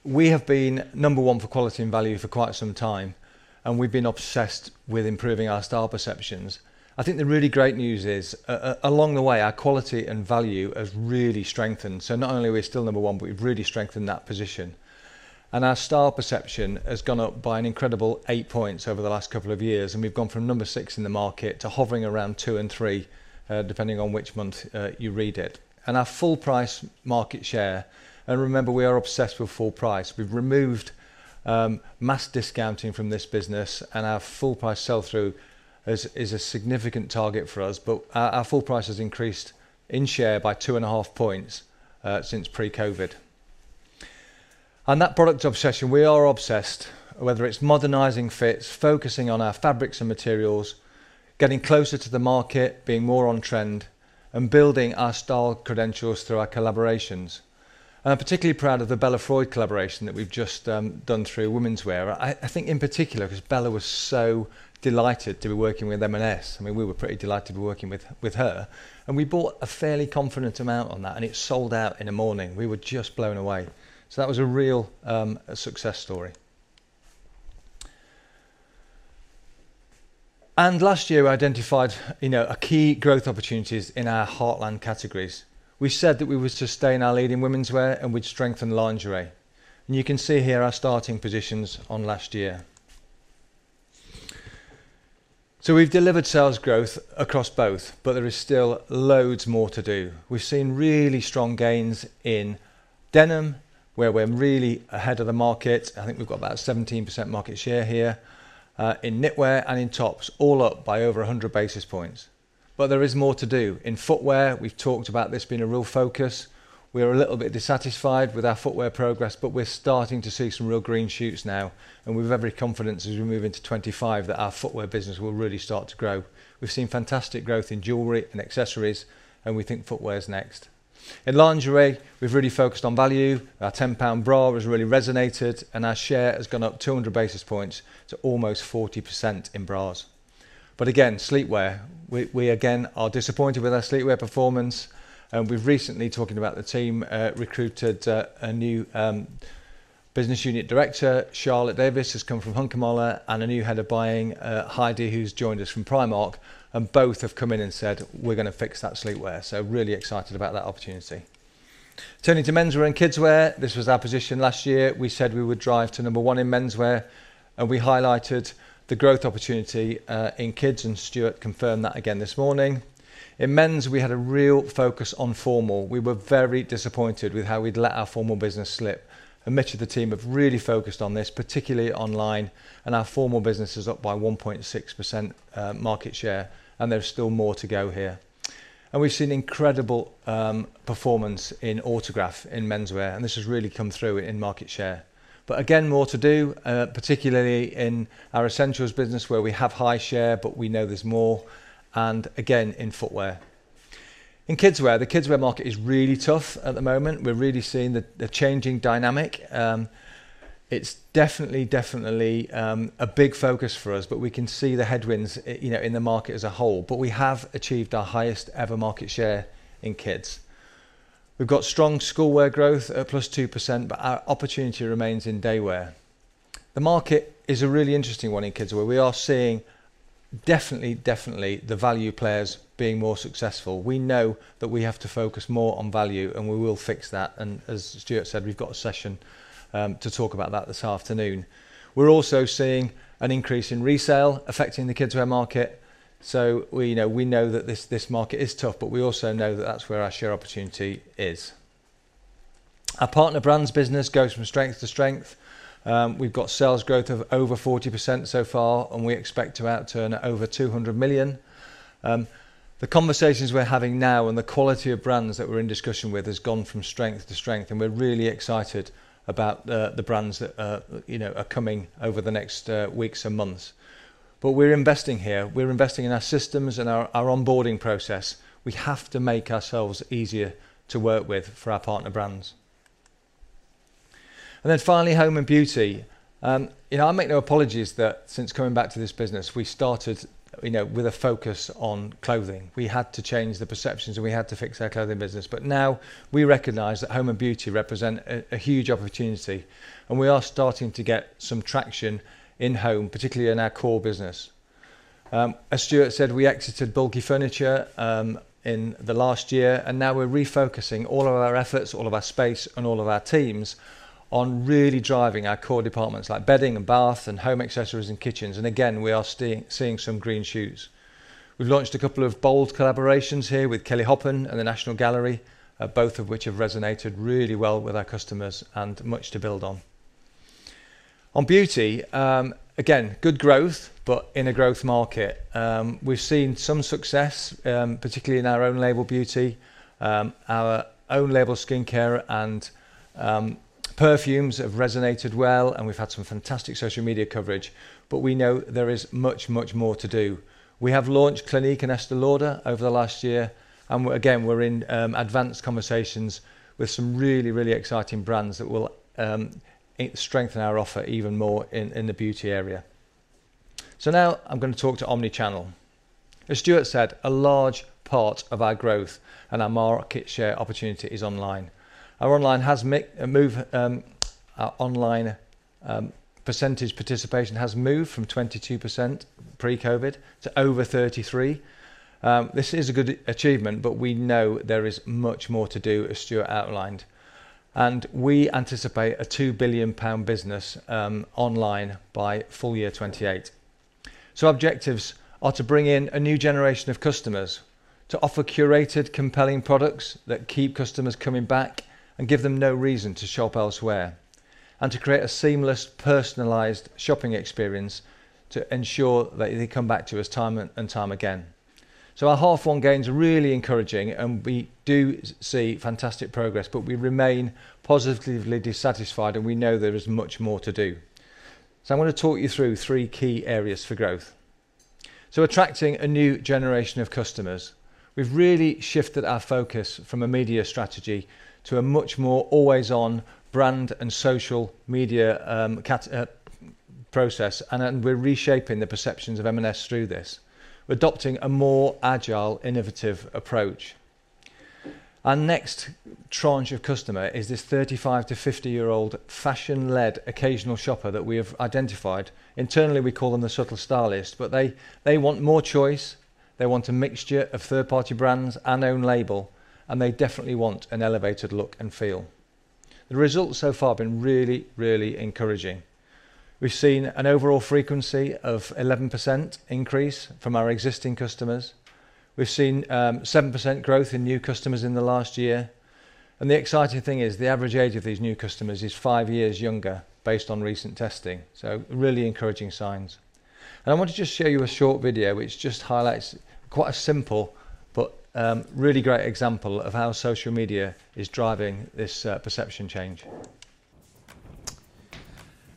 we have been number one for quality and value for quite some time, and we've been obsessed with improving our star perceptions. I think the really great news is along the way, our quality and value has really strengthened. So not only are we still number one, but we've really strengthened that position. And our star perception has gone up by an incredible eight points over the last couple of years. And we've gone from number six in the market to hovering around two and three, depending on which month you read it. And our full price market share and remember, we are obsessed with full price. We've removed mass discounting from this business, and our full price sell-through is a significant target for us. But our full price has increased in share by two and a half points since pre-COVID. And that product obsession, we are obsessed, whether it's modernizing fits, focusing on our fabrics and materials, getting closer to the market, being more on trend, and building our style credentials through our collaborations. And I'm particularly proud of the Bella Freud collaboration that we've just done through Womenswear. I think in particular because Bella was so delighted to be working with M&S. I mean, we were pretty delighted to be working with her. And we bought a fairly confident amount on that, and it sold out in a morning. We were just blown away. So that was a real success story. And last year, we identified key growth opportunities in our heartland categories. We said that we would sustain our leading Womenswear and would strengthen lingerie. And you can see here our starting positions on last year. So we've delivered sales growth across both, but there is still loads more to do. We've seen really strong gains in denim, where we're really ahead of the market. I think we've got about a 17% market share here in knitwear and in tops, all up by over 100 basis points. But there is more to do. In footwear, we've talked about this being a real focus. We are a little bit dissatisfied with our footwear progress, but we're starting to see some real green shoots now. And we have every confidence as we move into 2025 that our footwear business will really start to grow. We've seen fantastic growth in jewelry and accessories, and we think footwear is next. In lingerie, we've really focused on value. Our 10 pound bra has really resonated, and our share has gone up 200 basis points to almost 40% in bras. But again, sleepwear, we again are disappointed with our sleepwear performance. And we've recently, talking about the team, recruited a new business unit director, Charlotte Davies, who's come from Hunkemöller, and a new head of buying, Heidi, who's joined us from Primark. And both have come in and said, "We're going to fix that sleepwear." So really excited about that opportunity. Turning to Menswear and Kidswear, this was our position last year. We said we would drive to number one in Menswear, and we highlighted the growth opportunity in kids, and Stuart confirmed that again this morning. In men's, we had a real focus on formal. We were very disappointed with how we'd let our formal business slip, and Mitch and the team have really focused on this, particularly online. And our formal business is up by 1.6% market share, and there's still more to go here, and we've seen incredible performance in Autograph in Menswear, and this has really come through in market share. But again, more to do, particularly in our essentials business, where we have high share, but we know there's more, and again, in footwear. In Kidswear, the Kidswear market is really tough at the moment. We're really seeing the changing dynamic. It's definitely, definitely a big focus for us, but we can see the headwinds in the market as a whole, but we have achieved our highest ever market share in kids. We've got strong schoolwear growth at plus 2%, but our opportunity remains in daywear. The market is a really interesting one in Kidswear. We are seeing definitely, definitely the value players being more successful. We know that we have to focus more on value, and we will fix that, and as Stuart said, we've got a session to talk about that this afternoon. We're also seeing an increase in resale affecting the Kidswear market, so we know that this market is tough, but we also know that that's where our share opportunity is. Our partner brands business goes from strength to strength. We've got sales growth of over 40% so far, and we expect to outturn over 200 million. The conversations we're having now and the quality of brands that we're in discussion with has gone from strength to strength, and we're really excited about the brands that are coming over the next weeks and months. But we're investing here. We're investing in our systems and our onboarding process. We have to make ourselves easier to work with for our partner brands. And then finally, Home and Beauty. I make no apologies that since coming back to this business, we started with a focus on clothing. We had to change the perceptions, and we had to fix our clothing business. But now we recognize that Home and Beauty represent a huge opportunity, and we are starting to get some traction in home, particularly in our core business. As Stuart said, we exited bulky furniture in the last year, and now we're refocusing all of our efforts, all of our space, and all of our teams on really driving our core departments like bedding and bath and home accessories and kitchens. And again, we are seeing some green shoots. We've launched a couple of bold collaborations here with Kelly Hoppen and The National Gallery, both of which have resonated really well with our customers and much to build on. On beauty, again, good growth, but in a growth market. We've seen some success, particularly in our own label, Beauty. Our own label, skincare and perfumes, have resonated well, and we've had some fantastic social media coverage. But we know there is much, much more to do. We have launched Clinique and Estée Lauder over the last year. We're in advanced conversations with some really, really exciting brands that will strengthen our offer even more in the beauty area. Now I'm going to talk to omnichannel. As Stuart said, a large part of our growth and our market share opportunity is online. Our online has moved. Our online percentage participation has moved from 22% pre-COVID to over 33%. This is a good achievement, but we know there is much more to do, as Stuart outlined. We anticipate a 2 billion pound business online by full year 2028. Our objectives are to bring in a new generation of customers, to offer curated, compelling products that keep customers coming back and give them no reason to shop elsewhere, and to create a seamless, personalized shopping experience to ensure that they come back to us time and time again. Our half one gains are really encouraging, and we do see fantastic progress, but we remain positively dissatisfied, and we know there is much more to do. I'm going to talk you through three key areas for growth. Attracting a new generation of customers. We've really shifted our focus from a media strategy to a much more always-on brand and social media process, and we're reshaping the perceptions of M&S through this. We're adopting a more agile, innovative approach. Our next tranche of customer is this 35 to 50-year-old fashion-led occasional shopper that we have identified. Internally, we call them the Subtle Stylists, but they want more choice. They want a mixture of third-party brands and own label, and they definitely want an elevated look and feel. The results so far have been really, really encouraging. We've seen an overall frequency of 11% increase from our existing customers. We've seen 7% growth in new customers in the last year, and the exciting thing is the average age of these new customers is five years younger, based on recent testing. So really encouraging signs, and I want to just show you a short video which just highlights quite a simple but really great example of how social media is driving this perception change.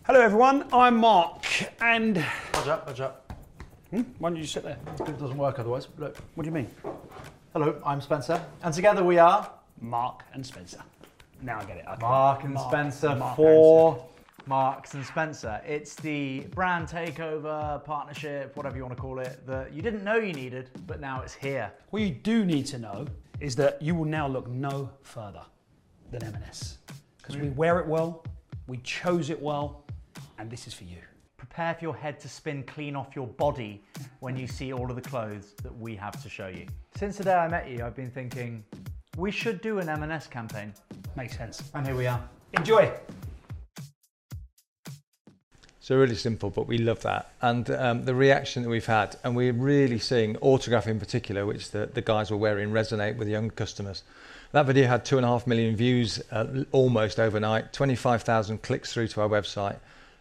Hello, everyone. I'm Mark. Hold up, hold up. Why don't you sit there? This bit doesn't work otherwise. What do you mean? Hello, I'm Spencer. And together we are. Mark and Spencer. Now I get it. Mark and Spencer. For Marks & Spencer. It's the brand takeover partnership, whatever you want to call it, that you didn't know you needed, but now it's here. What you do need to know is that you will now look no further than M&S. Because we wear it well, we chose it well, and this is for you. Prepare for your head to spin clean off your body when you see all of the clothes that we have to show you. Since the day I met you, I've been thinking, we should do an M&S campaign. Makes sense. And here we are. Enjoy. So really simple, but we love that. And the reaction that we've had, and we're really seeing Autograph in particular, which the guys were wearing, resonate with young customers. That video had 2.5 million views almost overnight, 25,000 clicks through to our website,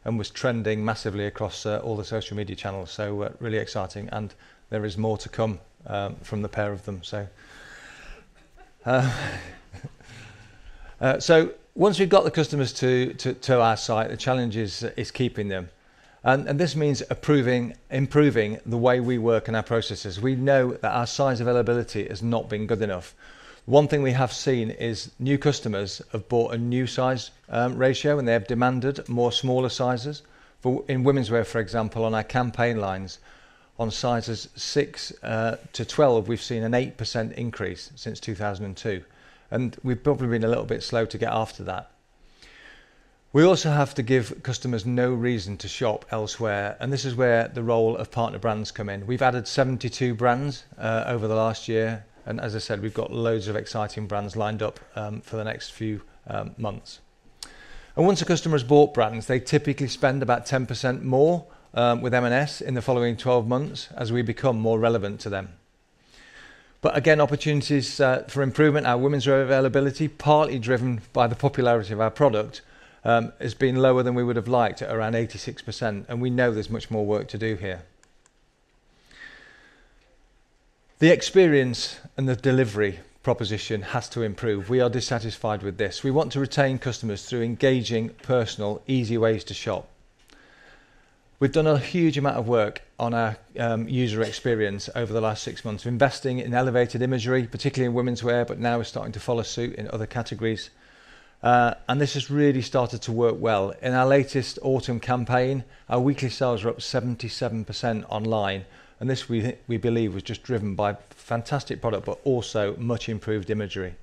and was trending massively across all the social media channels. So really exciting. And there is more to come from the pair of them. So once we've got the customers to our site, the challenge is keeping them. This means improving the way we work and our processes. We know that our size availability has not been good enough. One thing we have seen is new customers have bought a new size ratio, and they have demanded more smaller sizes. In Womenswear, for example, on our campaign lines, on sizes six to 12, we've seen an 8% increase since 2002. We've probably been a little bit slow to get after that. We also have to give customers no reason to shop elsewhere. This is where the role of partner brands come in. We've added 72 brands over the last year. As I said, we've got loads of exciting brands lined up for the next few months. Once a customer has bought brands, they typically spend about 10% more with M&S in the following 12 months as we become more relevant to them. But again, opportunities for improvement, our Womenswear availability, partly driven by the popularity of our product, has been lower than we would have liked, around 86%. And we know there's much more work to do here. The experience and the delivery proposition has to improve. We are dissatisfied with this. We want to retain customers through engaging, personal, easy ways to shop. We've done a huge amount of work on our user experience over the last six months, investing in elevated imagery, particularly in Womenswear, but now we're starting to follow suit in other categories. And this has really started to work well. In our latest autumn campaign, our weekly sales were up 77% online. And this, we believe, was just driven by fantastic product, but also much improved imagery.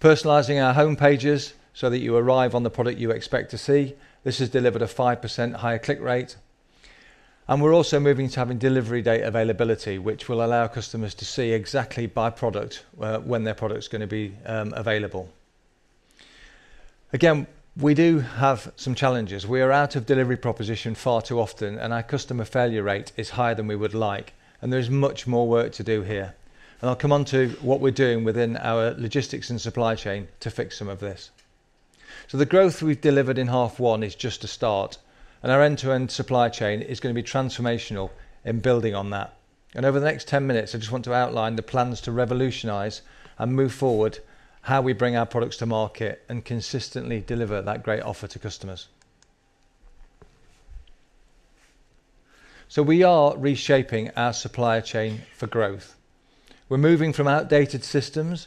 Personalizing our homepages so that you arrive on the product you expect to see, this has delivered a 5% higher click rate. And we're also moving to having delivery date availability, which will allow customers to see exactly by product when their product is going to be available. Again, we do have some challenges. We are out of delivery proposition far too often, and our customer failure rate is higher than we would like. And there is much more work to do here. And I'll come on to what we're doing within our logistics and supply chain to fix some of this. So the growth we've delivered in half one is just a start. And our end-to-end supply chain is going to be transformational in building on that. Over the next 10 minutes, I just want to outline the plans to revolutionize and move forward how we bring our products to market and consistently deliver that great offer to customers. We are reshaping our supply chain for growth. We're moving from outdated systems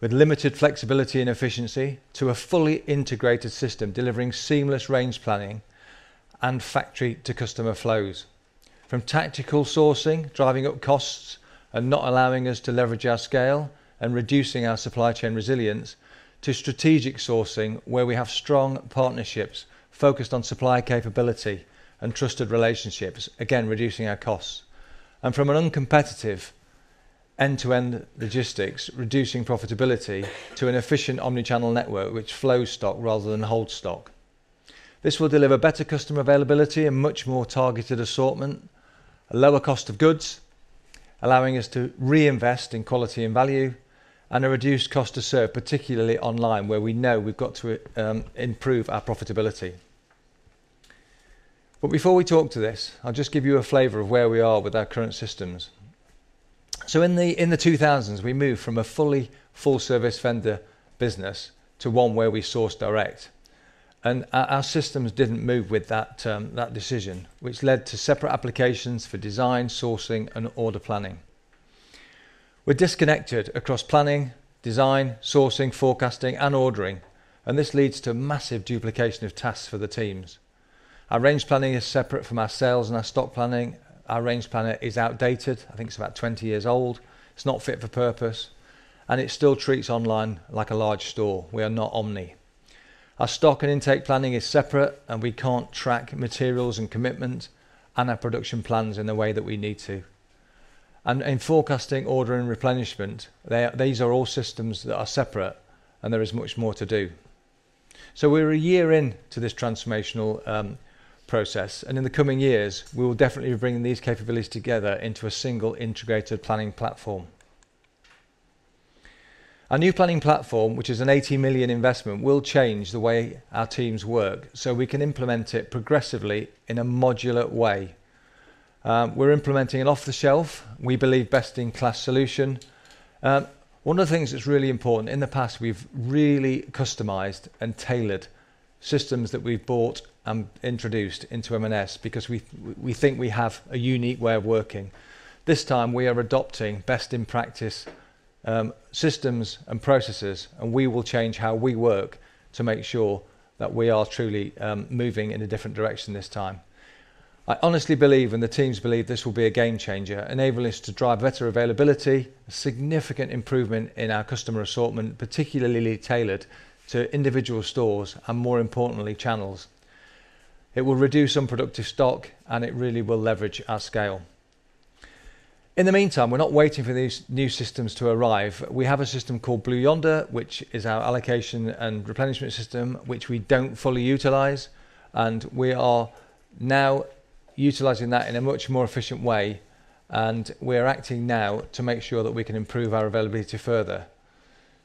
with limited flexibility and efficiency to a fully integrated system delivering seamless range planning and factory-to-customer flows. From tactical sourcing, driving up costs and not allowing us to leverage our scale and reducing our supply chain resilience, to strategic sourcing where we have strong partnerships focused on supply capability and trusted relationships, again, reducing our costs. From an uncompetitive end-to-end logistics, reducing profitability to an efficient omnichannel network which flows stock rather than holds stock. This will deliver better customer availability and much more targeted assortment, a lower cost of goods, allowing us to reinvest in quality and value, and a reduced cost to serve, particularly online where we know we've got to improve our profitability. But before we talk to this, I'll just give you a flavor of where we are with our current systems. So in the 2000s, we moved from a full-service vendor business to one where we source direct. And our systems didn't move with that decision, which led to separate applications for design, sourcing, and order planning. We're disconnected across planning, design, sourcing, forecasting, and ordering. And this leads to massive duplication of tasks for the teams. Our range planning is separate from our sales and our stock planning. Our range planner is outdated. I think it's about 20 years old. It's not fit for purpose. It still treats online like a large store. We are not omni. Our stock and intake planning is separate, and we can't track materials and commitment and our production plans in the way that we need to. In forecasting, ordering, replenishment, these are all systems that are separate, and there is much more to do. We're a year into this transformational process. In the coming years, we will definitely bring these capabilities together into a single integrated planning platform. Our new planning platform, which is a 80 million investment, will change the way our teams work so we can implement it progressively in a modular way. We're implementing an off-the-shelf, we believe, best-in-class solution. One of the things that's really important, in the past, we've really customized and tailored systems that we've bought and introduced into M&S because we think we have a unique way of working. This time, we are adopting best-in-practice systems and processes, and we will change how we work to make sure that we are truly moving in a different direction this time. I honestly believe, and the teams believe, this will be a game changer, enabling us to drive better availability, a significant improvement in our customer assortment, particularly tailored to individual stores and, more importantly, channels. It will reduce unproductive stock, and it really will leverage our scale. In the meantime, we're not waiting for these new systems to arrive. We have a system called Blue Yonder, which is our allocation and replenishment system, which we don't fully utilize. And we are now utilizing that in a much more efficient way. And we are acting now to make sure that we can improve our availability further.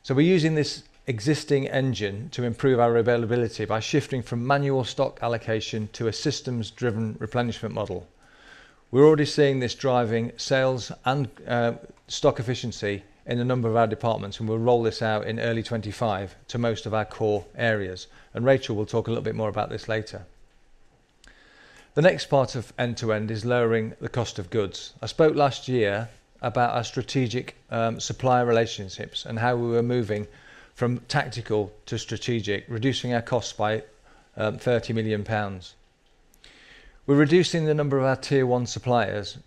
So we're using this existing engine to improve our availability by shifting from manual stock allocation to a systems-driven replenishment model. We're already seeing this driving sales and stock efficiency in a number of our departments, and we'll roll this out in early 2025 to most of our core areas. And Rachel will talk a little bit more about this later. The next part of end-to-end is lowering the cost of goods. I spoke last year about our strategic supplier relationships and how we were moving from tactical to strategic, reducing our costs by 30 million pounds. We're reducing the number of our tier one suppliers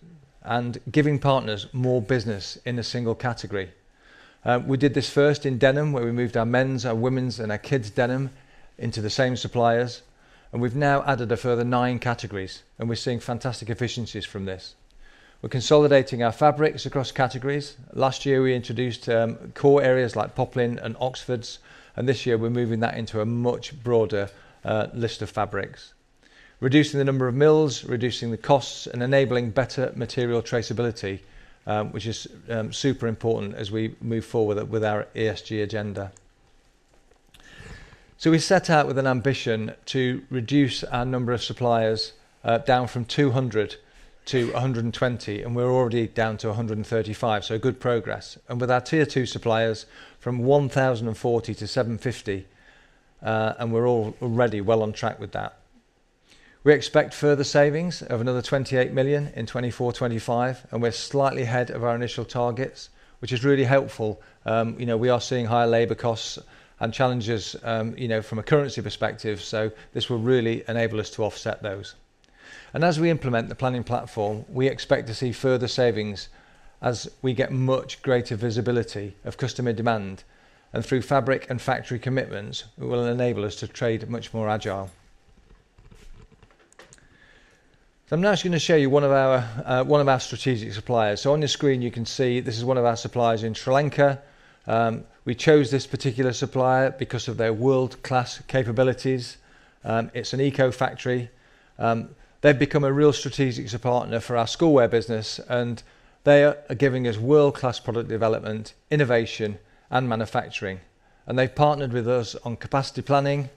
and giving partners more business in a single category. We did this first in denim, where we moved our men's, our women's, and our kids' denim into the same suppliers. And we've now added a further nine categories, and we're seeing fantastic efficiencies from this. We're consolidating our fabrics across categories. Last year, we introduced core areas like poplin and Oxfords. And this year, we're moving that into a much broader list of fabrics, reducing the number of mills, reducing the costs, and enabling better material traceability, which is super important as we move forward with our ESG agenda. So we set out with an ambition to reduce our number of suppliers down from 200 to 120, and we're already down to 135, so good progress. And with our tier two suppliers from 1,040 to 750, and we're already well on track with that. We expect further savings of another 28 million in 2024, 2025, and we're slightly ahead of our initial targets, which is really helpful. We are seeing higher labor costs and challenges from a currency perspective, so this will really enable us to offset those. And as we implement the planning platform, we expect to see further savings as we get much greater visibility of customer demand. And through fabric and factory commitments, it will enable us to trade much more agile. So I'm now just going to show you one of our strategic suppliers. So on your screen, you can see this is one of our suppliers in Sri Lanka. We chose this particular supplier because of their world-class capabilities. It's an eco factory. They've become a real strategic partner for our schoolwear business, and they are giving us world-class product development, innovation, and manufacturing. They've partnered with us on capacity planning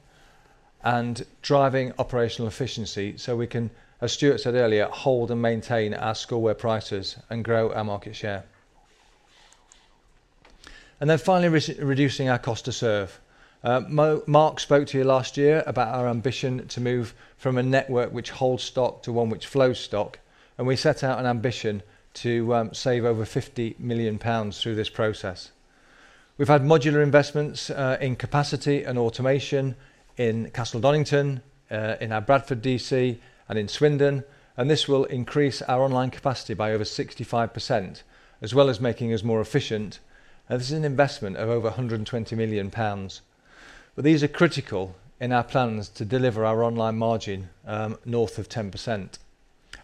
and driving operational efficiency so we can, as Stuart said earlier, hold and maintain our schoolwear prices and grow our market share. Then finally, reducing our cost to serve. Mark spoke to you last year about our ambition to move from a network which holds stock to one which flows stock. We set out an ambition to save over 50 million pounds through this process. We've had modular investments in capacity and automation in Castle Donington, in our Bradford DC, and in Swindon. This will increase our online capacity by over 65%, as well as making us more efficient. This is an investment of over 120 million pounds, but these are critical in our plans to deliver our online margin north of 10%.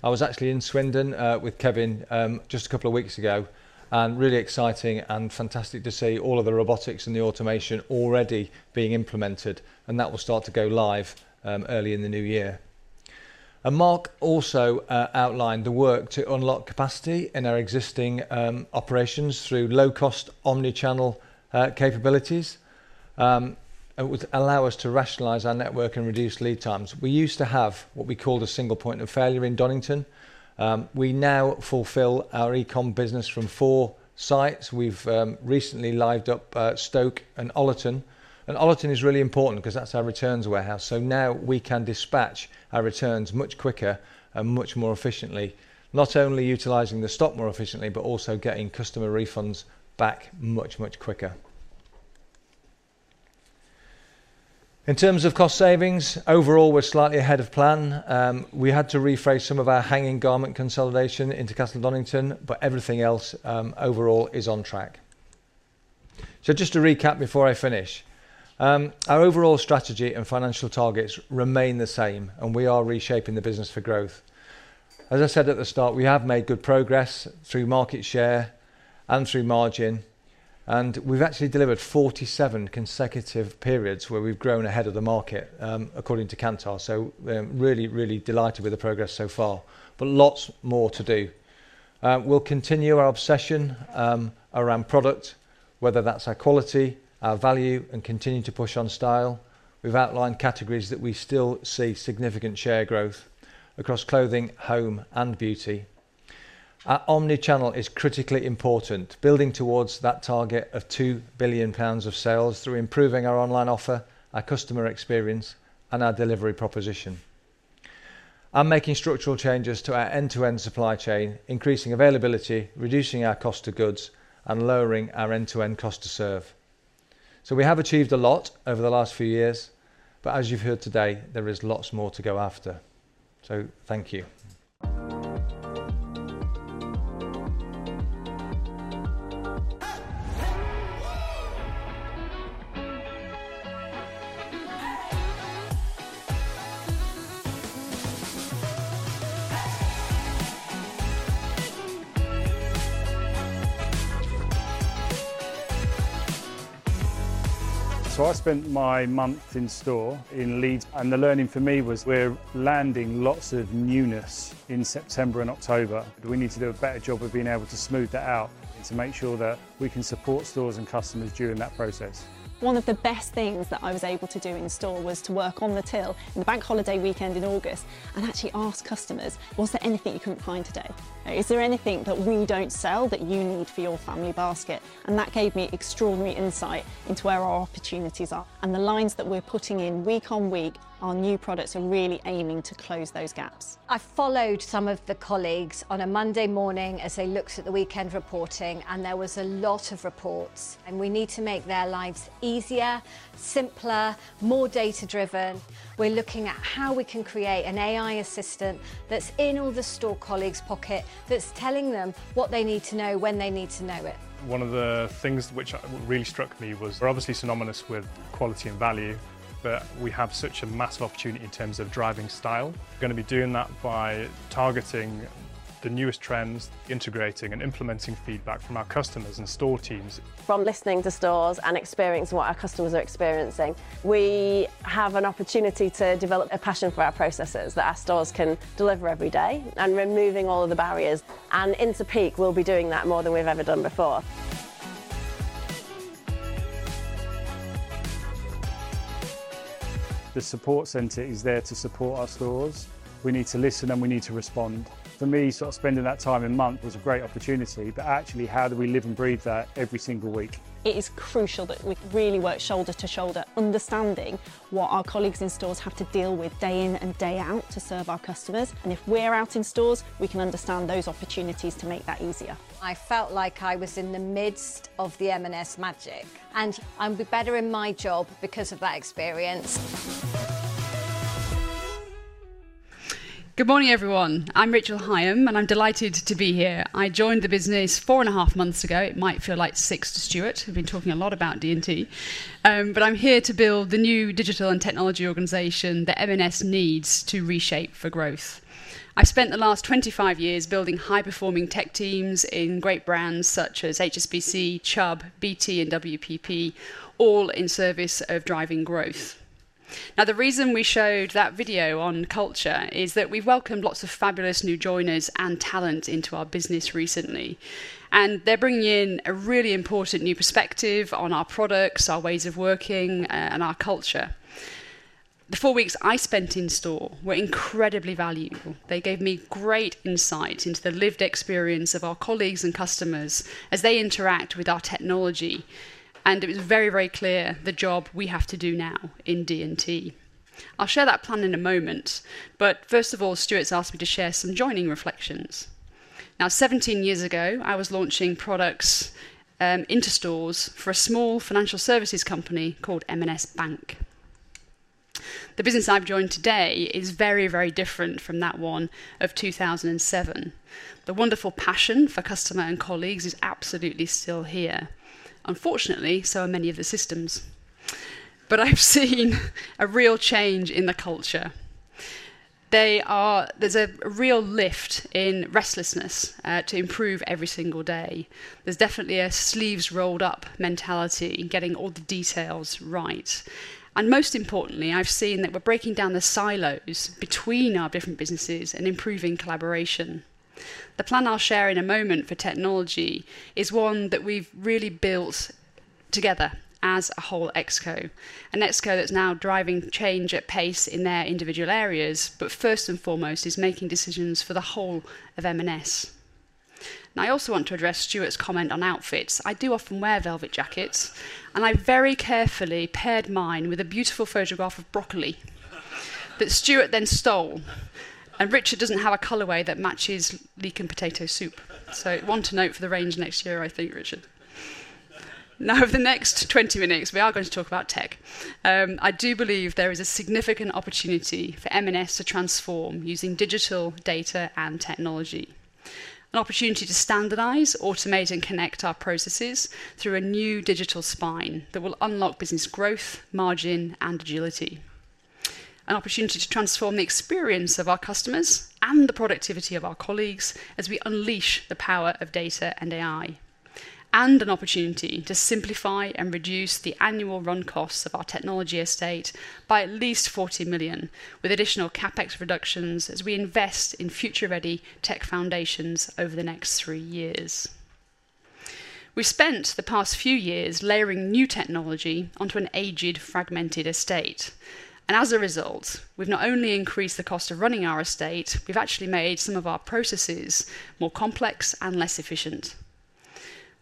I was actually in Swindon with Kevin just a couple of weeks ago, and really exciting and fantastic to see all of the robotics and the automation already being implemented, and that will start to go live early in the new year, and Mark also outlined the work to unlock capacity in our existing operations through low-cost omnichannel capabilities. It would allow us to rationalize our network and reduce lead times. We used to have what we called a single point of failure in Donington. We now fulfill our e-com business from four sites. We've recently lit up Stoke and Ollerton, and Ollerton is really important because that's our returns warehouse, so now we can dispatch our returns much quicker and much more efficiently, not only utilizing the stock more efficiently, but also getting customer refunds back much, much quicker. In terms of cost savings, overall, we're slightly ahead of plan. We had to rephase some of our hanging garment consolidation into Castle Donington, but everything else overall is on track. So just to recap before I finish, our overall strategy and financial targets remain the same, and we are reshaping the business for growth. As I said at the start, we have made good progress through market share and through margin. And we've actually delivered 47 consecutive periods where we've grown ahead of the market, according to Kantar. So really, really delighted with the progress so far, but lots more to do. We'll continue our obsession around product, whether that's our quality, our value, and continue to push on style. We've outlined categories that we still see significant share growth across clothing, home, and beauty. Our omnichannel is critically important, building towards that target of 2 billion pounds of sales through improving our online offer, our customer experience, and our delivery proposition. I'm making structural changes to our end-to-end supply chain, increasing availability, reducing our cost to goods, and lowering our end-to-end cost to serve. So we have achieved a lot over the last few years, but as you've heard today, there is lots more to go after. So thank you. So I spent my month in store in Leeds. And the learning for me was we're landing lots of newness in September and October. We need to do a better job of being able to smooth that out and to make sure that we can support stores and customers during that process. One of the best things that I was able to do in store was to work on the till in the bank holiday weekend in August and actually ask customers, "Was there anything you couldn't find today? Is there anything that we don't sell that you need for your family basket?" And that gave me extraordinary insight into where our opportunities are. And the lines that we're putting in week on week, our new products are really aiming to close those gaps. I followed some of the colleagues on a Monday morning as they looked at the weekend reporting, and there was a lot of reports. And we need to make their lives easier, simpler, more data-driven. We're looking at how we can create an AI assistant that's in all the store colleagues' pocket, that's telling them what they need to know when they need to know it. One of the things which really struck me was we're obviously synonymous with quality and value, but we have such a massive opportunity in terms of driving style. We're going to be doing that by targeting the newest trends, integrating and implementing feedback from our customers and store teams. From listening to stores and experiencing what our customers are experiencing, we have an opportunity to develop a passion for our processes that our stores can deliver every day and removing all of the barriers, and into peak, we'll be doing that more than we've ever done before. The support center is there to support our stores. We need to listen, and we need to respond. For me, sort of spending that time a month was a great opportunity, but actually, how do we live and breathe that every single week? It is crucial that we really work shoulder to shoulder, understanding what our colleagues in stores have to deal with day in and day out to serve our customers. If we're out in stores, we can understand those opportunities to make that easier. I felt like I was in the midst of the M&S magic, and I'm better in my job because of that experience. Good morning, everyone. I'm Rachel Higham, and I'm delighted to be here. I joined the business four and a half months ago. It might feel like six to Stuart. We've been talking a lot about D&T, but I'm here to build the new digital and technology organization that M&S needs to reshape for growth. I've spent the last 25 years building high-performing tech teams in great brands such as HSBC, Chubb, BT, and WPP, all in service of driving growth. Now, the reason we showed that video on culture is that we've welcomed lots of fabulous new joiners and talent into our business recently. And they're bringing in a really important new perspective on our products, our ways of working, and our culture. The four weeks I spent in store were incredibly valuable. They gave me great insight into the lived experience of our colleagues and customers as they interact with our technology. And it was very, very clear the job we have to do now in D&T. I'll share that plan in a moment, but first of all, Stuart's asked me to share some joining reflections. Now, 17 years ago, I was launching products into stores for a small financial services company called M&S Bank. The business I've joined today is very, very different from that one of 2007. The wonderful passion for customers and colleagues is absolutely still here. Unfortunately, so are many of the systems. But I've seen a real change in the culture. There's a real lift in restlessness to improve every single day. There's definitely a sleeves-rolled-up mentality in getting all the details right. And most importantly, I've seen that we're breaking down the silos between our different businesses and improving collaboration. The plan I'll share in a moment for technology is one that we've really built together as a whole ExCo, an ExCo that's now driving change at pace in their individual areas, but first and foremost is making decisions for the whole of M&S. And I also want to address Stuart's comment on outfits. I do often wear velvet jackets, and I very carefully paired mine with a beautiful photograph of broccoli that Stuart then stole. Richard doesn't have a colorway that matches leek and potato soup. So one to note for the range next year, I think, Richard. Now, over the next 20 minutes, we are going to talk about tech. I do believe there is a significant opportunity for M&S to transform using digital data and technology. An opportunity to standardize, automate, and connect our processes through a new digital spine that will unlock business growth, margin, and agility. An opportunity to transform the experience of our customers and the productivity of our colleagues as we unleash the power of data and AI. And an opportunity to simplify and reduce the annual run costs of our technology estate by at least 40 million, with additional CapEx reductions as we invest in future-ready tech foundations over the next three years. We spent the past few years layering new technology onto an aged, fragmented estate. As a result, we've not only increased the cost of running our estate, we've actually made some of our processes more complex and less efficient.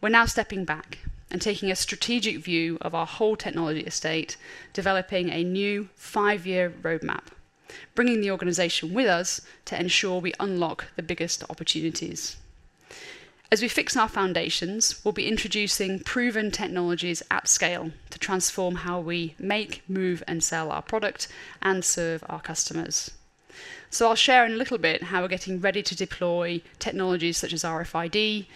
We're now stepping back and taking a strategic view of our whole technology estate, developing a new five-year roadmap, bringing the organization with us to ensure we unlock the biggest opportunities. As we fix our foundations, we'll be introducing proven technologies at scale to transform how we make, move, and sell our product and serve our customers. I'll share in a little bit how we're getting ready to deploy technologies such as RFID,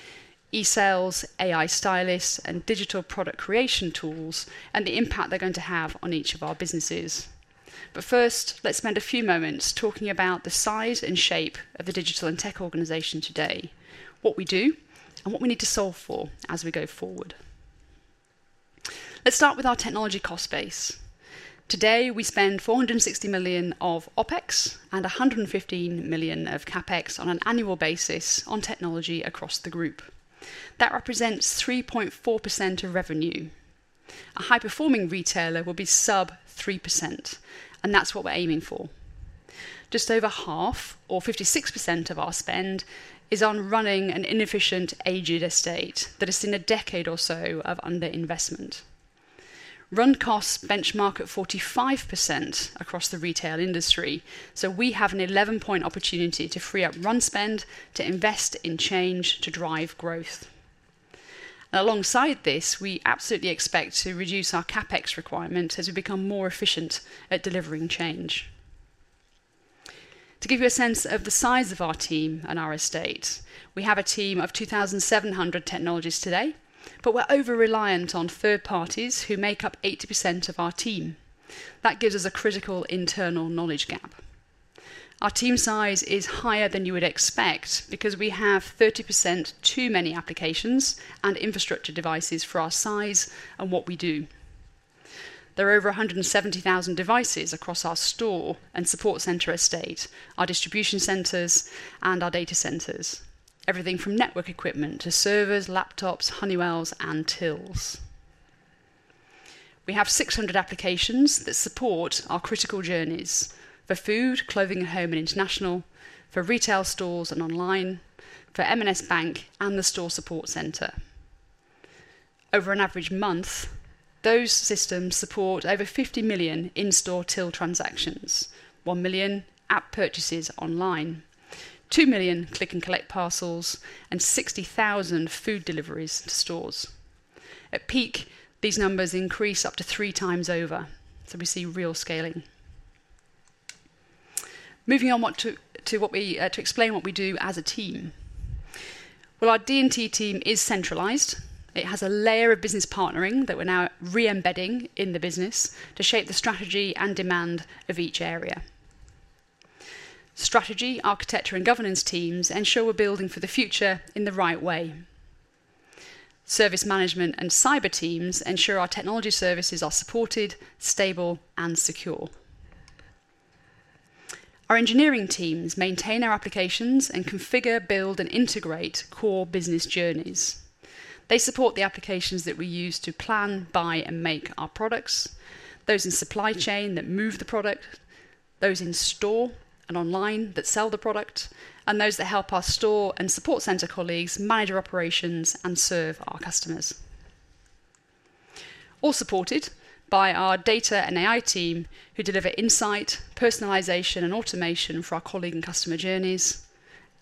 ESLs, AI stylists, and digital product creation tools, and the impact they're going to have on each of our businesses. But first, let's spend a few moments talking about the size and shape of the digital and tech organization today, what we do, and what we need to solve for as we go forward. Let's start with our technology cost base. Today, we spend 460 million of OpEx and 115 million of CapEx on an annual basis on technology across the group. That represents 3.4% of revenue. A high-performing retailer will be sub 3%, and that's what we're aiming for. Just over half, or 56%, of our spend is on running an inefficient, aged estate that has seen a decade or so of underinvestment. Run costs benchmark at 45% across the retail industry, so we have an 11-point opportunity to free up run spend, to invest in change, to drive growth. Alongside this, we absolutely expect to reduce our CapEx requirements as we become more efficient at delivering change. To give you a sense of the size of our team and our estate, we have a team of 2,700 technologists today, but we're over-reliant on third parties who make up 80% of our team. That gives us a critical internal knowledge gap. Our team size is higher than you would expect because we have 30% too many applications and infrastructure devices for our size and what we do. There are over 170,000 devices across our store and support center estate, our distribution centers, and our data centers. Everything from network equipment to servers, laptops, Honeywells, and tills. We have 600 applications that support our critical journeys for Food, Clothing & Home and International, for retail stores and online, for M&S Bank and the Store Support Centre. Over an average month, those systems support over 50 million in-store till transactions, 1 million app purchases online, 2 million click-and-collect parcels, and 60,000 food deliveries to stores. At peak, these numbers increase up to three times over, so we see real scaling. Moving on to explain what we do as a team. Well, our D&T team is centralized. It has a layer of business partnering that we're now re-embedding in the business to shape the strategy and demand of each area. Strategy, architecture, and governance teams ensure we're building for the future in the right way. Service management and cyber teams ensure our technology services are supported, stable, and secure. Our engineering teams maintain our applications and configure, build, and integrate core business journeys. They support the applications that we use to plan, buy, and make our products, those in supply chain that move the product, those in store and online that sell the product, and those that help our store and support center colleagues manage our operations and serve our customers. All supported by our data and AI team who deliver insight, personalization, and automation for our colleague and customer journeys,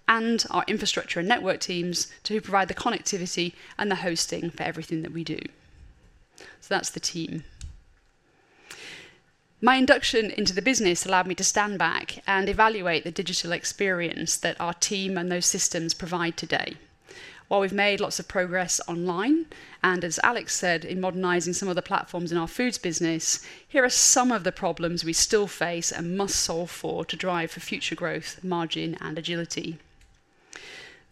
and our infrastructure and network teams to provide the connectivity and the hosting for everything that we do. So that's the team. My induction into the business allowed me to stand back and evaluate the digital experience that our team and those systems provide today. While we've made lots of progress online, and as Alex said, in modernizing some of the platforms in our Foods business, here are some of the problems we still face and must solve for to drive future growth, margin, and agility.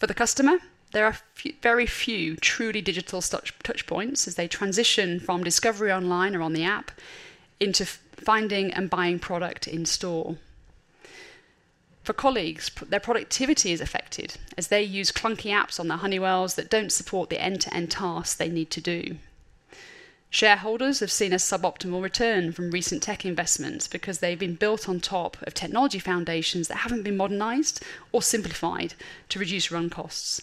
For the customer, there are very few truly digital touchpoints as they transition from discovery online or on the app into finding and buying product in store. For colleagues, their productivity is affected as they use clunky apps on the Honeywells that don't support the end-to-end tasks they need to do. Shareholders have seen a suboptimal return from recent tech investments because they've been built on top of technology foundations that haven't been modernized or simplified to reduce run costs.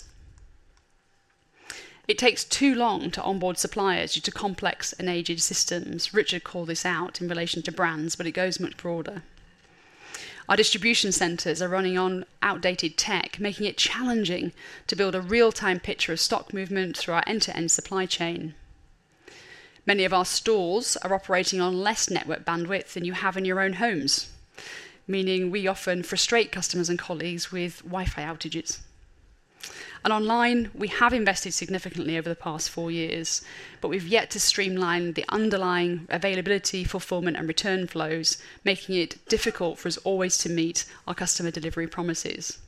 It takes too long to onboard suppliers due to complex and aged systems. Richard called this out in relation to brands, but it goes much broader. Our distribution centers are running on outdated tech, making it challenging to build a real-time picture of stock movement through our end-to-end supply chain. Many of our stores are operating on less network bandwidth than you have in your own homes, meaning we often frustrate customers and colleagues with Wi-Fi outages. And online, we have invested significantly over the past four years, but we've yet to streamline the underlying availability, fulfillment, and return flows, making it difficult for us always to meet our customer delivery promises.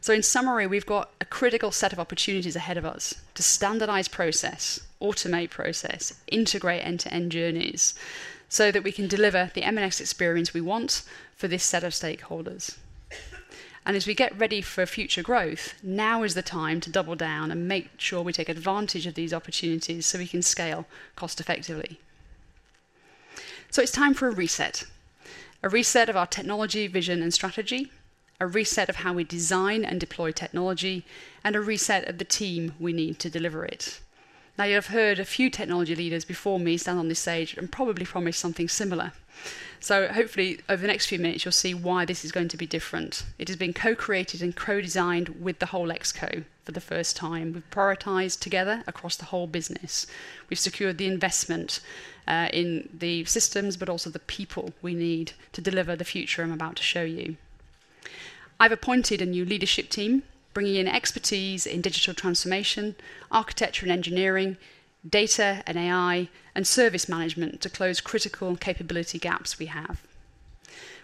So in summary, we've got a critical set of opportunities ahead of us to standardize process, automate process, integrate end-to-end journeys so that we can deliver the M&S experience we want for this set of stakeholders. As we get ready for future growth, now is the time to double down and make sure we take advantage of these opportunities so we can scale cost-effectively. It's time for a reset. A reset of our technology, vision, and strategy, a reset of how we design and deploy technology, and a reset of the team we need to deliver it. Now, you've heard a few technology leaders before me stand on this stage and probably promise something similar. Hopefully, over the next few minutes, you'll see why this is going to be different. It has been co-created and co-designed with the whole exco for the first time. We've prioritized together across the whole business. We've secured the investment in the systems, but also the people we need to deliver the future I'm about to show you. I've appointed a new leadership team, bringing in expertise in digital transformation, architecture and engineering, data and AI, and service management to close critical capability gaps we have.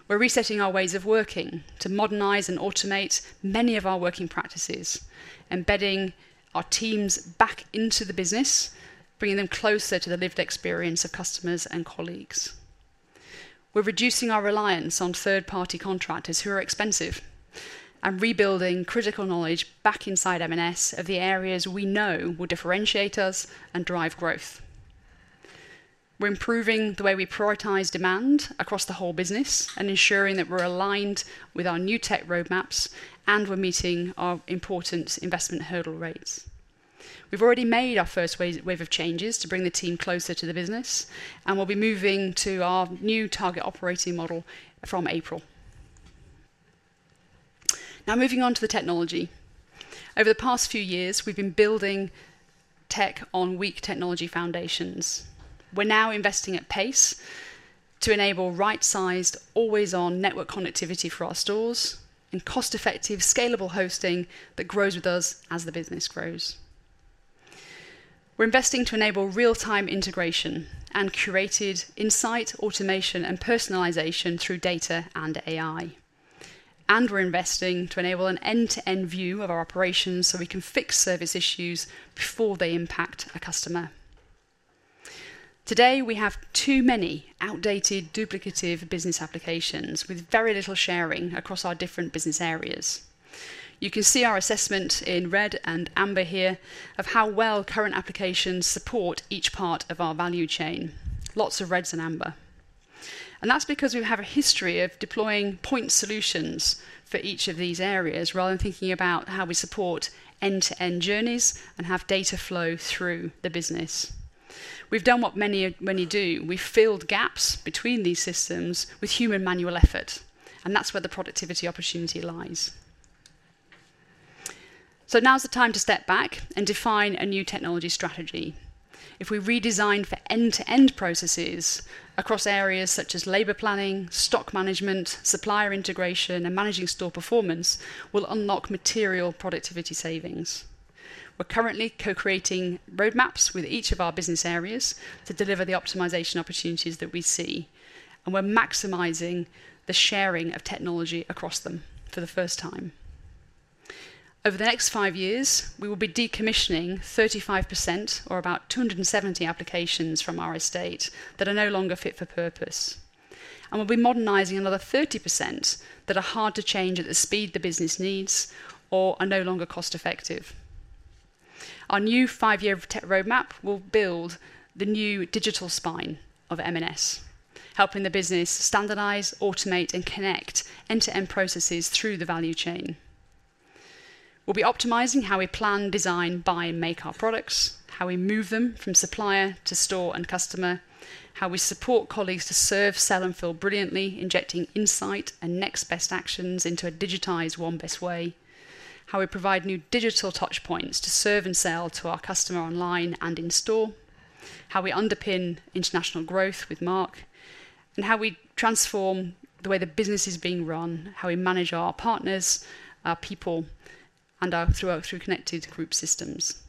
We're resetting our ways of working to modernize and automate many of our working practices, embedding our teams back into the business, bringing them closer to the lived experience of customers and colleagues. We're reducing our reliance on third-party contractors who are expensive and rebuilding critical knowledge back inside M&S of the areas we know will differentiate us and drive growth. We're improving the way we prioritize demand across the whole business and ensuring that we're aligned with our new tech roadmaps and we're meeting our important investment hurdle rates. We've already made our first wave of changes to bring the team closer to the business, and we'll be moving to our new target operating model from April. Now, moving on to the technology. Over the past few years, we've been building tech on weak technology foundations. We're now investing at pace to enable right-sized, always-on network connectivity for our stores and cost-effective, scalable hosting that grows with us as the business grows. We're investing to enable real-time integration and curated insight, automation, and personalization through data and AI. And we're investing to enable an end-to-end view of our operations so we can fix service issues before they impact a customer. Today, we have too many outdated, duplicative business applications with very little sharing across our different business areas. You can see our assessment in red and amber here of how well current applications support each part of our value chain. Lots of reds and amber. That's because we have a history of deploying point solutions for each of these areas rather than thinking about how we support end-to-end journeys and have data flow through the business. We've done what many do. We've filled gaps between these systems with human manual effort, and that's where the productivity opportunity lies. Now's the time to step back and define a new technology strategy. If we redesign for end-to-end processes across areas such as labor planning, stock management, supplier integration, and managing store performance, we'll unlock material productivity savings. We're currently co-creating roadmaps with each of our business areas to deliver the optimization opportunities that we see, and we're maximizing the sharing of technology across them for the first time. Over the next five years, we will be decommissioning 35%, or about 270 applications from our estate that are no longer fit for purpose. We'll be modernizing another 30% that are hard to change at the speed the business needs or are no longer cost-effective. Our new five-year roadmap will build the new digital spine of M&S, helping the business standardize, automate, and connect end-to-end processes through the value chain. We'll be optimizing how we plan, design, buy, and make our products, how we move them from supplier to store and customer, how we support colleagues to serve, sell, and fill brilliantly, injecting insight and next best actions into a digitized One Best Way, how we provide new digital touchpoints to serve and sell to our customer online and in store, how we underpin international growth with Mark, and how we transform the way the business is being run, how we manage our partners, our people, and our through-connected group systems.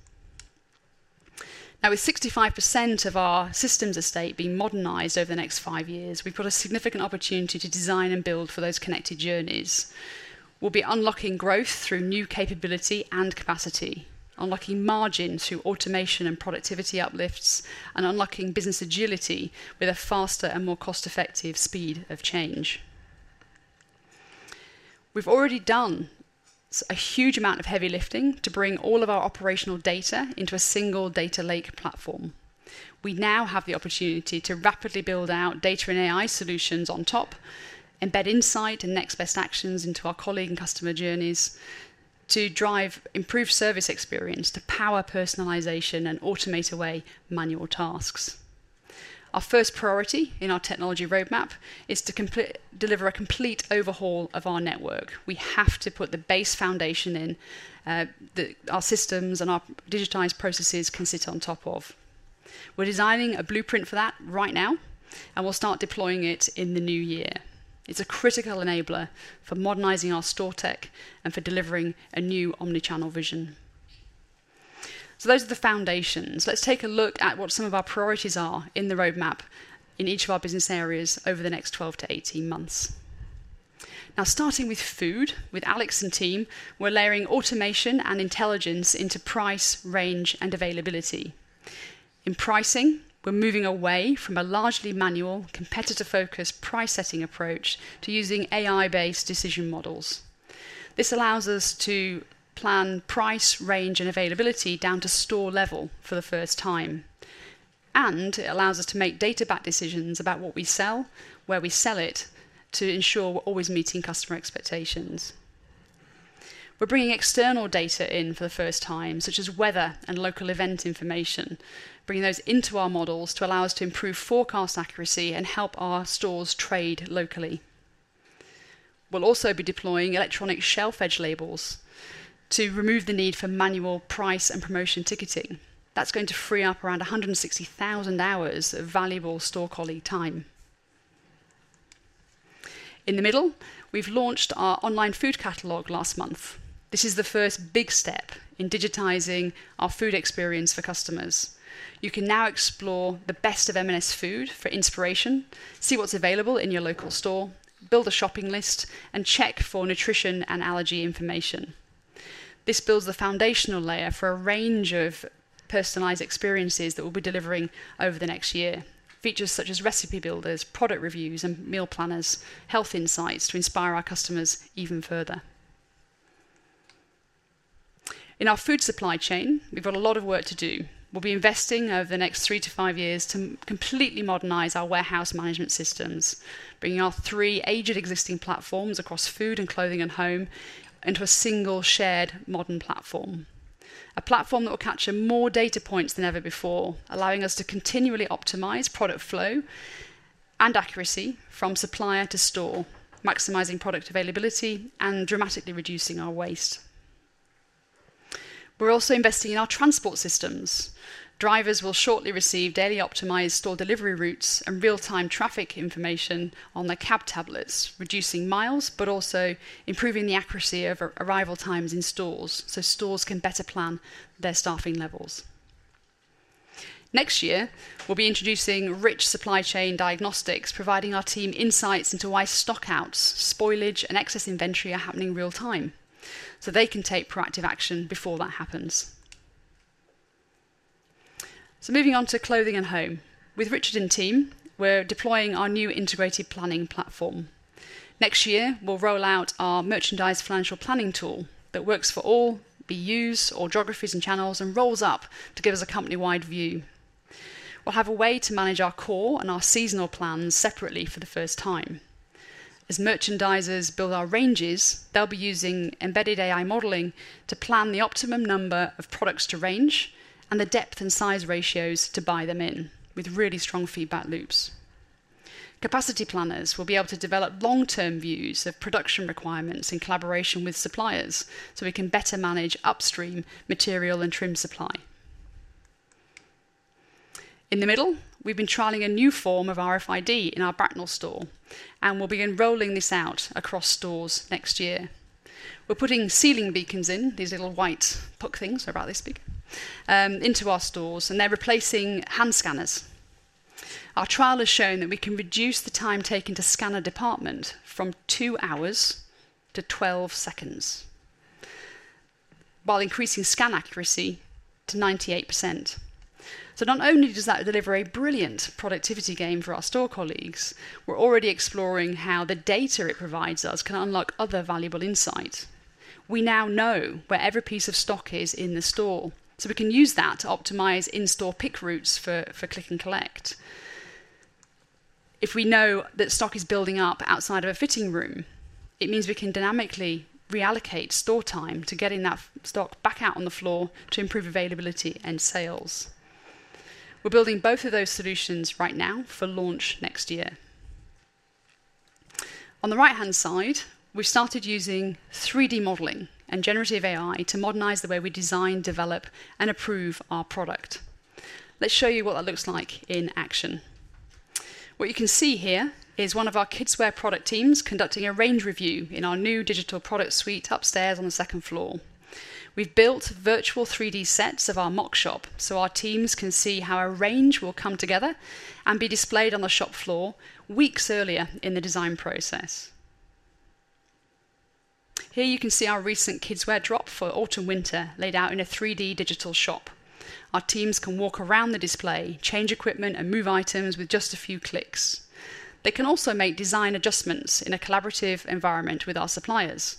Now, with 65% of our systems estate being modernized over the next five years, we've got a significant opportunity to design and build for those connected journeys. We'll be unlocking growth through new capability and capacity, unlocking margins through automation and productivity uplifts, and unlocking business agility with a faster and more cost-effective speed of change. We've already done a huge amount of heavy lifting to bring all of our operational data into a single data lake platform. We now have the opportunity to rapidly build out data and AI solutions on top, embed insight and next best actions into our colleague and customer journeys to drive improved service experience, to power personalization and automate away manual tasks. Our first priority in our technology roadmap is to deliver a complete overhaul of our network. We have to put the base foundation in that our systems and our digitized processes can sit on top of. We're designing a blueprint for that right now, and we'll start deploying it in the new year. It's a critical enabler for modernizing our store tech and for delivering a new omnichannel vision. So those are the foundations. Let's take a look at what some of our priorities are in the roadmap in each of our business areas over the next 12 to18 months. Now, starting with food, with Alex and team, we're layering automation and intelligence into price, range, and availability. In pricing, we're moving away from a largely manual, competitor-focused price-setting approach to using AI-based decision models. This allows us to plan price, range, and availability down to store level for the first time. And it allows us to make data-backed decisions about what we sell, where we sell it, to ensure we're always meeting customer expectations. We're bringing external data in for the first time, such as weather and local event information, bringing those into our models to allow us to improve forecast accuracy and help our stores trade locally. We'll also be deploying electronic shelf edge labels to remove the need for manual price and promotion ticketing. That's going to free up around 160,000 hours of valuable store colleague time. In the middle, we've launched our online food catalog last month. This is the first big step in digitizing our food experience for customers. You can now explore the best of M&S Food for inspiration, see what's available in your local store, build a shopping list, and check for nutrition and allergy information. This builds the foundational layer for a range of personalized experiences that we'll be delivering over the next year, features such as recipe builders, product reviews, and meal planners, health insights to inspire our customers even further. In our Food supply chain, we've got a lot of work to do. We'll be investing over the next three to five years to completely modernize our warehouse management systems, bringing our three aged existing platforms across Food and Clothing & Home into a single shared modern platform. A platform that will capture more data points than ever before, allowing us to continually optimize product flow and accuracy from supplier to store, maximizing product availability and dramatically reducing our waste. We're also investing in our transport systems. Drivers will shortly receive daily optimized store delivery routes and real-time traffic information on their cab tablets, reducing miles, but also improving the accuracy of arrival times in stores so stores can better plan their staffing levels. Next year, we'll be introducing rich supply chain diagnostics, providing our team insights into why stockouts, spoilage, and excess inventory are happening real-time so they can take proactive action before that happens. So moving on to Clothing & Home. With Richard and team, we're deploying our new integrated planning platform. Next year, we'll roll out our merchandise financial planning tool that works for all BUs or geographies and channels and rolls up to give us a company-wide view. We'll have a way to manage our core and our seasonal plans separately for the first time. As merchandisers build our ranges, they'll be using embedded AI modeling to plan the optimum number of products to range and the depth and size ratios to buy them in with really strong feedback loops. Capacity planners will be able to develop long-term views of production requirements in collaboration with suppliers so we can better manage upstream material and trim supply. In the middle, we've been trialing a new form of RFID in our Bracknell store, and we'll be rolling this out across stores next year. We're putting ceiling beacons in, these little white puck things, they're about this big, into our stores, and they're replacing hand scanners. Our trial has shown that we can reduce the time taken to scan a department from two hours to 12 seconds while increasing scan accuracy to 98%. So not only does that deliver a brilliant productivity gain for our store colleagues, we're already exploring how the data it provides us can unlock other valuable insight. We now know where every piece of stock is in the store, so we can use that to optimize in-store pick routes for click and collect. If we know that stock is building up outside of a fitting room, it means we can dynamically reallocate store time to getting that stock back out on the floor to improve availability and sales. We're building both of those solutions right now for launch next year. On the right-hand side, we started using 3D modeling and generative AI to modernize the way we design, develop, and approve our product. Let's show you what that looks like in action. What you can see here is one of our Kidswear product teams conducting a range review in our new digital product suite upstairs on the second floor. We've built virtual 3D sets of our mock shop so our teams can see how a range will come together and be displayed on the shop floor weeks earlier in the design process. Here you can see our recent Kidswear drop for autumn/winter laid out in a 3D digital shop. Our teams can walk around the display, change equipment, and move items with just a few clicks. They can also make design adjustments in a collaborative environment with our suppliers.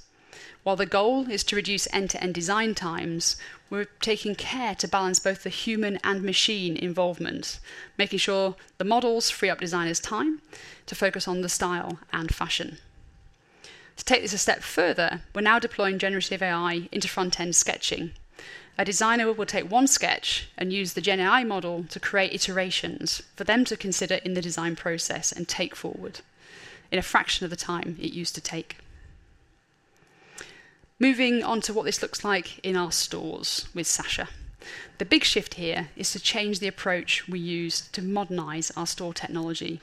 While the goal is to reduce end-to-end design times, we're taking care to balance both the human and machine involvement, making sure the models free up designers' time to focus on the style and fashion. To take this a step further, we're now deploying generative AI into front-end sketching. A designer will take one sketch and use the GenAI model to create iterations for them to consider in the design process and take forward in a fraction of the time it used to take. Moving on to what this looks like in our stores with Sacha. The big shift here is to change the approach we use to modernize our store technology.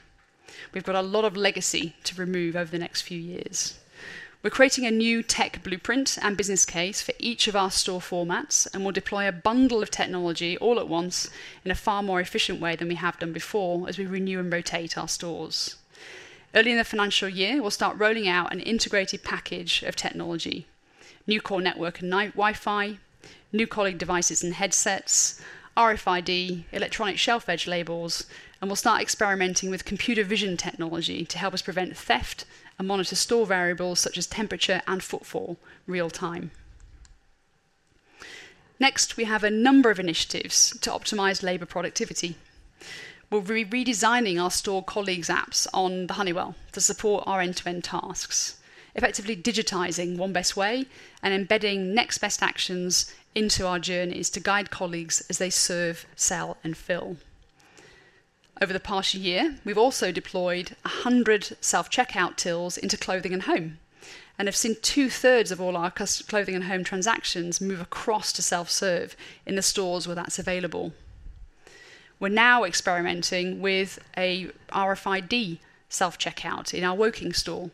We've got a lot of legacy to remove over the next few years. We're creating a new tech blueprint and business case for each of our store formats, and we'll deploy a bundle of technology all at once in a far more efficient way than we have done before as we renew and rotate our stores. Early in the financial year, we'll start rolling out an integrated package of technology: new core network and Wi-Fi, new colleague devices and headsets, RFID, electronic shelf edge labels, and we'll start experimenting with computer vision technology to help us prevent theft and monitor store variables such as temperature and footfall real-time. Next, we have a number of initiatives to optimize labor productivity. We'll be redesigning our store colleagues' apps on the Honeywell to support our end-to-end tasks, effectively digitizing One Best Way and embedding next best actions into our journeys to guide colleagues as they serve, sell, and fill. Over the past year, we've also deployed 100 self-checkout tills into Clothing & Home and have seen two-thirds of all our Clothing & Home transactions move across to self-serve in the stores where that's available. We're now experimenting with an RFID self-checkout in our working store.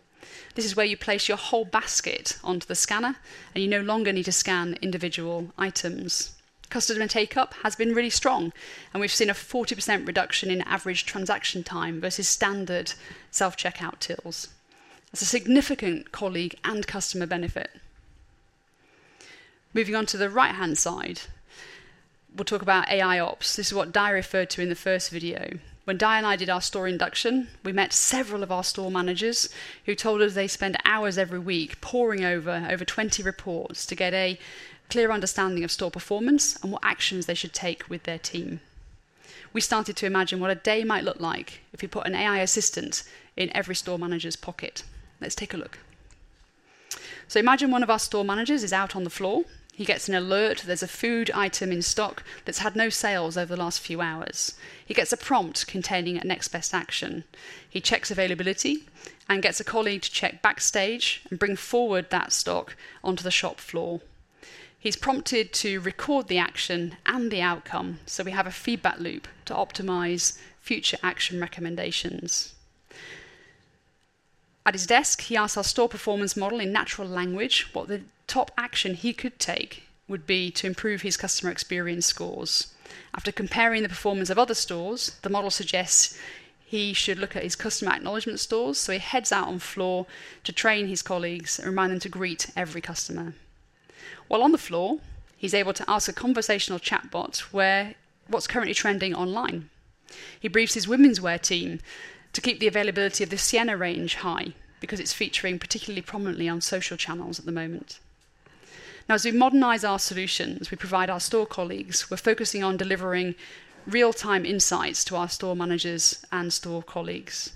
This is where you place your whole basket onto the scanner, and you no longer need to scan individual items. Customer take-up has been really strong, and we've seen a 40% reduction in average transaction time versus standard self-checkout tills. That's a significant colleague and customer benefit. Moving on to the right-hand side, we'll talk about AIOps. This is what Di referred to in the first video. When Di and I did our store induction, we met several of our store managers who told us they spend hours every week poring over 20 reports to get a clear understanding of store performance and what actions they should take with their team. We started to imagine what a day might look like if we put an AI assistant in every store manager's pocket. Let's take a look. So imagine one of our store managers is out on the floor. He gets an alert that there's a food item in stock that's had no sales over the last few hours. He gets a prompt containing a next best action. He checks availability and gets a colleague to check backstage and bring forward that stock onto the shop floor. He's prompted to record the action and the outcome so we have a feedback loop to optimize future action recommendations. At his desk, he asks our store performance model in natural language what the top action he could take would be to improve his customer experience scores. After comparing the performance of other stores, the model suggests he should look at his customer acknowledgment scores, so he heads out on the floor to train his colleagues and remind them to greet every customer. While on the floor, he's able to ask a conversational chatbot what's currently trending online. He briefs his Womenswear team to keep the availability of the Sienna range high because it's featuring particularly prominently on social channels at the moment. Now, as we modernize our solutions we provide our store colleagues, we're focusing on delivering real-time insights to our store managers and store colleagues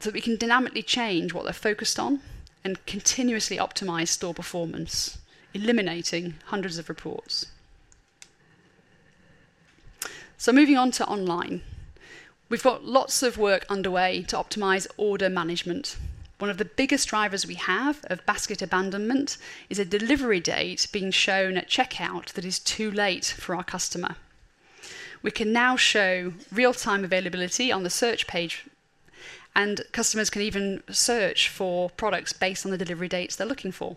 so that we can dynamically change what they're focused on and continuously optimize store performance, eliminating hundreds of reports. So moving on to online, we've got lots of work underway to optimize order management. One of the biggest drivers we have of basket abandonment is a delivery date being shown at checkout that is too late for our customer. We can now show real-time availability on the search page, and customers can even search for products based on the delivery dates they're looking for.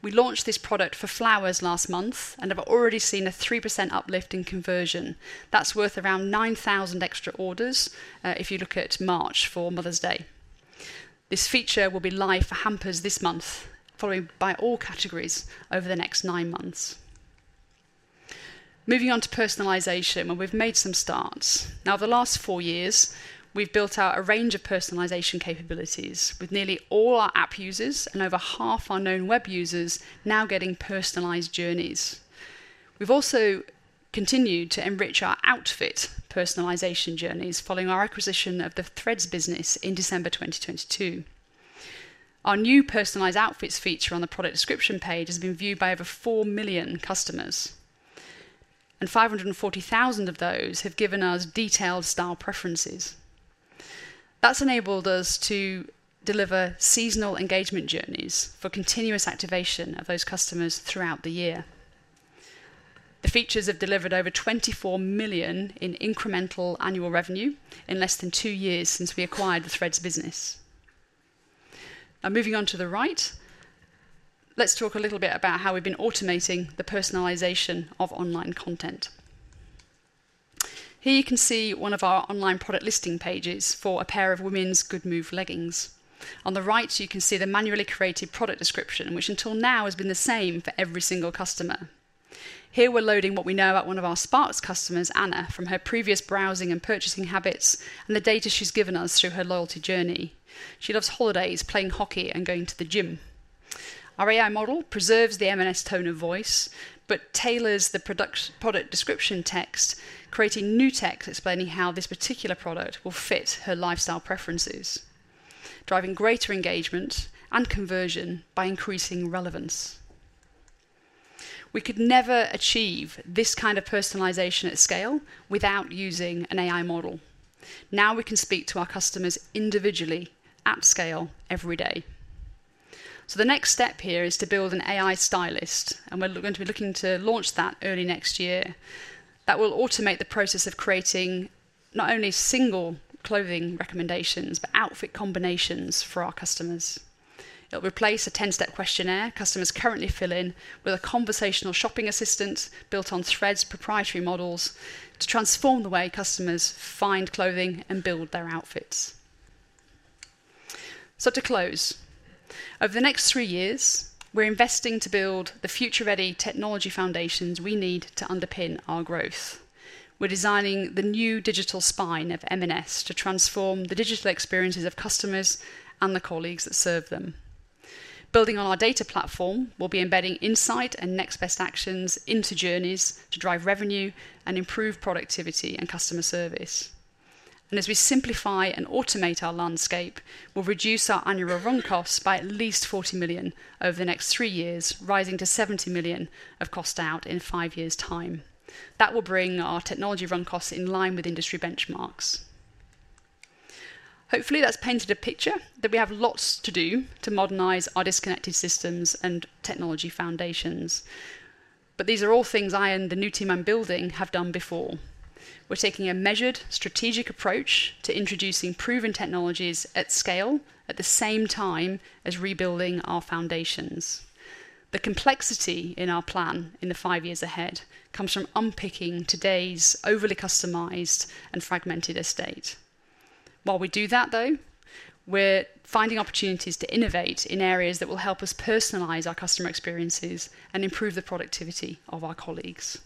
We launched this product for flowers last month and have already seen a 3% uplift in conversion. That's worth around 9,000 extra orders if you look at March for Mother's Day. This feature will be live for hampers this month, followed by all categories over the next nine months. Moving on to personalization, we've made some starts. Now, the last four years, we've built out a range of personalization capabilities with nearly all our app users and over half our known web users now getting personalized journeys. We've also continued to enrich our outfit personalization journeys following our acquisition of the Thread's business in December 2022. Our new personalized outfits feature on the product description page has been viewed by over 4 million customers, and 540,000 of those have given us detailed style preferences. That's enabled us to deliver seasonal engagement journeys for continuous activation of those customers throughout the year. The features have delivered over 24 million in incremental annual revenue in less than two years since we acquired the Thread's business. Now, moving on to the right, let's talk a little bit about how we've been automating the personalization of online content. Here you can see one of our online product listing pages for a pair of women's Goodmove leggings. On the right, you can see the manually created product description, which until now has been the same for every single customer. Here we're loading what we know about one of our Sparks customers, Anna, from her previous browsing and purchasing habits and the data she's given us through her loyalty journey. She loves holidays, playing hockey, and going to the gym. Our AI model preserves the M&S tone of voice but tailors the product description text, creating new text explaining how this particular product will fit her lifestyle preferences, driving greater engagement and conversion by increasing relevance. We could never achieve this kind of personalization at scale without using an AI model. Now we can speak to our customers individually at scale every day. So the next step here is to build an AI stylist, and we're going to be looking to launch that early next year. That will automate the process of creating not only single clothing recommendations but outfit combinations for our customers. It'll replace a 10-step questionnaire customers currently fill in with a conversational shopping assistant built on Thread's proprietary models to transform the way customers find clothing and build their outfits. To close, over the next three years, we're investing to build the future-ready technology foundations we need to underpin our growth. We're designing the new Digital Spine of M&S to transform the digital experiences of customers and the colleagues that serve them. Building on our data platform, we'll be embedding insight and next best actions into journeys to drive revenue and improve productivity and customer service. And as we simplify and automate our landscape, we'll reduce our annual run costs by at least 40 million over the next three years, rising to 70 million of cost out in five years' time. That will bring our technology run costs in line with industry benchmarks. Hopefully, that's painted a picture that we have lots to do to modernize our disconnected systems and technology foundations. These are all things I and the new team I'm building have done before. We're taking a measured, strategic approach to introducing proven technologies at scale at the same time as rebuilding our foundations. The complexity in our plan in the five years ahead comes from unpicking today's overly customized and fragmented estate. While we do that, though, we're finding opportunities to innovate in areas that will help us personalize our customer experiences and improve the productivity of our colleagues.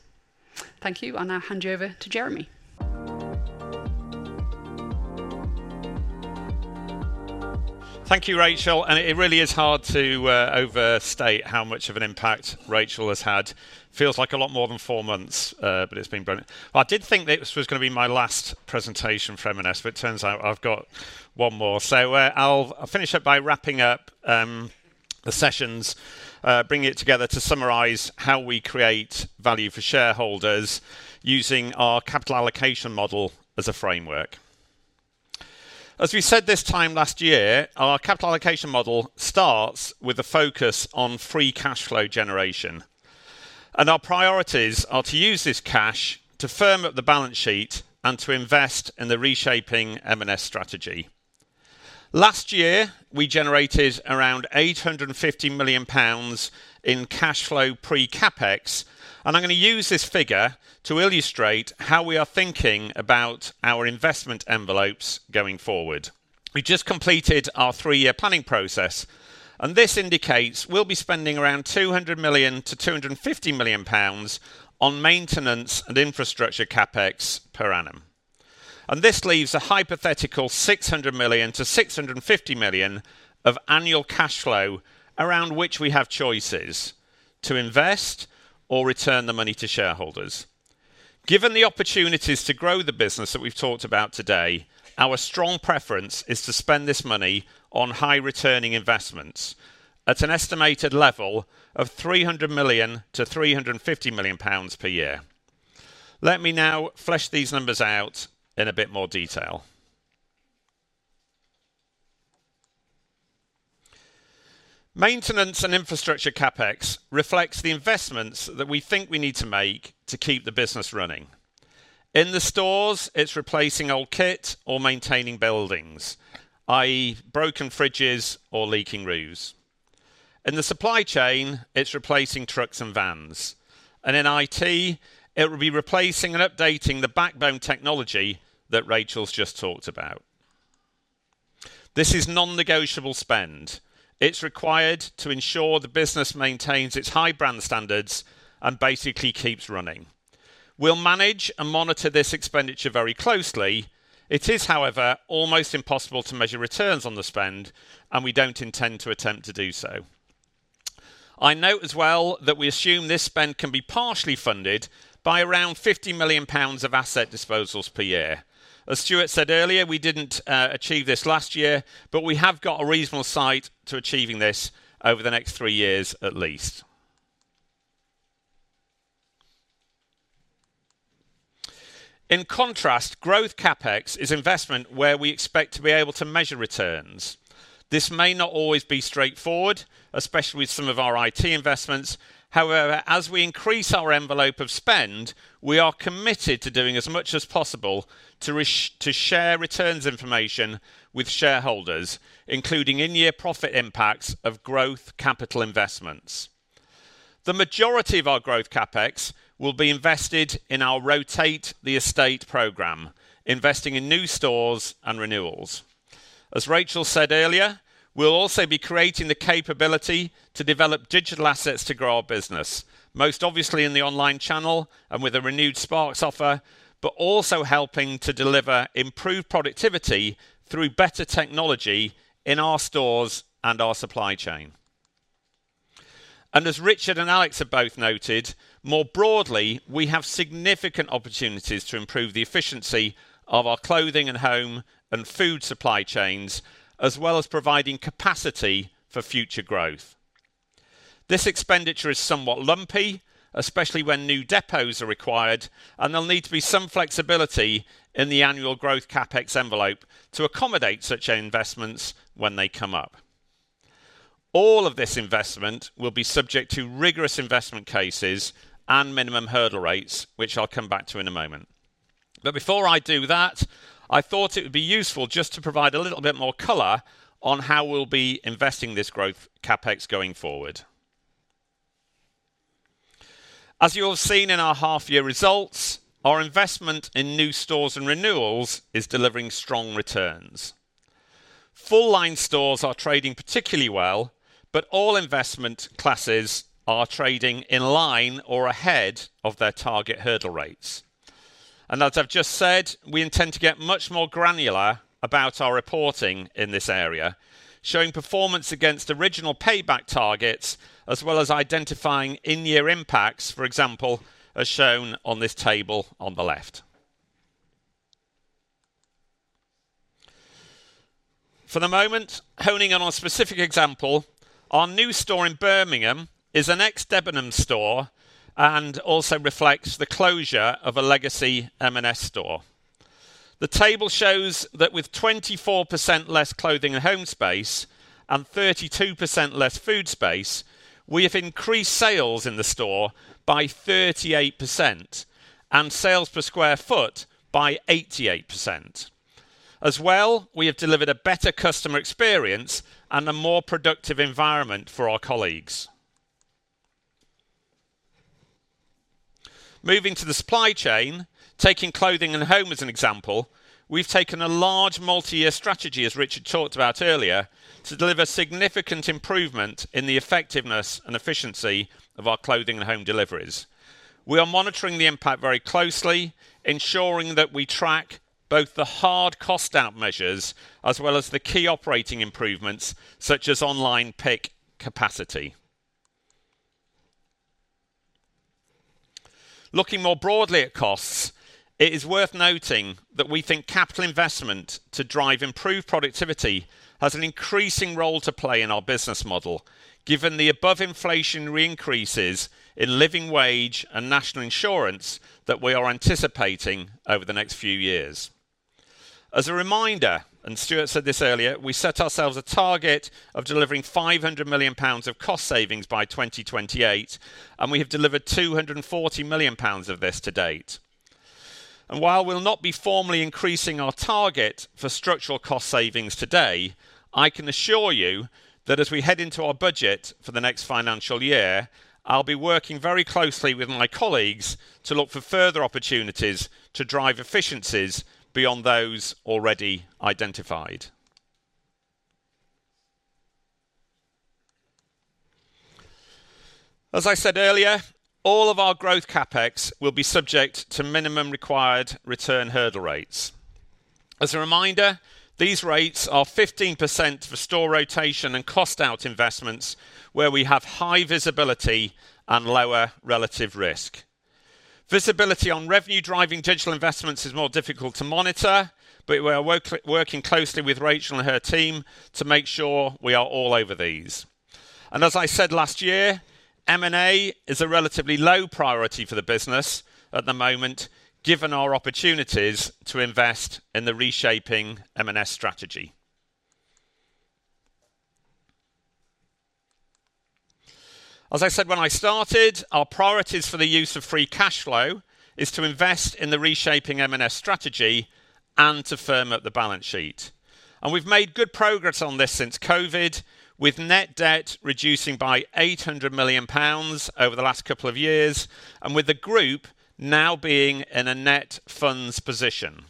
Thank you. I'll now hand you over to Jeremy. Thank you, Rachel. And it really is hard to overstate how much of an impact Rachel has had. It feels like a lot more than four months, but it's been brilliant. I did think this was going to be my last presentation for M&S, but it turns out I've got one more. I'll finish up by wrapping up the sessions, bringing it together to summarize how we create value for shareholders using our capital allocation model as a framework. As we said this time last year, our capital allocation model starts with a focus on free cash flow generation. Our priorities are to use this cash to firm up the balance sheet and to invest in the reshaping M&S strategy. Last year, we generated around 850 million pounds in cash flow pre-CapEx. I'm going to use this figure to illustrate how we are thinking about our investment envelopes going forward. We just completed our three-year planning process. This indicates we'll be spending around 200 million-250 million pounds on maintenance and infrastructure CapEx per annum. And this leaves a hypothetical 600 million-650 million of annual cash flow around which we have choices to invest or return the money to shareholders. Given the opportunities to grow the business that we've talked about today, our strong preference is to spend this money on high-returning investments at an estimated level of 300 million-350 million pounds per year. Let me now flesh these numbers out in a bit more detail. Maintenance and infrastructure CapEx reflects the investments that we think we need to make to keep the business running. In the stores, it's replacing old kit or maintaining buildings, i.e., broken fridges or leaking roofs. In the supply chain, it's replacing trucks and vans. And in IT, it will be replacing and updating the backbone technology that Rachel's just talked about. This is non-negotiable spend. It's required to ensure the business maintains its high brand standards and basically keeps running. We'll manage and monitor this expenditure very closely. It is, however, almost impossible to measure returns on the spend, and we don't intend to attempt to do so. I note as well that we assume this spend can be partially funded by around GBP 50 million of asset disposals per year. As Stuart said earlier, we didn't achieve this last year, but we have got a reasonable sight to achieving this over the next three years at least. In contrast, growth CapEx is investment where we expect to be able to measure returns. This may not always be straightforward, especially with some of our IT investments. However, as we increase our envelope of spend, we are committed to doing as much as possible to share returns information with shareholders, including in-year profit impacts of growth capital investments. The majority of our growth CapEx will be invested in our Rotate the Estate program, investing in new stores and renewals. As Rachel said earlier, we'll also be creating the capability to develop digital assets to grow our business, most obviously in the online channel and with a renewed Sparks offer, but also helping to deliver improved productivity through better technology in our stores and our supply chain. And as Richard and Alex have both noted, more broadly, we have significant opportunities to improve the efficiency of our Clothing & Home and Food supply chains, as well as providing capacity for future growth. This expenditure is somewhat lumpy, especially when new depots are required, and there'll need to be some flexibility in the annual growth CapEx envelope to accommodate such investments when they come up. All of this investment will be subject to rigorous investment cases and minimum hurdle rates, which I'll come back to in a moment. But before I do that, I thought it would be useful just to provide a little bit more color on how we'll be investing this growth CapEx going forward. As you have seen in our half-year results, our investment in new stores and renewals is delivering strong returns. Full-line stores are trading particularly well, but all investment classes are trading in line or ahead of their target hurdle rates. As I've just said, we intend to get much more granular about our reporting in this area, showing performance against original payback targets, as well as identifying in-year impacts, for example, as shown on this table on the left. For the moment, honing in on a specific example, our new store in Birmingham is an ex-Debenhams store and also reflects the closure of a legacy M&S store. The table shows that with 24% less Clothing & Home space and 32% less food space, we have increased sales in the store by 38% and sales per sq ft by 88%. As well, we have delivered a better customer experience and a more productive environment for our colleagues. Moving to the supply chain, taking Clothing & Home as an example, we've taken a large multi-year strategy, as Richard talked about earlier, to deliver significant improvement in the effectiveness and efficiency of our Clothing & Home deliveries. We are monitoring the impact very closely, ensuring that we track both the hard cost-out measures as well as the key operating improvements, such as online pick capacity. Looking more broadly at costs, it is worth noting that we think capital investment to drive improved productivity has an increasing role to play in our business model, given the above inflationary increases in living wage and national insurance that we are anticipating over the next few years. As a reminder, and Stuart said this earlier, we set ourselves a target of delivering 500 million pounds of cost savings by 2028, and we have delivered 240 million pounds of this to date. And while we'll not be formally increasing our target for structural cost savings today, I can assure you that as we head into our budget for the next financial year, I'll be working very closely with my colleagues to look for further opportunities to drive efficiencies beyond those already identified. As I said earlier, all of our growth CapEx will be subject to minimum required return hurdle rates. As a reminder, these rates are 15% for store rotation and cost-out investments, where we have high visibility and lower relative risk. Visibility on revenue-driving digital investments is more difficult to monitor, but we are working closely with Rachel and her team to make sure we are all over these. And as I said last year, M&A is a relatively low priority for the business at the moment, given our opportunities to invest in the reshaping M&S strategy. As I said when I started, our priorities for the use of free cash flow is to invest in the reshaping M&S strategy and to firm up the balance sheet. We've made good progress on this since COVID, with net debt reducing by 800 million pounds over the last couple of years, and with the group now being in a net funds position.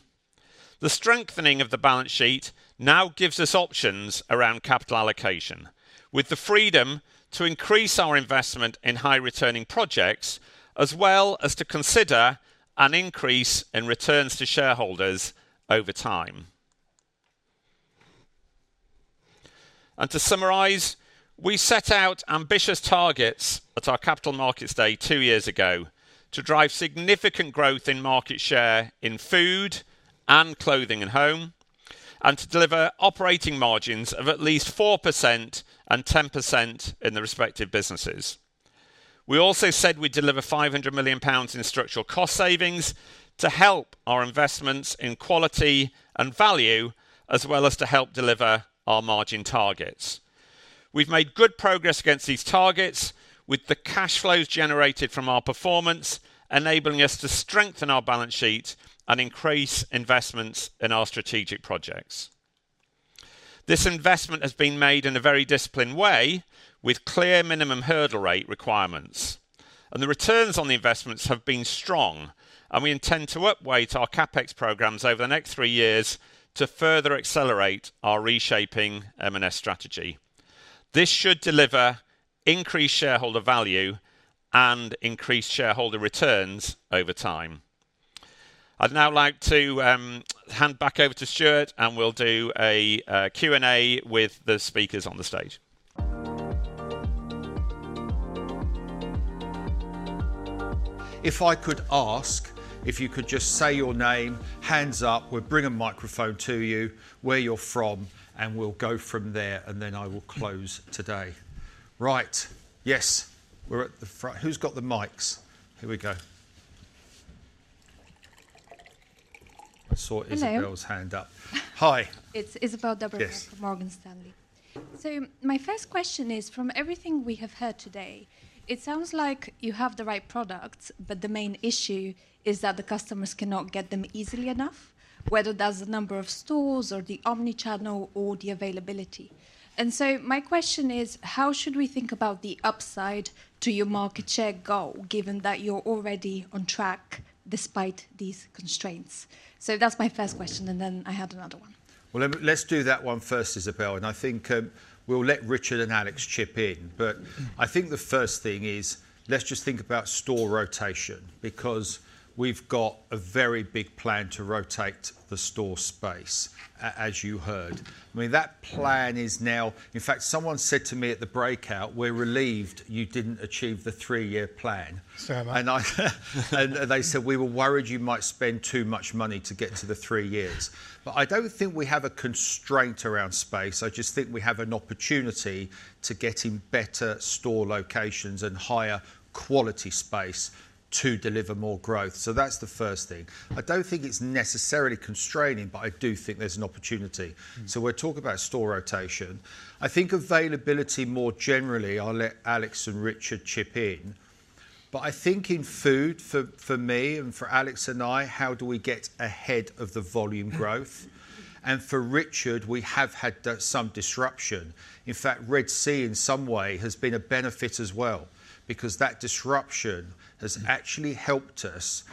The strengthening of the balance sheet now gives us options around capital allocation, with the freedom to increase our investment in high-returning projects, as well as to consider an increase in returns to shareholders over time. To summarize, we set out ambitious targets at our Capital Markets Day two years ago to drive significant growth in market share in Food and Clothing & Home, and to deliver operating margins of at least 4% and 10% in the respective businesses. We also said we'd deliver 500 million pounds in structural cost savings to help our investments in quality and value, as well as to help deliver our margin targets. We've made good progress against these targets, with the cash flows generated from our performance enabling us to strengthen our balance sheet and increase investments in our strategic projects. This investment has been made in a very disciplined way, with clear minimum hurdle rate requirements, and the returns on the investments have been strong, and we intend to upweight our CapEx programs over the next three years to further accelerate our reshaping M&S strategy. This should deliver increased shareholder value and increased shareholder returns over time. I'd now like to hand back over to Stuart, and we'll do a Q&A with the speakers on the stage. If I could ask if you could just say your name, hands up, we'll bring a microphone to you, where you're from, and we'll go from there, and then I will close today. Right. Yes. Who's got the mics? Here we go. I saw Izabel's hand up. Hi. It's Izabel Dobreva from Morgan Stanley. So my first question is, from everything we have heard today, it sounds like you have the right products, but the main issue is that the customers cannot get them easily enough, whether that's the number of stores or the omnichannel or the availability, and so my question is, how should we think about the upside to your market share goal, given that you're already on track despite these constraints? So that's my first question, and then I had another one. Well, let's do that one first, Izabel, and I think we'll let Richard and Alex chip in. But I think the first thing is, let's just think about store rotation, because we've got a very big plan to rotate the store space, as you heard. I mean, that plan is now, in fact, someone said to me at the breakout, "We're relieved you didn't achieve the three-year plan." And they said, "We were worried you might spend too much money to get to the three years." But I don't think we have a constraint around space. I just think we have an opportunity to get in better store locations and higher quality space to deliver more growth. So that's the first thing. I don't think it's necessarily constraining, but I do think there's an opportunity. So we're talking about store rotation. I think availability more generally. I'll let Alex and Richard chip in. But I think in food, for me and for Alex and I, how do we get ahead of the volume growth? And for Richard, we have had some disruption. In fact, Red Sea in some way has been a benefit as well, because that disruption has actually helped us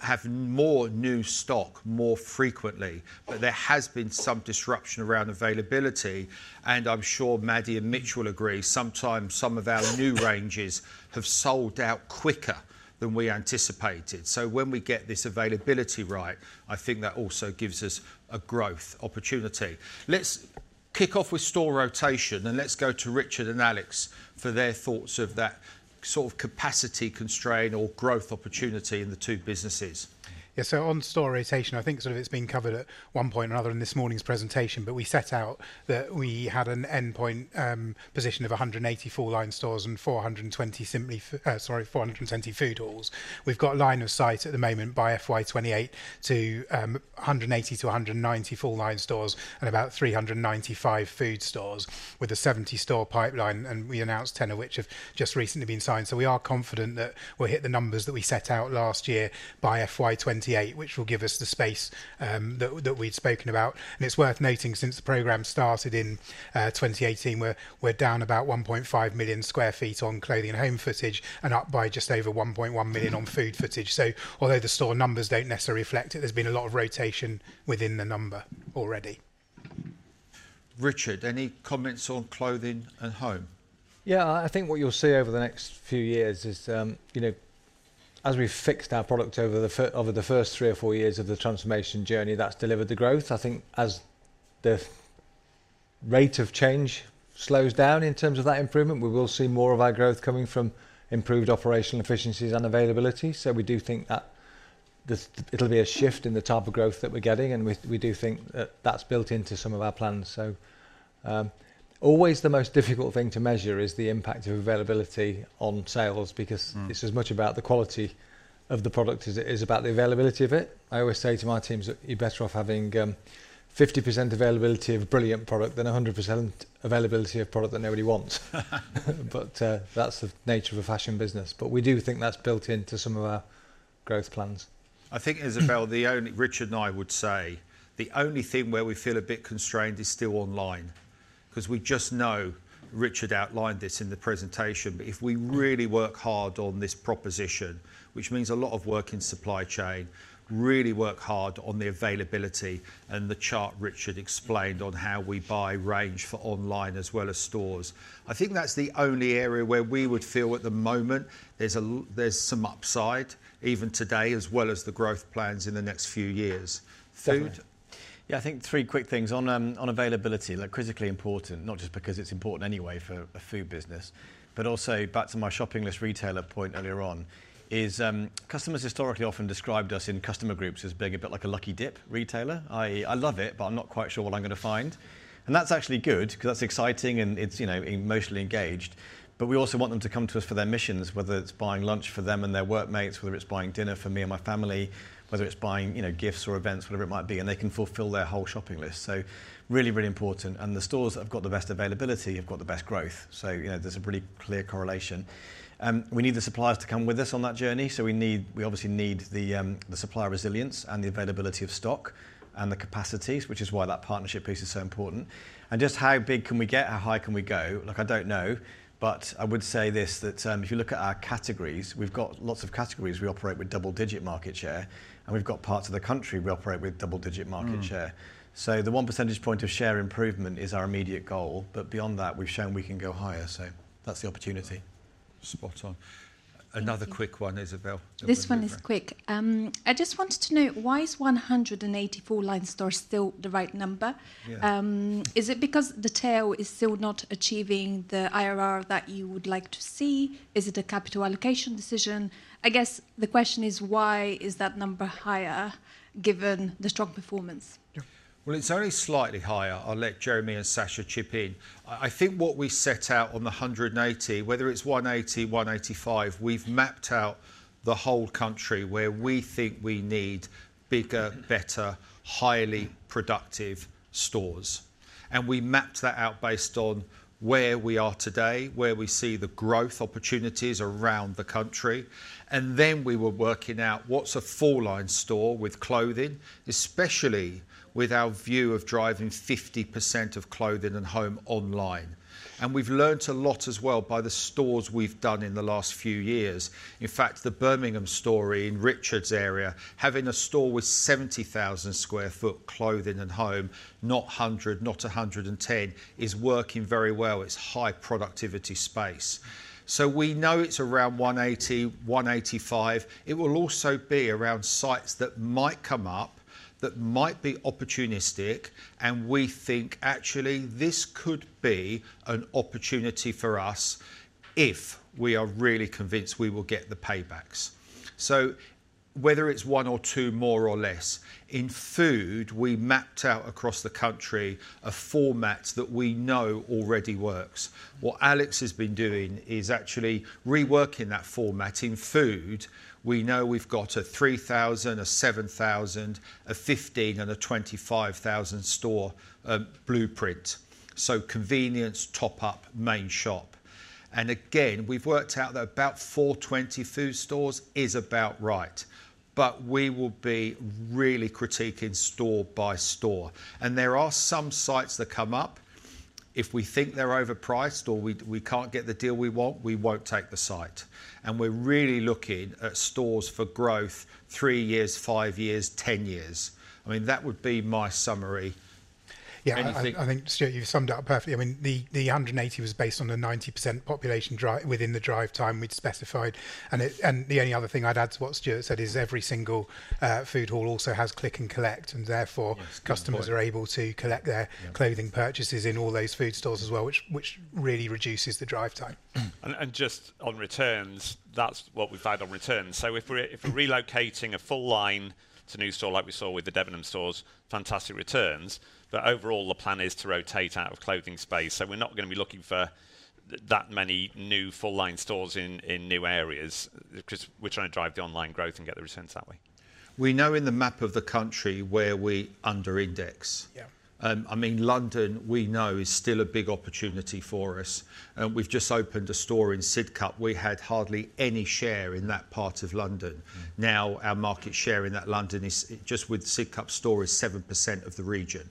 have more new stock more frequently. But there has been some disruption around availability, and I'm sure Maddy and Mitch will agree. Sometimes some of our new ranges have sold out quicker than we anticipated. So when we get this availability right, I think that also gives us a growth opportunity. Let's kick off with store rotation, and let's go to Richard and Alex for their thoughts of that sort of capacity constraint or growth opportunity in the two businesses. Yeah, so on store rotation, I think sort of it's been covered at one point or another in this morning's presentation, but we set out that we had an endpoint position of 180 full-line stores and 420 Simply Food halls. We've got a line of sight at the moment by FY 2028 to 180-190 full-line stores and about 395 food stores with a 70-store pipeline, and we announced 10, of which have just recently been signed. So we are confident that we'll hit the numbers that we set out last year by FY 2028, which will give us the space that we'd spoken about. And it's worth noting, since the program started in 2018, we're down about 1.5 million sq ft on Clothing & Home sq ft and up by just over 1.1 million on food sq ft. Although the store numbers don't necessarily reflect it, there's been a lot of rotation within the number already. Richard, any comments on Clothing & Home? Yeah, I think what you'll see over the next few years is, as we've fixed our product over the first three or four years of the transformation journey, that's delivered the growth. I think as the rate of change slows down in terms of that improvement, we will see more of our growth coming from improved operational efficiencies and availability. So we do think that it'll be a shift in the type of growth that we're getting, and we do think that that's built into some of our plans. So always the most difficult thing to measure is the impact of availability on sales, because it's as much about the quality of the product as it is about the availability of it. I always say to my teams that you're better off having 50% availability of a brilliant product than 100% availability of product that nobody wants. But that's the nature of a fashion business. But we do think that's built into some of our growth plans. I think, Izabel, Richard and I would say the only thing where we feel a bit constrained is still online, because we just know, Richard outlined this in the presentation, but if we really work hard on this proposition, which means a lot of work in supply chain, really work hard on the availability and the chart Richard explained on how we buy range for online as well as stores. I think that's the only area where we would feel at the moment there's some upside, even today, as well as the growth plans in the next few years. Yeah, I think three quick things on availability, critically important, not just because it's important anyway for a food business, but also back to my shopping list retailer point earlier on, is customers historically often described us in customer groups as being a bit like a lucky dip retailer. I love it, but I'm not quite sure what I'm going to find. And that's actually good, because that's exciting and it's emotionally engaged. But we also want them to come to us for their missions, whether it's buying lunch for them and their workmates, whether it's buying dinner for me and my family, whether it's buying gifts or events, whatever it might be, and they can fulfill their whole shopping list. So really, really important. And the stores that have got the best availability have got the best growth. So there's a pretty clear correlation. We need the suppliers to come with us on that journey. So we obviously need the supplier resilience and the availability of stock and the capacities, which is why that partnership piece is so important, and just how big can we get? How high can we go? Look, I don't know, but I would say this: if you look at our categories, we've got lots of categories. We operate with double-digit market share, and we've got parts of the country we operate with double-digit market share, so the 1 percentage point of share improvement is our immediate goal, but beyond that, we've shown we can go higher, so that's the opportunity. Spot on. Another quick one, Izabel. This one is quick. I just wanted to know, why is 180 full-line stores still the right number? Is it because the tail is still not achieving the IRR that you would like to see? Is it a capital allocation decision? I guess the question is, why is that number higher given the strong performance? It's only slightly higher. I'll let Jeremy and Sacha chip in. I think what we set out on the 180, whether it's 180, 185, we've mapped out the whole country where we think we need bigger, better, highly productive stores. We mapped that out based on where we are today, where we see the growth opportunities around the country. We were working out what's a full-line store with clothing, especially with our view of driving 50% of Clothing & Home online. We've learned a lot as well by the stores we've done in the last few years. In fact, the Birmingham story in Richard's area, having a store with 70,000 sq ft Clothing & Home, not 100, not 110, is working very well. It's high productivity space. We know it's around 180, 185. It will also be around sites that might come up, that might be opportunistic, and we think, actually, this could be an opportunity for us if we are really convinced we will get the paybacks, so whether it's one or two, more or less, in food, we mapped out across the country a format that we know already works. What Alex has been doing is actually reworking that format. In food, we know we've got a 3,000, a 7,000, a 15,000, and a 25,000 store blueprint, so convenience, top-up, main shop, and again, we've worked out that about 420 food stores is about right, but we will be really critiquing store by store, and there are some sites that come up. If we think they're overpriced or we can't get the deal we want, we won't take the site. We're really looking at stores for growth three years, five years, 10 years. I mean, that would be my summary. Yeah, I think, Stuart, you've summed it up perfectly. I mean, the 180 was based on the 90% population within the drive time we'd specified. And the only other thing I'd add to what Stuart said is every single food hall also has click and collect, and therefore customers are able to collect their clothing purchases in all those food stores as well, which really reduces the drive time. And just on returns, that's what we've had on returns. So if we're relocating a full-line to new store, like we saw with the Debenhams stores, fantastic returns. But overall, the plan is to rotate out of clothing space. So we're not going to be looking for that many new full-line stores in new areas, because we're trying to drive the online growth and get the returns that way. We know in the map of the country where we underindex. I mean, London, we know, is still a big opportunity for us. We've just opened a store in Sidcup. We had hardly any share in that part of London. Now, our market share in that London is just with Sidcup store is 7% of the region.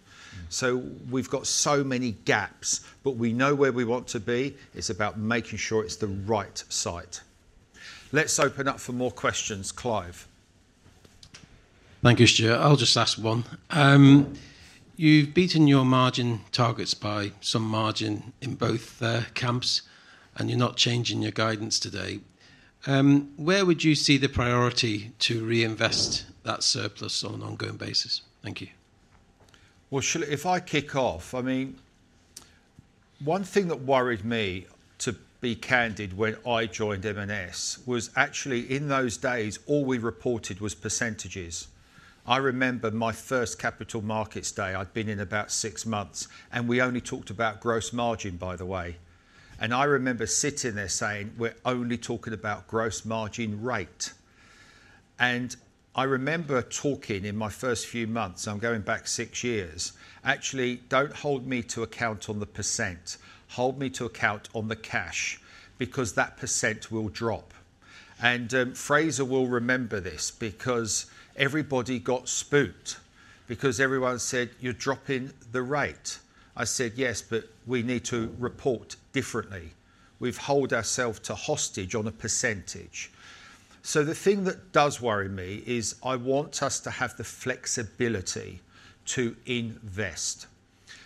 So we've got so many gaps, but we know where we want to be. It's about making sure it's the right site. Let's open up for more questions. Clive. Thank you, Stuart. I'll just ask one. You've beaten your margin targets by some margin in both camps, and you're not changing your guidance today. Where would you see the priority to reinvest that surplus on an ongoing basis? Thank you. If I kick off, I mean, one thing that worried me, to be candid, when I joined M&S was actually in those days, all we reported was percentages. I remember my first Capital Markets Day. I'd been in about six months, and we only talked about gross margin, by the way. And I remember sitting there saying, "We're only talking about gross margin rate." And I remember talking in my first few months, I'm going back six years, "Actually, don't hold me to account on the percent. Hold me to account on the cash, because that percent will drop." And Fraser will remember this, because everybody got spooked, because everyone said, "You're dropping the rate." I said, "Yes, but we need to report differently. We've held ourselves hostage to a percentage." So the thing that does worry me is I want us to have the flexibility to invest.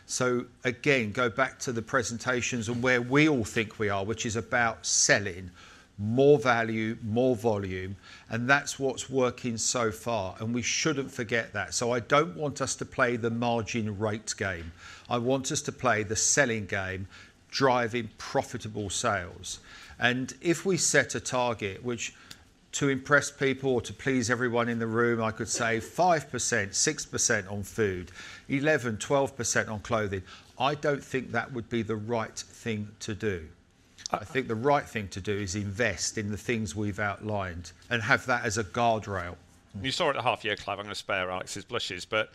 So again, go back to the presentations on where we all think we are, which is about selling more value, more volume, and that's what's working so far. And we shouldn't forget that. So I don't want us to play the margin rate game. I want us to play the selling game, driving profitable sales. And if we set a target, which to impress people or to please everyone in the room, I could say 5%, 6% on food, 11%, 12% on clothing, I don't think that would be the right thing to do. I think the right thing to do is invest in the things we've outlined and have that as a guardrail. We saw it at half year, Clive. I'm going to spare Alex's blushes. But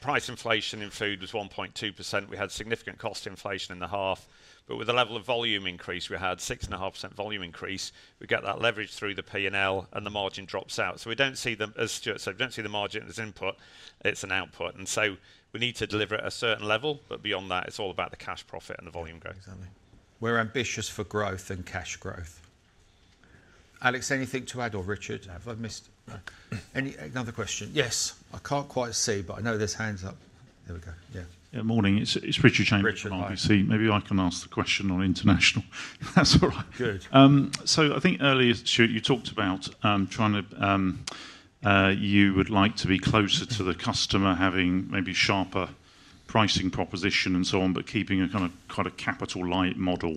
price inflation in food was 1.2%. We had significant cost inflation in the half. But with the level of volume increase, we had 6.5% volume increase. We get that leverage through the P&L, and the margin drops out. So we don't see them, as Stuart said, we don't see the margin as input. It's an output. And so we need to deliver at a certain level, but beyond that, it's all about the cash profit and the volume growth. Exactly. We're ambitious for growth and cash growth. Alex, anything to add, or Richard? Have I missed? Any other questions? Yes. I can't quite see, but I know there's hands up. There we go. Yeah. Good morning. It's Richard Chamberlain from RBC. Maybe I can ask the question on International. That's all right. So I think earlier, Stuart, you talked about trying to you would like to be closer to the customer, having maybe sharper pricing proposition and so on, but keeping a kind of quite a capital light model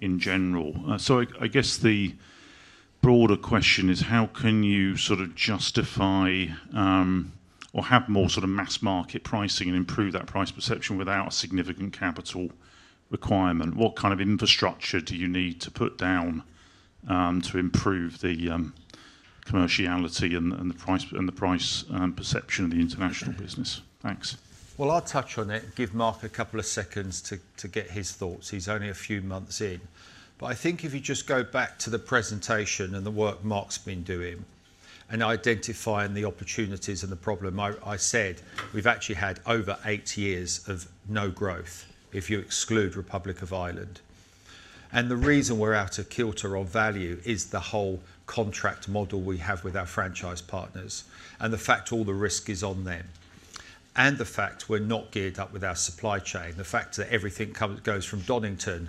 in general. So I guess the broader question is, how can you sort of justify or have more sort of mass market pricing and improve that price perception without a significant capital requirement? What kind of infrastructure do you need to put down to improve the commerciality and the price perception of the International business? Thanks. I'll touch on that and give Mark a couple of seconds to get his thoughts. He's only a few months in. But I think if you just go back to the presentation and the work Mark's been doing and identifying the opportunities and the problem, I said we've actually had over eight years of no growth if you exclude Republic of Ireland. And the reason we're out of kilter on value is the whole contract model we have with our franchise partners and the fact all the risk is on them and the fact we're not geared up with our supply chain, the fact that everything goes from Donington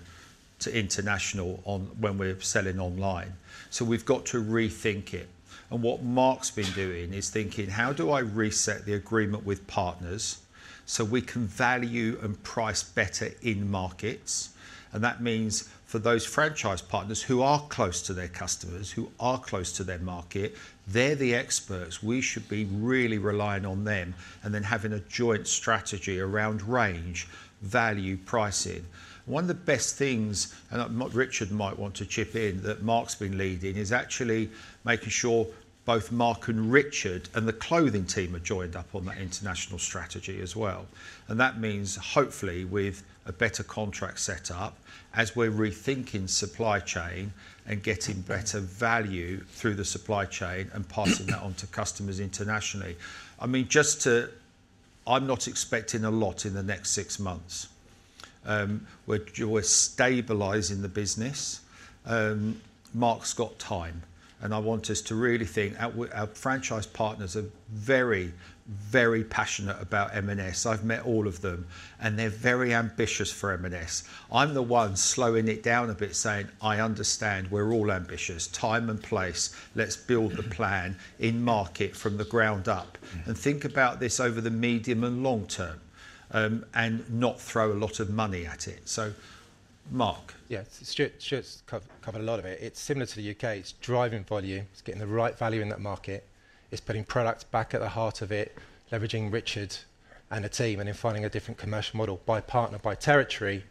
to International when we're selling online. So we've got to rethink it. And what Mark's been doing is thinking, how do I reset the agreement with partners so we can value and price better in markets? That means for those franchise partners who are close to their customers, who are close to their market, they're the experts. We should be really relying on them and then having a joint strategy around range, value, pricing. One of the best things, and Richard might want to chip in, that Mark's been leading is actually making sure both Mark and Richard and the clothing team are joined up on that international strategy as well. That means, hopefully, with a better contract setup, as we're rethinking supply chain and getting better value through the supply chain and passing that on to customers internationally. I mean, just to I'm not expecting a lot in the next six months. We're stabilizing the business. Mark's got time. I want us to really think our franchise partners are very, very passionate about M&S. I've met all of them, and they're very ambitious for M&S. I'm the one slowing it down a bit, saying, "I understand. We're all ambitious. Time and place. Let's build the plan in market from the ground up and think about this over the medium and long term and not throw a lot of money at it." So Mark. Yeah, Stuart's covered a lot of it. It's similar to the U.K. It's driving volume. It's getting the right value in that market. It's putting product back at the heart of it, leveraging Richard and the team, and then finding a different commercial model by partner, by territory.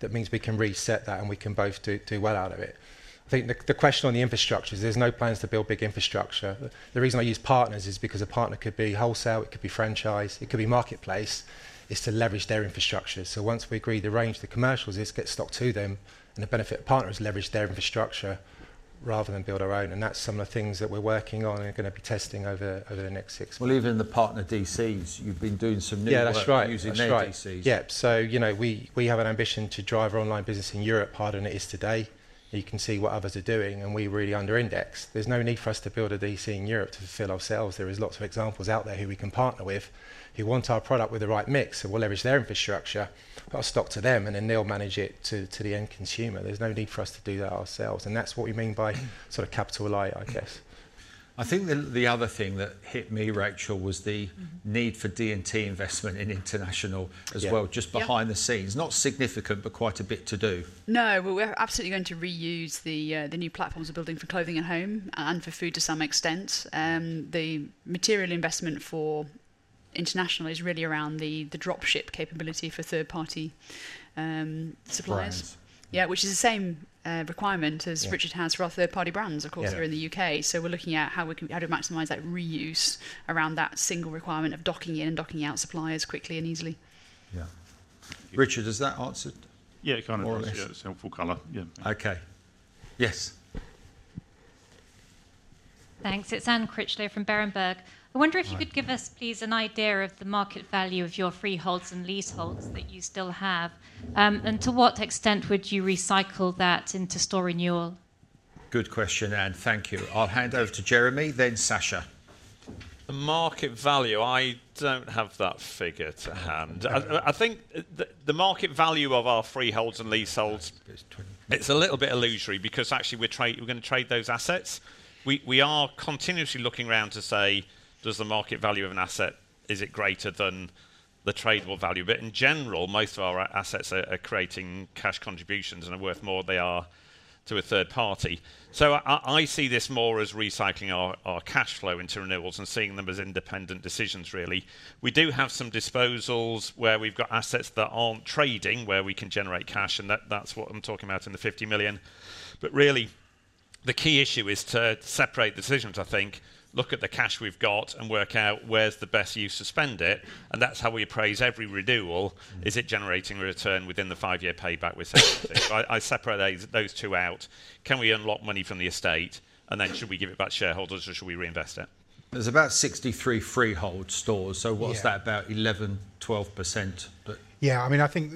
That means we can reset that, and we can both do well out of it. I think the question on the infrastructure is there's no plans to build big infrastructure. The reason I use partners is because a partner could be wholesale, it could be franchise, it could be marketplace, is to leverage their infrastructure. So once we agree the range of the commercials is get stocked to them, and the benefit of partners is leverage their infrastructure rather than build our own. And that's some of the things that we're working on and going to be testing over the next six. Even the partner DCs, you've been doing some new work using their DCs. Yeah, that's right. Yep. So we have an ambition to drive our online business in Europe harder than it is today. You can see what others are doing, and we really underindex. There's no need for us to build a DC in Europe to fulfill ourselves. There are lots of examples out there who we can partner with who want our product with the right mix, and we'll leverage their infrastructure, put our stock to them, and then they'll manage it to the end consumer. There's no need for us to do that ourselves. And that's what we mean by sort of capital light, I guess. I think the other thing that hit me, Rachel, was the need for D&T investment in International as well, just behind the scenes. Not significant, but quite a bit to do. No, we're absolutely going to reuse the new platforms we're building for Clothing & Home and for food to some extent. The material investment for International is really around the dropship capability for third-party suppliers. Plans. Yeah, which is the same requirement as Richard has for our third-party brands, of course, that are in the UK. So we're looking at how to maximize that reuse around that single requirement of docking in and docking out suppliers quickly and easily. Yeah. Richard, is that answered? Yeah, it kind of is. Yeah, it's helpful color. Yeah. Okay. Yes. Thanks. It's Anne Critchlow from Berenberg. I wonder if you could give us, please, an idea of the market value of your freeholds and leaseholds that you still have, and to what extent would you recycle that into store renewal? Good question, Ann. Thank you. I'll hand over to Jeremy, then Sasha. The market value, I don't have that figure to hand. I think the market value of our freeholds and leaseholds, it's a little bit illusory because actually we're going to trade those assets. We are continuously looking around to say, does the market value of an asset, is it greater than the tradable value? But in general, most of our assets are creating cash contributions and are worth more than they are to a third party. So I see this more as recycling our cash flow into renewals and seeing them as independent decisions, really. We do have some disposals where we've got assets that aren't trading, where we can generate cash, and that's what I'm talking about in the 50 million. But really, the key issue is to separate decisions, I think. Look at the cash we've got and work out where's the best use to spend it. And that's how we appraise every renewal. Is it generating a return within the five-year payback? I separate those two out. Can we unlock money from the estate, and then should we give it back to shareholders, or should we reinvest it? There's about 63 freehold stores. So what's that about 11%-12%? Yeah, I mean, I think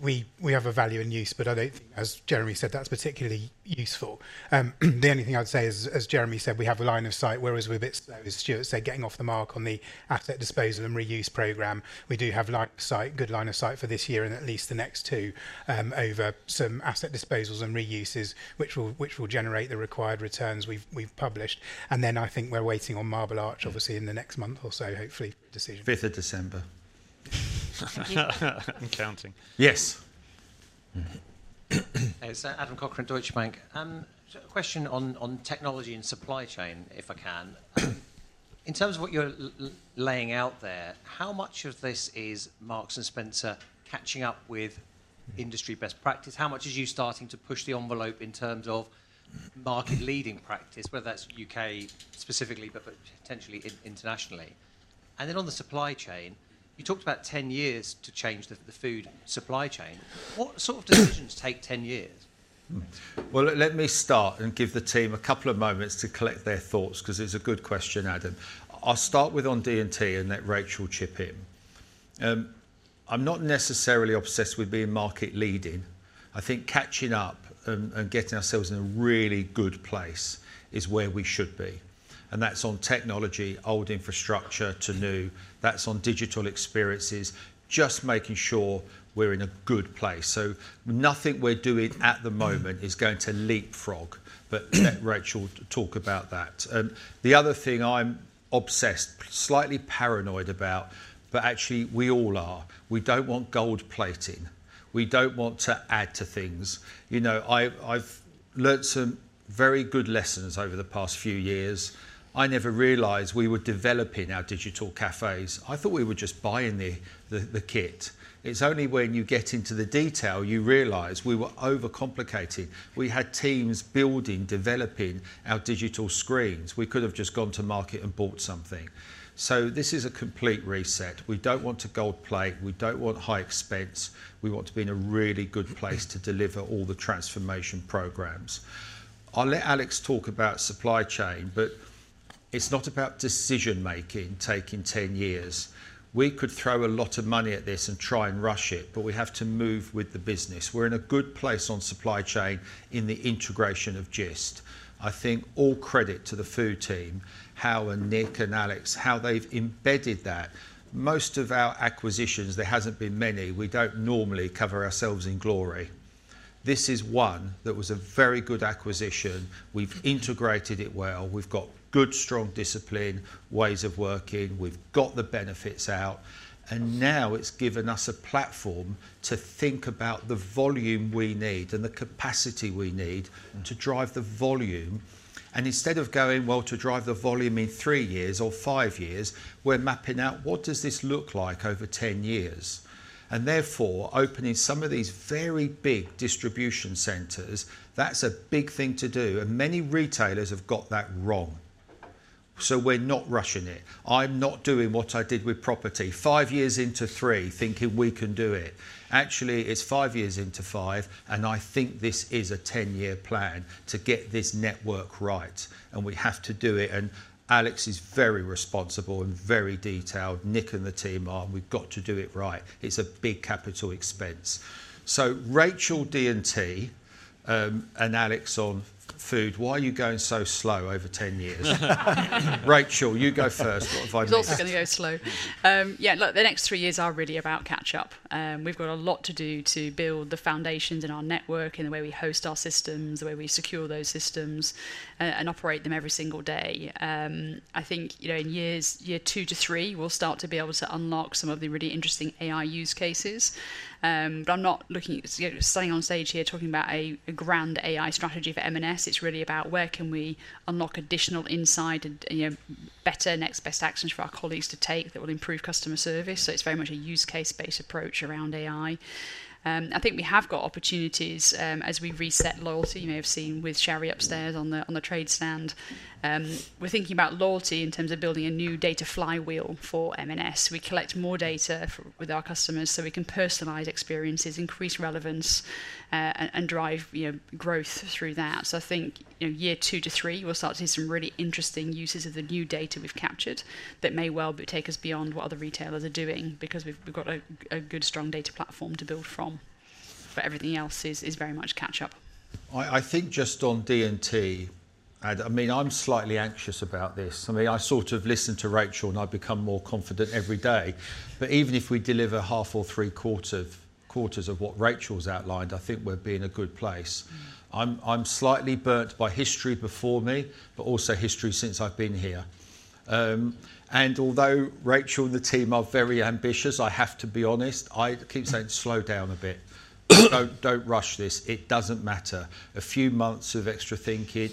we have a value and use, but I don't think, as Jeremy said, that's particularly useful. The only thing I'd say is, as Jeremy said, we have a line of sight, whereas we're a bit slow, as Stuart said, getting off the mark on the asset disposal and reuse program. We do have a good line of sight for this year and at least the next two over some asset disposals and reuses, which will generate the required returns we've published. And then I think we're waiting on Marble Arch, obviously, in the next month or so, hopefully. 5th of December. I'm counting. Yes. It's Adam Cochrane, Deutsche Bank. Question on technology and supply chain, if I can. In terms of what you're laying out there, how much of this is Marks and Spencer catching up with industry best practice? How much are you starting to push the envelope in terms of market-leading practice, whether that's U.K. specifically, but potentially internationally? And then on the supply chain, you talked about 10 years to change the food supply chain. What sort of decisions take 10 years? Let me start and give the team a couple of moments to collect their thoughts, because it's a good question, Adam. I'll start with on D&T, and let Rachel chip in. I'm not necessarily obsessed with being market-leading. I think catching up and getting ourselves in a really good place is where we should be. And that's on technology, old infrastructure to new. That's on digital experiences, just making sure we're in a good place. So nothing we're doing at the moment is going to leapfrog, but let Rachel talk about that. The other thing I'm obsessed, slightly paranoid about, but actually we all are. We don't want gold plating. We don't want to add to things. I've learned some very good lessons over the past few years. I never realized we were developing our digital cafés. I thought we were just buying the kit. It's only when you get into the detail you realize we were overcomplicating. We had teams building, developing our digital screens. We could have just gone to market and bought something. So this is a complete reset. We don't want to gold plate. We don't want high expense. We want to be in a really good place to deliver all the transformation programs. I'll let Alex talk about supply chain, but it's not about decision-making taking 10 years. We could throw a lot of money at this and try and rush it, but we have to move with the business. We're in a good place on supply chain in the integration of Gist. I think all credit to the food team, how Nick and Alex, how they've embedded that. Most of our acquisitions, there hasn't been many, we don't normally cover ourselves in glory. This is one that was a very good acquisition. We've integrated it well. We've got good, strong discipline, ways of working. We've got the benefits out. And now it's given us a platform to think about the volume we need and the capacity we need to drive the volume. And instead of going, "Well, to drive the volume in three years or five years," we're mapping out, "What does this look like over 10 years?" And therefore, opening some of these very big distribution centers, that's a big thing to do. And many retailers have got that wrong. So we're not rushing it. I'm not doing what I did with property. Five years into three, thinking we can do it. Actually, it's five years into five, and I think this is a 10-year plan to get this network right. And we have to do it. And Alex is very responsible and very detailed. Nick and the team are. We've got to do it right. It's a big capital expense. So Rachel, D&T, and Alex on food, why are you going so slow over 10 years? Rachel, you go first. I'm also going to go slow. Yeah, look, the next three years are really about catch-up. We've got a lot to do to build the foundations in our network and the way we host our systems, the way we secure those systems and operate them every single day. I think in year two to three, we'll start to be able to unlock some of the really interesting AI use cases. But I'm not looking at standing on stage here talking about a grand AI strategy for M&S. It's really about where can we unlock additional insight and better next best actions for our colleagues to take that will improve customer service. So it's very much a use case-based approach around AI. I think we have got opportunities as we reset loyalty. You may have seen with Sharry upstairs on the trade stand. We're thinking about loyalty in terms of building a new data flywheel for M&S. We collect more data with our customers so we can personalize experiences, increase relevance, and drive growth through that. So I think year two to three, we'll start to see some really interesting uses of the new data we've captured that may well take us beyond what other retailers are doing because we've got a good, strong data platform to build from. But everything else is very much catch-up. I think just on D&T, I mean, I'm slightly anxious about this. I mean, I sort of listen to Rachel, and I become more confident every day. But even if we deliver half or three-quarters of what Rachel's outlined, I think we're being a good place. I'm slightly burnt by history before me, but also history since I've been here. And although Rachel and the team are very ambitious, I have to be honest, I keep saying, "Slow down a bit. Don't rush this. It doesn't matter. A few months of extra thinking,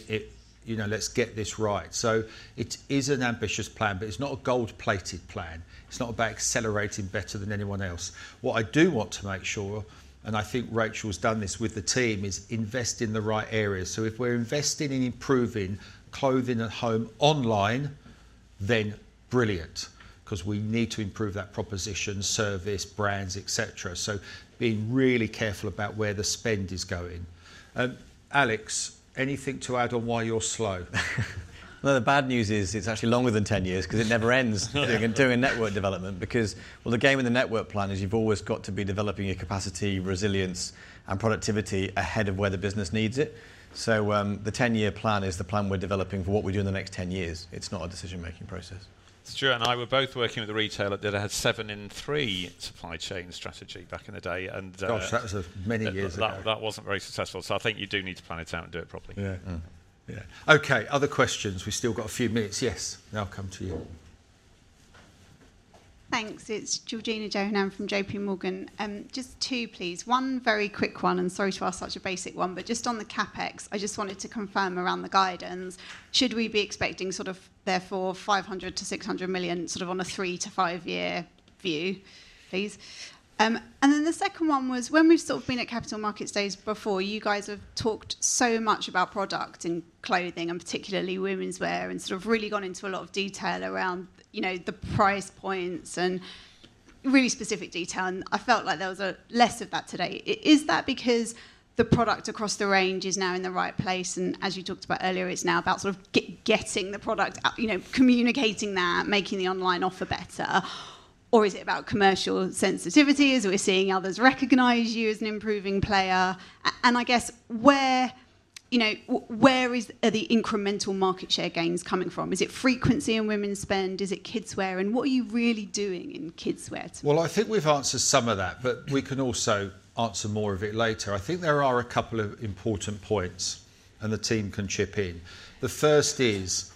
let's get this right." So it is an ambitious plan, but it's not a gold-plated plan. It's not about accelerating better than anyone else. What I do want to make sure, and I think Rachel's done this with the team, is invest in the right areas. So if we're investing in improving Clothing & Home online, then brilliant, because we need to improve that proposition, service, brands, etc. So being really careful about where the spend is going. Alex, anything to add on why you're slow? Well, the bad news is it's actually longer than 10 years because it never ends doing network development because, well, the game in the network plan is you've always got to be developing your capacity, resilience, and productivity ahead of where the business needs it. So the 10-year plan is the plan we're developing for what we do in the next 10 years. It's not a decision-making process. Stuart and I were both working with a retailer that had seven-in-three supply chain strategy back in the day. Gosh, that was many years ago. That wasn't very successful, so I think you do need to plan it out and do it properly. Yeah. Okay, other questions? We've still got a few minutes. Yes, now I'll come to you. Thanks. It's Georgina Johanan from JPMorgan. Just two, please. One very quick one, and sorry to ask such a basic one, but just on the CapEx, I just wanted to confirm around the guidance. Should we be expecting sort of therefore 500 million-600 million sort of on a three to five-year view, please? And then the second one was when we've sort of been at capital markets days before, you guys have talked so much about product in clothing and particularly Womenswear and sort of really gone into a lot of detail around the price points and really specific detail. And I felt like there was less of that today. Is that because the product across the range is now in the right place? And as you talked about earlier, it's now about sort of getting the product, communicating that, making the online offer better. Or is it about commercial sensitivity as we're seeing others recognize you as an improving player? And I guess, where are the incremental market share gains coming from? Is it frequency in women's spend? Is it Kidswear? And what are you really doing in Kidswear? Well, I think we've answered some of that, but we can also answer more of it later. I think there are a couple of important points, and the team can chip in. The first is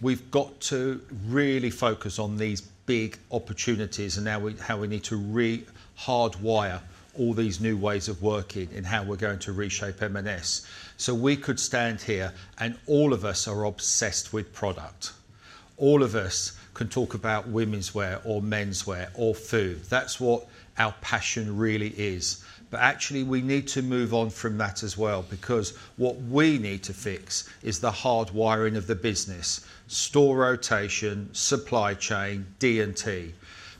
we've got to really focus on these big opportunities and how we need to re-hardwire all these new ways of working and how we're going to reshape M&S. So we could stand here, and all of us are obsessed with product. All of us can talk about Womenswear or Menswear or food. That's what our passion really is. But actually, we need to move on from that as well because what we need to fix is the hardwiring of the business, store rotation, supply chain, D&T.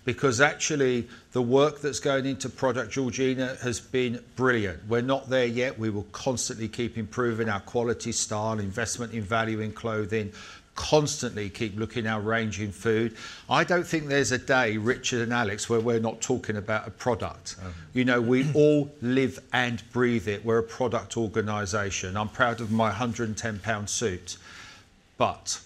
Because actually, the work that's going into product, Georgina, has been brilliant. We're not there yet. We will constantly keep improving our quality style, investment in value in clothing, constantly keep looking at our range in food. I don't think there's a day, Richard and Alex, where we're not talking about a product. We all live and breathe it. We're a product organization. I'm proud of my 110 pound suit. But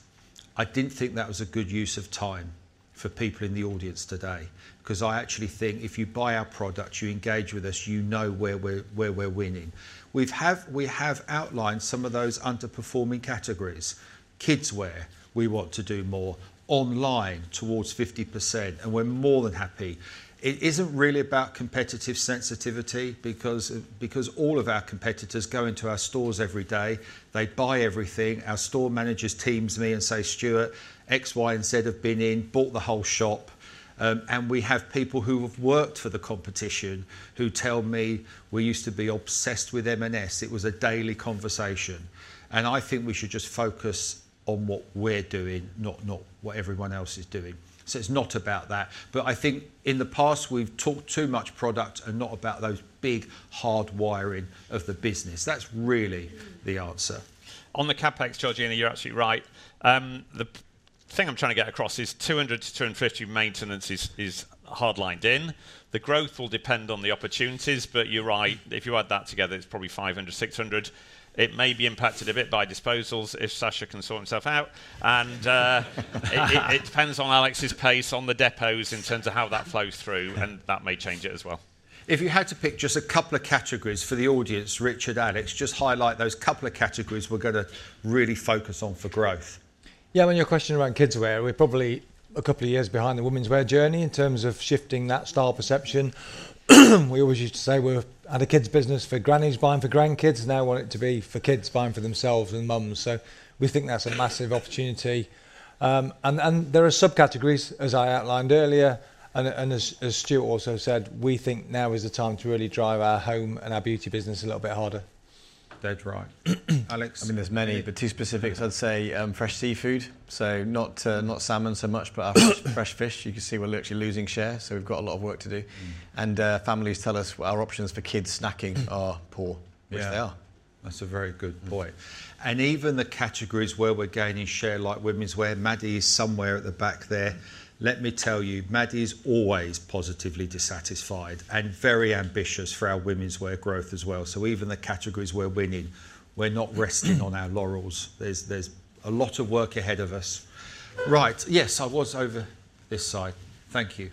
I didn't think that was a good use of time for people in the audience today because I actually think if you buy our product, you engage with us, you know where we're winning. We have outlined some of those underperforming categories. Kidswear, we want to do more online towards 50%, and we're more than happy. It isn't really about competitive sensitivity because all of our competitors go into our stores every day. They buy everything. Our store managers tell me and say, "Stuart, X, Y, and Z have been in, bought the whole shop." And we have people who have worked for the competition who tell me, "We used to be obsessed with M&S. It was a daily conversation." And I think we should just focus on what we're doing, not what everyone else is doing. So it's not about that. But I think in the past, we've talked too much product and not about those big hardwiring of the business. That's really the answer. On the CapEx, Georgina, you're absolutely right. The thing I'm trying to get across is 200-250 maintenance is hardlined in. The growth will depend on the opportunities, but you're right. If you add that together, it's probably 500-600. It may be impacted a bit by disposals if Sacha can sort himself out, and it depends on Alex's pace on the depots in terms of how that flows through, and that may change it as well. If you had to pick just a couple of categories for the audience, Richard, Alex, just highlight those couple of categories we're going to really focus on for growth. Yeah, when your question around Kidswear, we're probably a couple of years behind the Womenswear journey in terms of shifting that style perception. We always used to say we had a kids' business for grannies buying for grandkids. Now we want it to be for kids buying for themselves and moms. So we think that's a massive opportunity. And there are subcategories, as I outlined earlier. And as Stuart also said, we think now is the time to really drive our home and our beauty business a little bit harder. They're dry. Alex? I mean, there's many, but two specifics. I'd say fresh seafood, so not salmon so much, but fresh fish. You can see we're literally losing share, so we've got a lot of work to do, and families tell us our options for kids snacking are poor, which they are. That's a very good point, and even the categories where we're gaining share, like Womenswear, Maddy is somewhere at the back there. Let me tell you, Maddy's always positively dissatisfied and very ambitious for our Womenswear growth as well, so even the categories we're winning, we're not resting on our laurels. There's a lot of work ahead of us. Right, yes, I was over this side. Thank you.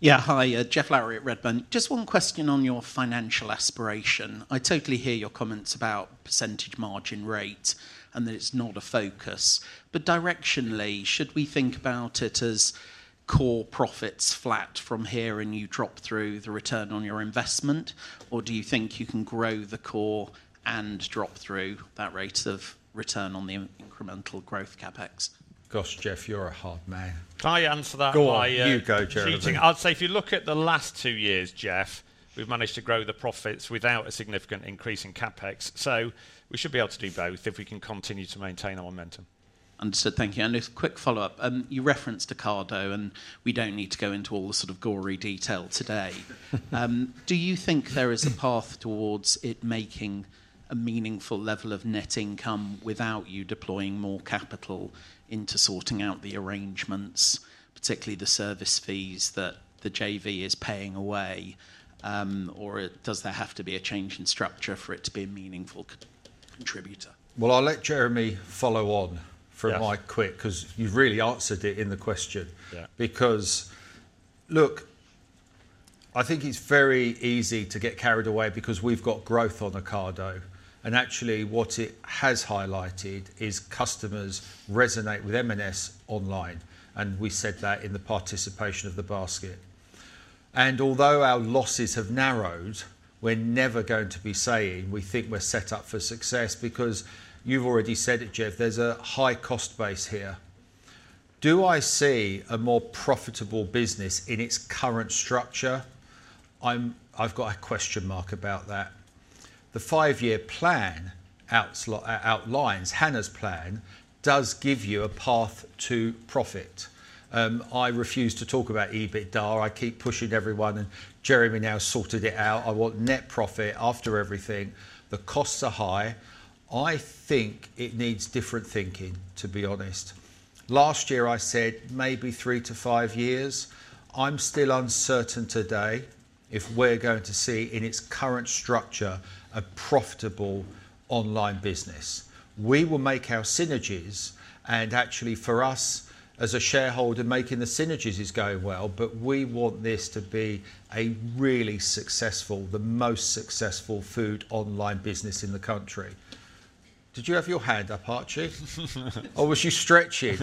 Yeah, hi, Geoff Lowery at Redburn. Just one question on your financial aspiration. I totally hear your comments about percentage margin rate and that it's not a focus. But directionally, should we think about it as core profits flat from here and you drop through the return on your investment? Or do you think you can grow the core and drop through that rate of return on the incremental growth CapEx? Gosh, Geoff, you're a hard man. I answer that by. Go on, you go, Jeremy. I'd say if you look at the last two years, Geoff, we've managed to grow the profits without a significant increase in CapEx. So we should be able to do both if we can continue to maintain our momentum. Understood. Thank you. And a quick follow-up. You referenced Ocado, and we don't need to go into all the sort of gory detail today. Do you think there is a path towards it making a meaningful level of net income without you deploying more capital into sorting out the arrangements, particularly the service fees that the JV is paying away? Or does there have to be a change in structure for it to be a meaningful contributor? Well, I'll let Jeremy follow on for my quick because you've really answered it in the question. Because look, I think it's very easy to get carried away because we've got growth on the Ocado. And actually, what it has highlighted is customers resonate with M&S online. And we said that in the participation of the basket. And although our losses have narrowed, we're never going to be saying we think we're set up for success because you've already said it, Geoff. There's a high cost base here. Do I see a more profitable business in its current structure? I've got a question mark about that. The five-year plan outlines. Hannah's plan does give you a path to profit. I refuse to talk about EBITDA. I keep pushing everyone, and Jeremy now sorted it out. I want net profit after everything. The costs are high. I think it needs different thinking, to be honest. Last year, I said maybe three to five years. I'm still uncertain today if we're going to see in its current structure a profitable online business. We will make our synergies. And actually, for us as a shareholder, making the synergies is going well, but we want this to be a really successful, the most successful food online business in the country. Did you have your hand up, Archie? Or was you stretching?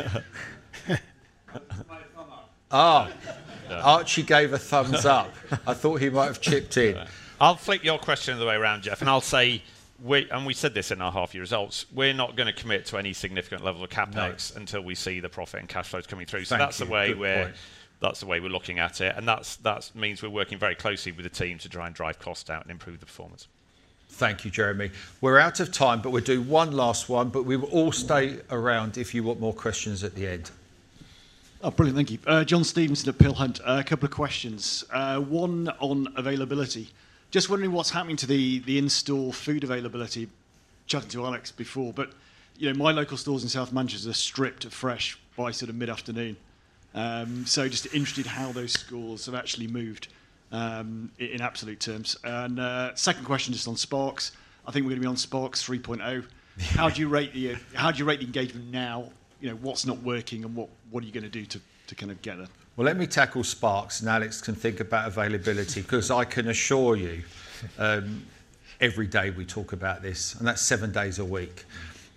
Oh, Archie gave a thumbs up. I thought he might have chipped in. I'll flip your question the way around, Geoff, and I'll say, and we said this in our half-year results, we're not going to commit to any significant level of CapEx until we see the profit and cash flows coming through. So that's the way we're looking at it. And that means we're working very closely with the team to try and drive cost out and improve the performance. Thank you, Jeremy. We're out of time, but we'll do one last one. But we will all stay around if you want more questions at the end. Brilliant. Thank you. John Stevenson at Peel Hunt, a couple of questions. One on availability. Just wondering what's happening to the in-store food availability. Chatting to Alex before, but my local stores in South Manchester are stripped of fresh by sort of mid-afternoon. So just interested how those scores have actually moved in absolute terms, and second question just on Sparks. I think we're going to be on Sparks 3.0. How do you rate the engagement now? What's not working and what are you going to do to kind of get it? Let me tackle Sparks and Alex can think about availability because I can assure you every day we talk about this, and that's seven days a week.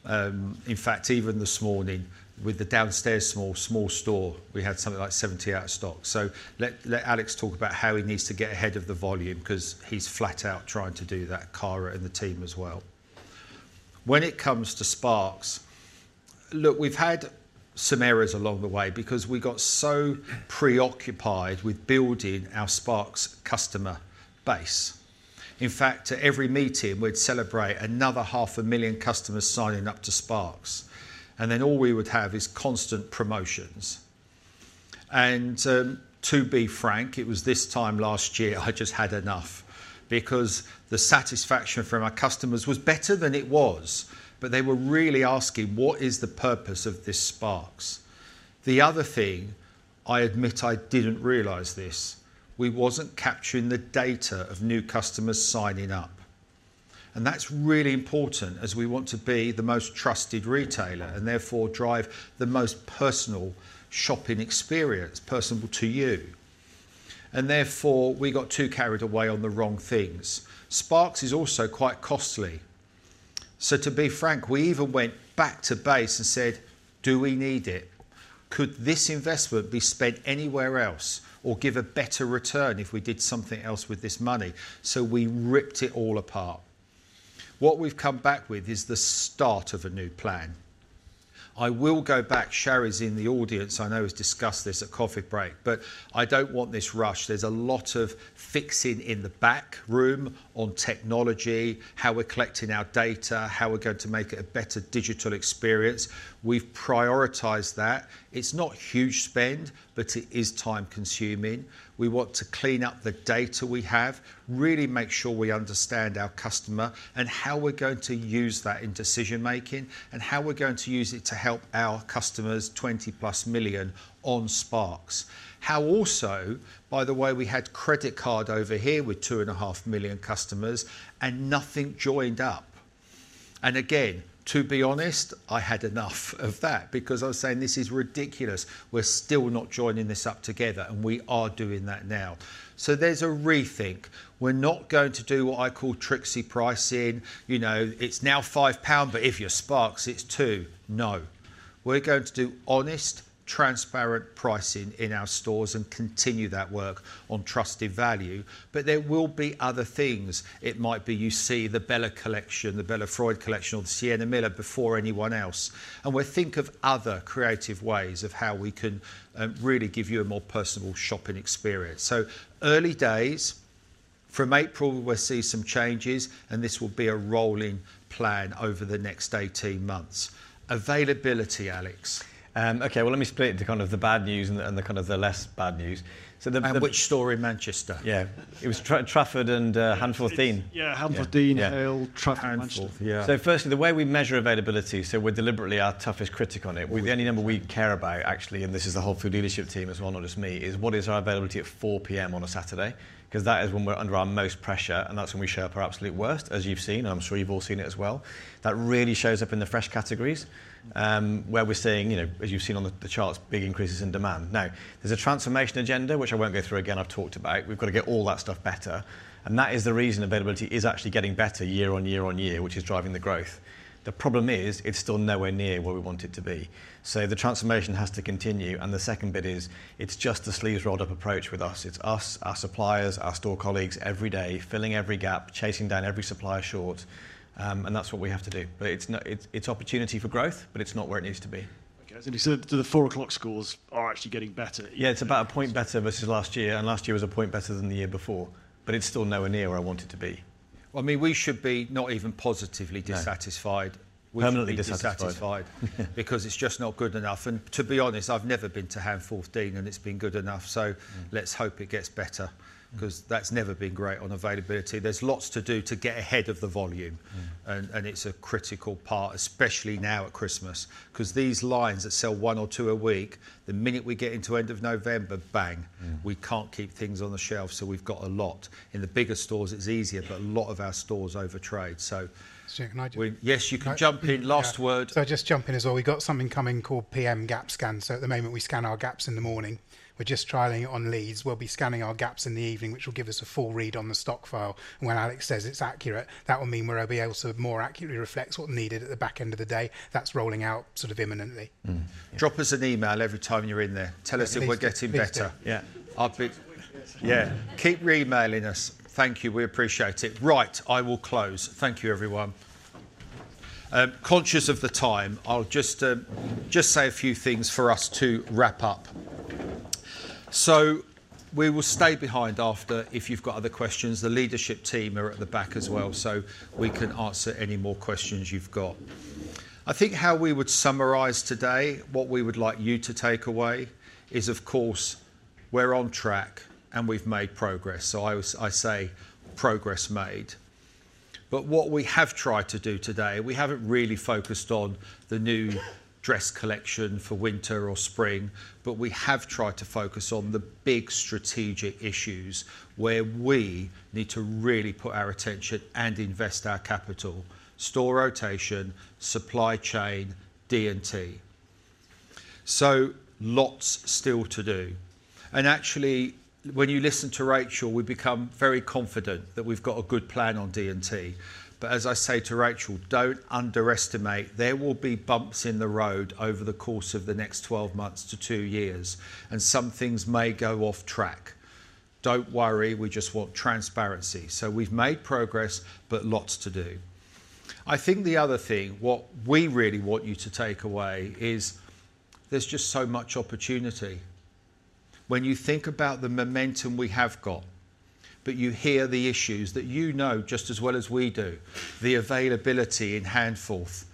In fact, even this morning with the downstairs small store, we had something like 70 out of stock. Let Alex talk about how he needs to get ahead of the volume because he's flat out trying to do that, Kara and the team as well. When it comes to Sparks, look, we've had some errors along the way because we got so preoccupied with building our Sparks customer base. In fact, at every meeting, we'd celebrate another 500,000 customers signing up to Sparks. Then all we would have is constant promotions. To be frank, it was this time last year I just had enough because the satisfaction from our customers was better than it was, but they were really asking, "What is the purpose of this Sparks?" The other thing, I admit I didn't realize this, we wasn't capturing the data of new customers signing up. That's really important as we want to be the most trusted retailer and therefore drive the most personal shopping experience personal to you. Therefore, we got too carried away on the wrong things. Sparks is also quite costly. To be frank, we even went back to base and said, "Do we need it? Could this investment be spent anywhere else or give a better return if we did something else with this money?" We ripped it all apart. What we've come back with is the start of a new plan. I will go back. Sharry's in the audience. I know we've discussed this at coffee break, but I don't want this rush. There's a lot of fixing in the back room on technology, how we're collecting our data, how we're going to make it a better digital experience. We've prioritized that. It's not huge spend, but it is time-consuming. We want to clean up the data we have, really make sure we understand our customer and how we're going to use that in decision-making and how we're going to use it to help our customers, 20-plus million on Sparks. How also, by the way, we had credit card over here with two and a half million customers and nothing joined up. And again, to be honest, I had enough of that because I was saying, "This is ridiculous. We're still not joining this up together," and we are doing that now. So there's a rethink. We're not going to do what I call tricksy pricing. It's now 5 pound, but if you're Sparks, it's 2. No. We're going to do honest, transparent pricing in our stores and continue that work on trusted value. But there will be other things. It might be you see the Bella collection, the Bella Freud collection, or the Sienna Miller before anyone else. And we'll think of other creative ways of how we can really give you a more personal shopping experience. So early days, from April, we'll see some changes, and this will be a rolling plan over the next 18 months. Availability, Alex. Okay, well, let me split into kind of the bad news and the kind of the less bad news. Which store in Manchester? Yeah. It was Trafford and Handforth Dean. Yeah, Handforth Dean, Hale, Trafford, Mansfield. So firstly, the way we measure availability, so we're deliberately our toughest critic on it. The only number we care about, actually, and this is the whole food leadership team as well, not just me, is what is our availability at 4:00 P.M. on a Saturday? Because that is when we're under our most pressure, and that's when we show up our absolute worst, as you've seen, and I'm sure you've all seen it as well. That really shows up in the fresh categories where we're seeing, as you've seen on the charts, big increases in demand. Now, there's a transformation agenda, which I won't go through again. I've talked about it. We've got to get all that stuff better. And that is the reason availability is actually getting better year on year on year, which is driving the growth. The problem is it's still nowhere near where we want it to be. So the transformation has to continue. And the second bit is it's just a sleeves rolled up approach with us. It's us, our suppliers, our store colleagues every day filling every gap, chasing down every supplier short. And that's what we have to do. But it's opportunity for growth, but it's not where it needs to be. Okay, so the 4:00 P.M. scores are actually getting better. Yeah, it's about a point better versus last year, and last year was a point better than the year before, but it's still nowhere near where I want it to be. I mean, we should be not even positively dissatisfied. Permanently dissatisfied. Because it's just not good enough. And to be honest, I've never been to Handforth Dean, and it's been good enough. So let's hope it gets better because that's never been great on availability. There's lots to do to get ahead of the volume. And it's a critical part, especially now at Christmas, because these lines that sell one or two a week, the minute we get into end of November, bang, we can't keep things on the shelf. So we've got a lot. In the bigger stores, it's easier, but a lot of our stores overtrade. So. Sir, can I just? Yes, you can jump in. Last word. Just jump in as well. We've got something coming called PM Gap Scan. At the moment, we scan our gaps in the morning. We're just trialing it on Leeds. We'll be scanning our gaps in the evening, which will give us a full read on the stock file. When Alex says it's accurate, that will mean we'll be able to more accurately reflect what's needed at the back end of the day. That's rolling out sort of imminently. Drop us an email every time you're in there. Tell us if we're getting better. Yeah. Keep re-emailing us. Thank you. We appreciate it. Right, I will close. Thank you, everyone. Conscious of the time, I'll just say a few things for us to wrap up. So we will stay behind after if you've got other questions. The leadership team are at the back as well, so we can answer any more questions you've got. I think how we would summarize today, what we would like you to take away is, of course, we're on track and we've made progress. So I say progress made. But what we have tried to do today, we haven't really focused on the new dress collection for winter or spring, but we have tried to focus on the big strategic issues where we need to really put our attention and invest our capital: store rotation, supply chain, D&T. So lots still to do. And actually, when you listen to Rachel, we become very confident that we've got a good plan on D&T. But as I say to Rachel, don't underestimate. There will be bumps in the road over the course of the next 12 months to two years, and some things may go off track. Don't worry. We just want transparency. So we've made progress, but lots to do. I think the other thing, what we really want you to take away is there's just so much opportunity. When you think about the momentum we have got, but you hear the issues that you know just as well as we do, the availability in Handforth,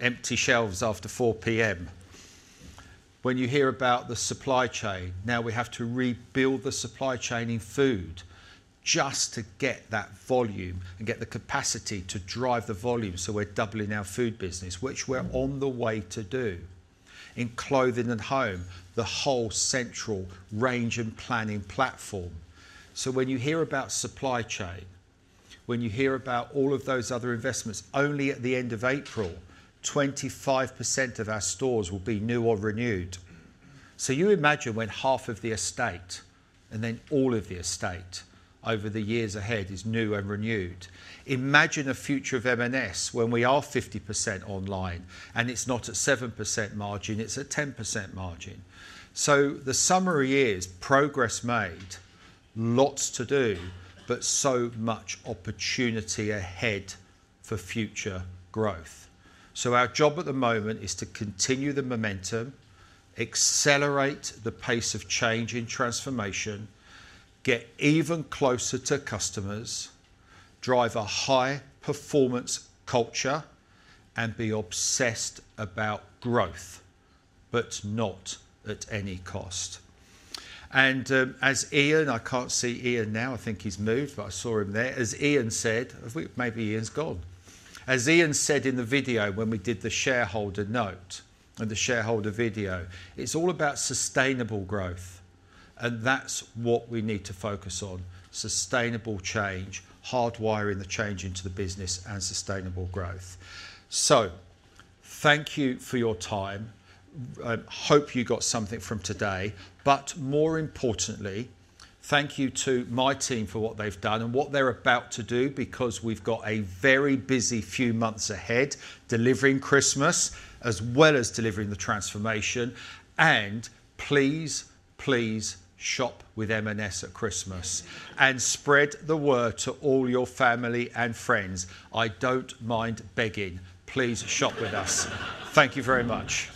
empty shelves after 4:00 P.M. When you hear about the supply chain, now we have to rebuild the supply chain in food just to get that volume and get the capacity to drive the volume so we're doubling our food business, which we're on the way to do in Clothing & Home, the whole central range and planning platform, so when you hear about supply chain, when you hear about all of those other investments, only at the end of April, 25% of our stores will be new or renewed, so you imagine when half of the estate and then all of the estate over the years ahead is new and renewed. Imagine a future of M&S when we are 50% online and it's not at 7% margin, it's at 10% margin. So the summary is progress made, lots to do, but so much opportunity ahead for future growth. So our job at the moment is to continue the momentum, accelerate the pace of change in transformation, get even closer to customers, drive a high performance culture, and be obsessed about growth, but not at any cost. And as Ian, I can't see Ian now. I think he's moved, but I saw him there. As Ian said, maybe Ian's gone. As Ian said in the video when we did the shareholder note and the shareholder video, it's all about sustainable growth. And that's what we need to focus on: sustainable change, hardwiring the change into the business and sustainable growth. So thank you for your time. Hope you got something from today. But more importantly, thank you to my team for what they've done and what they're about to do because we've got a very busy few months ahead delivering Christmas as well as delivering the transformation. And please, please shop with M&S at Christmas and spread the word to all your family and friends. I don't mind begging. Please shop with us. Thank you very much.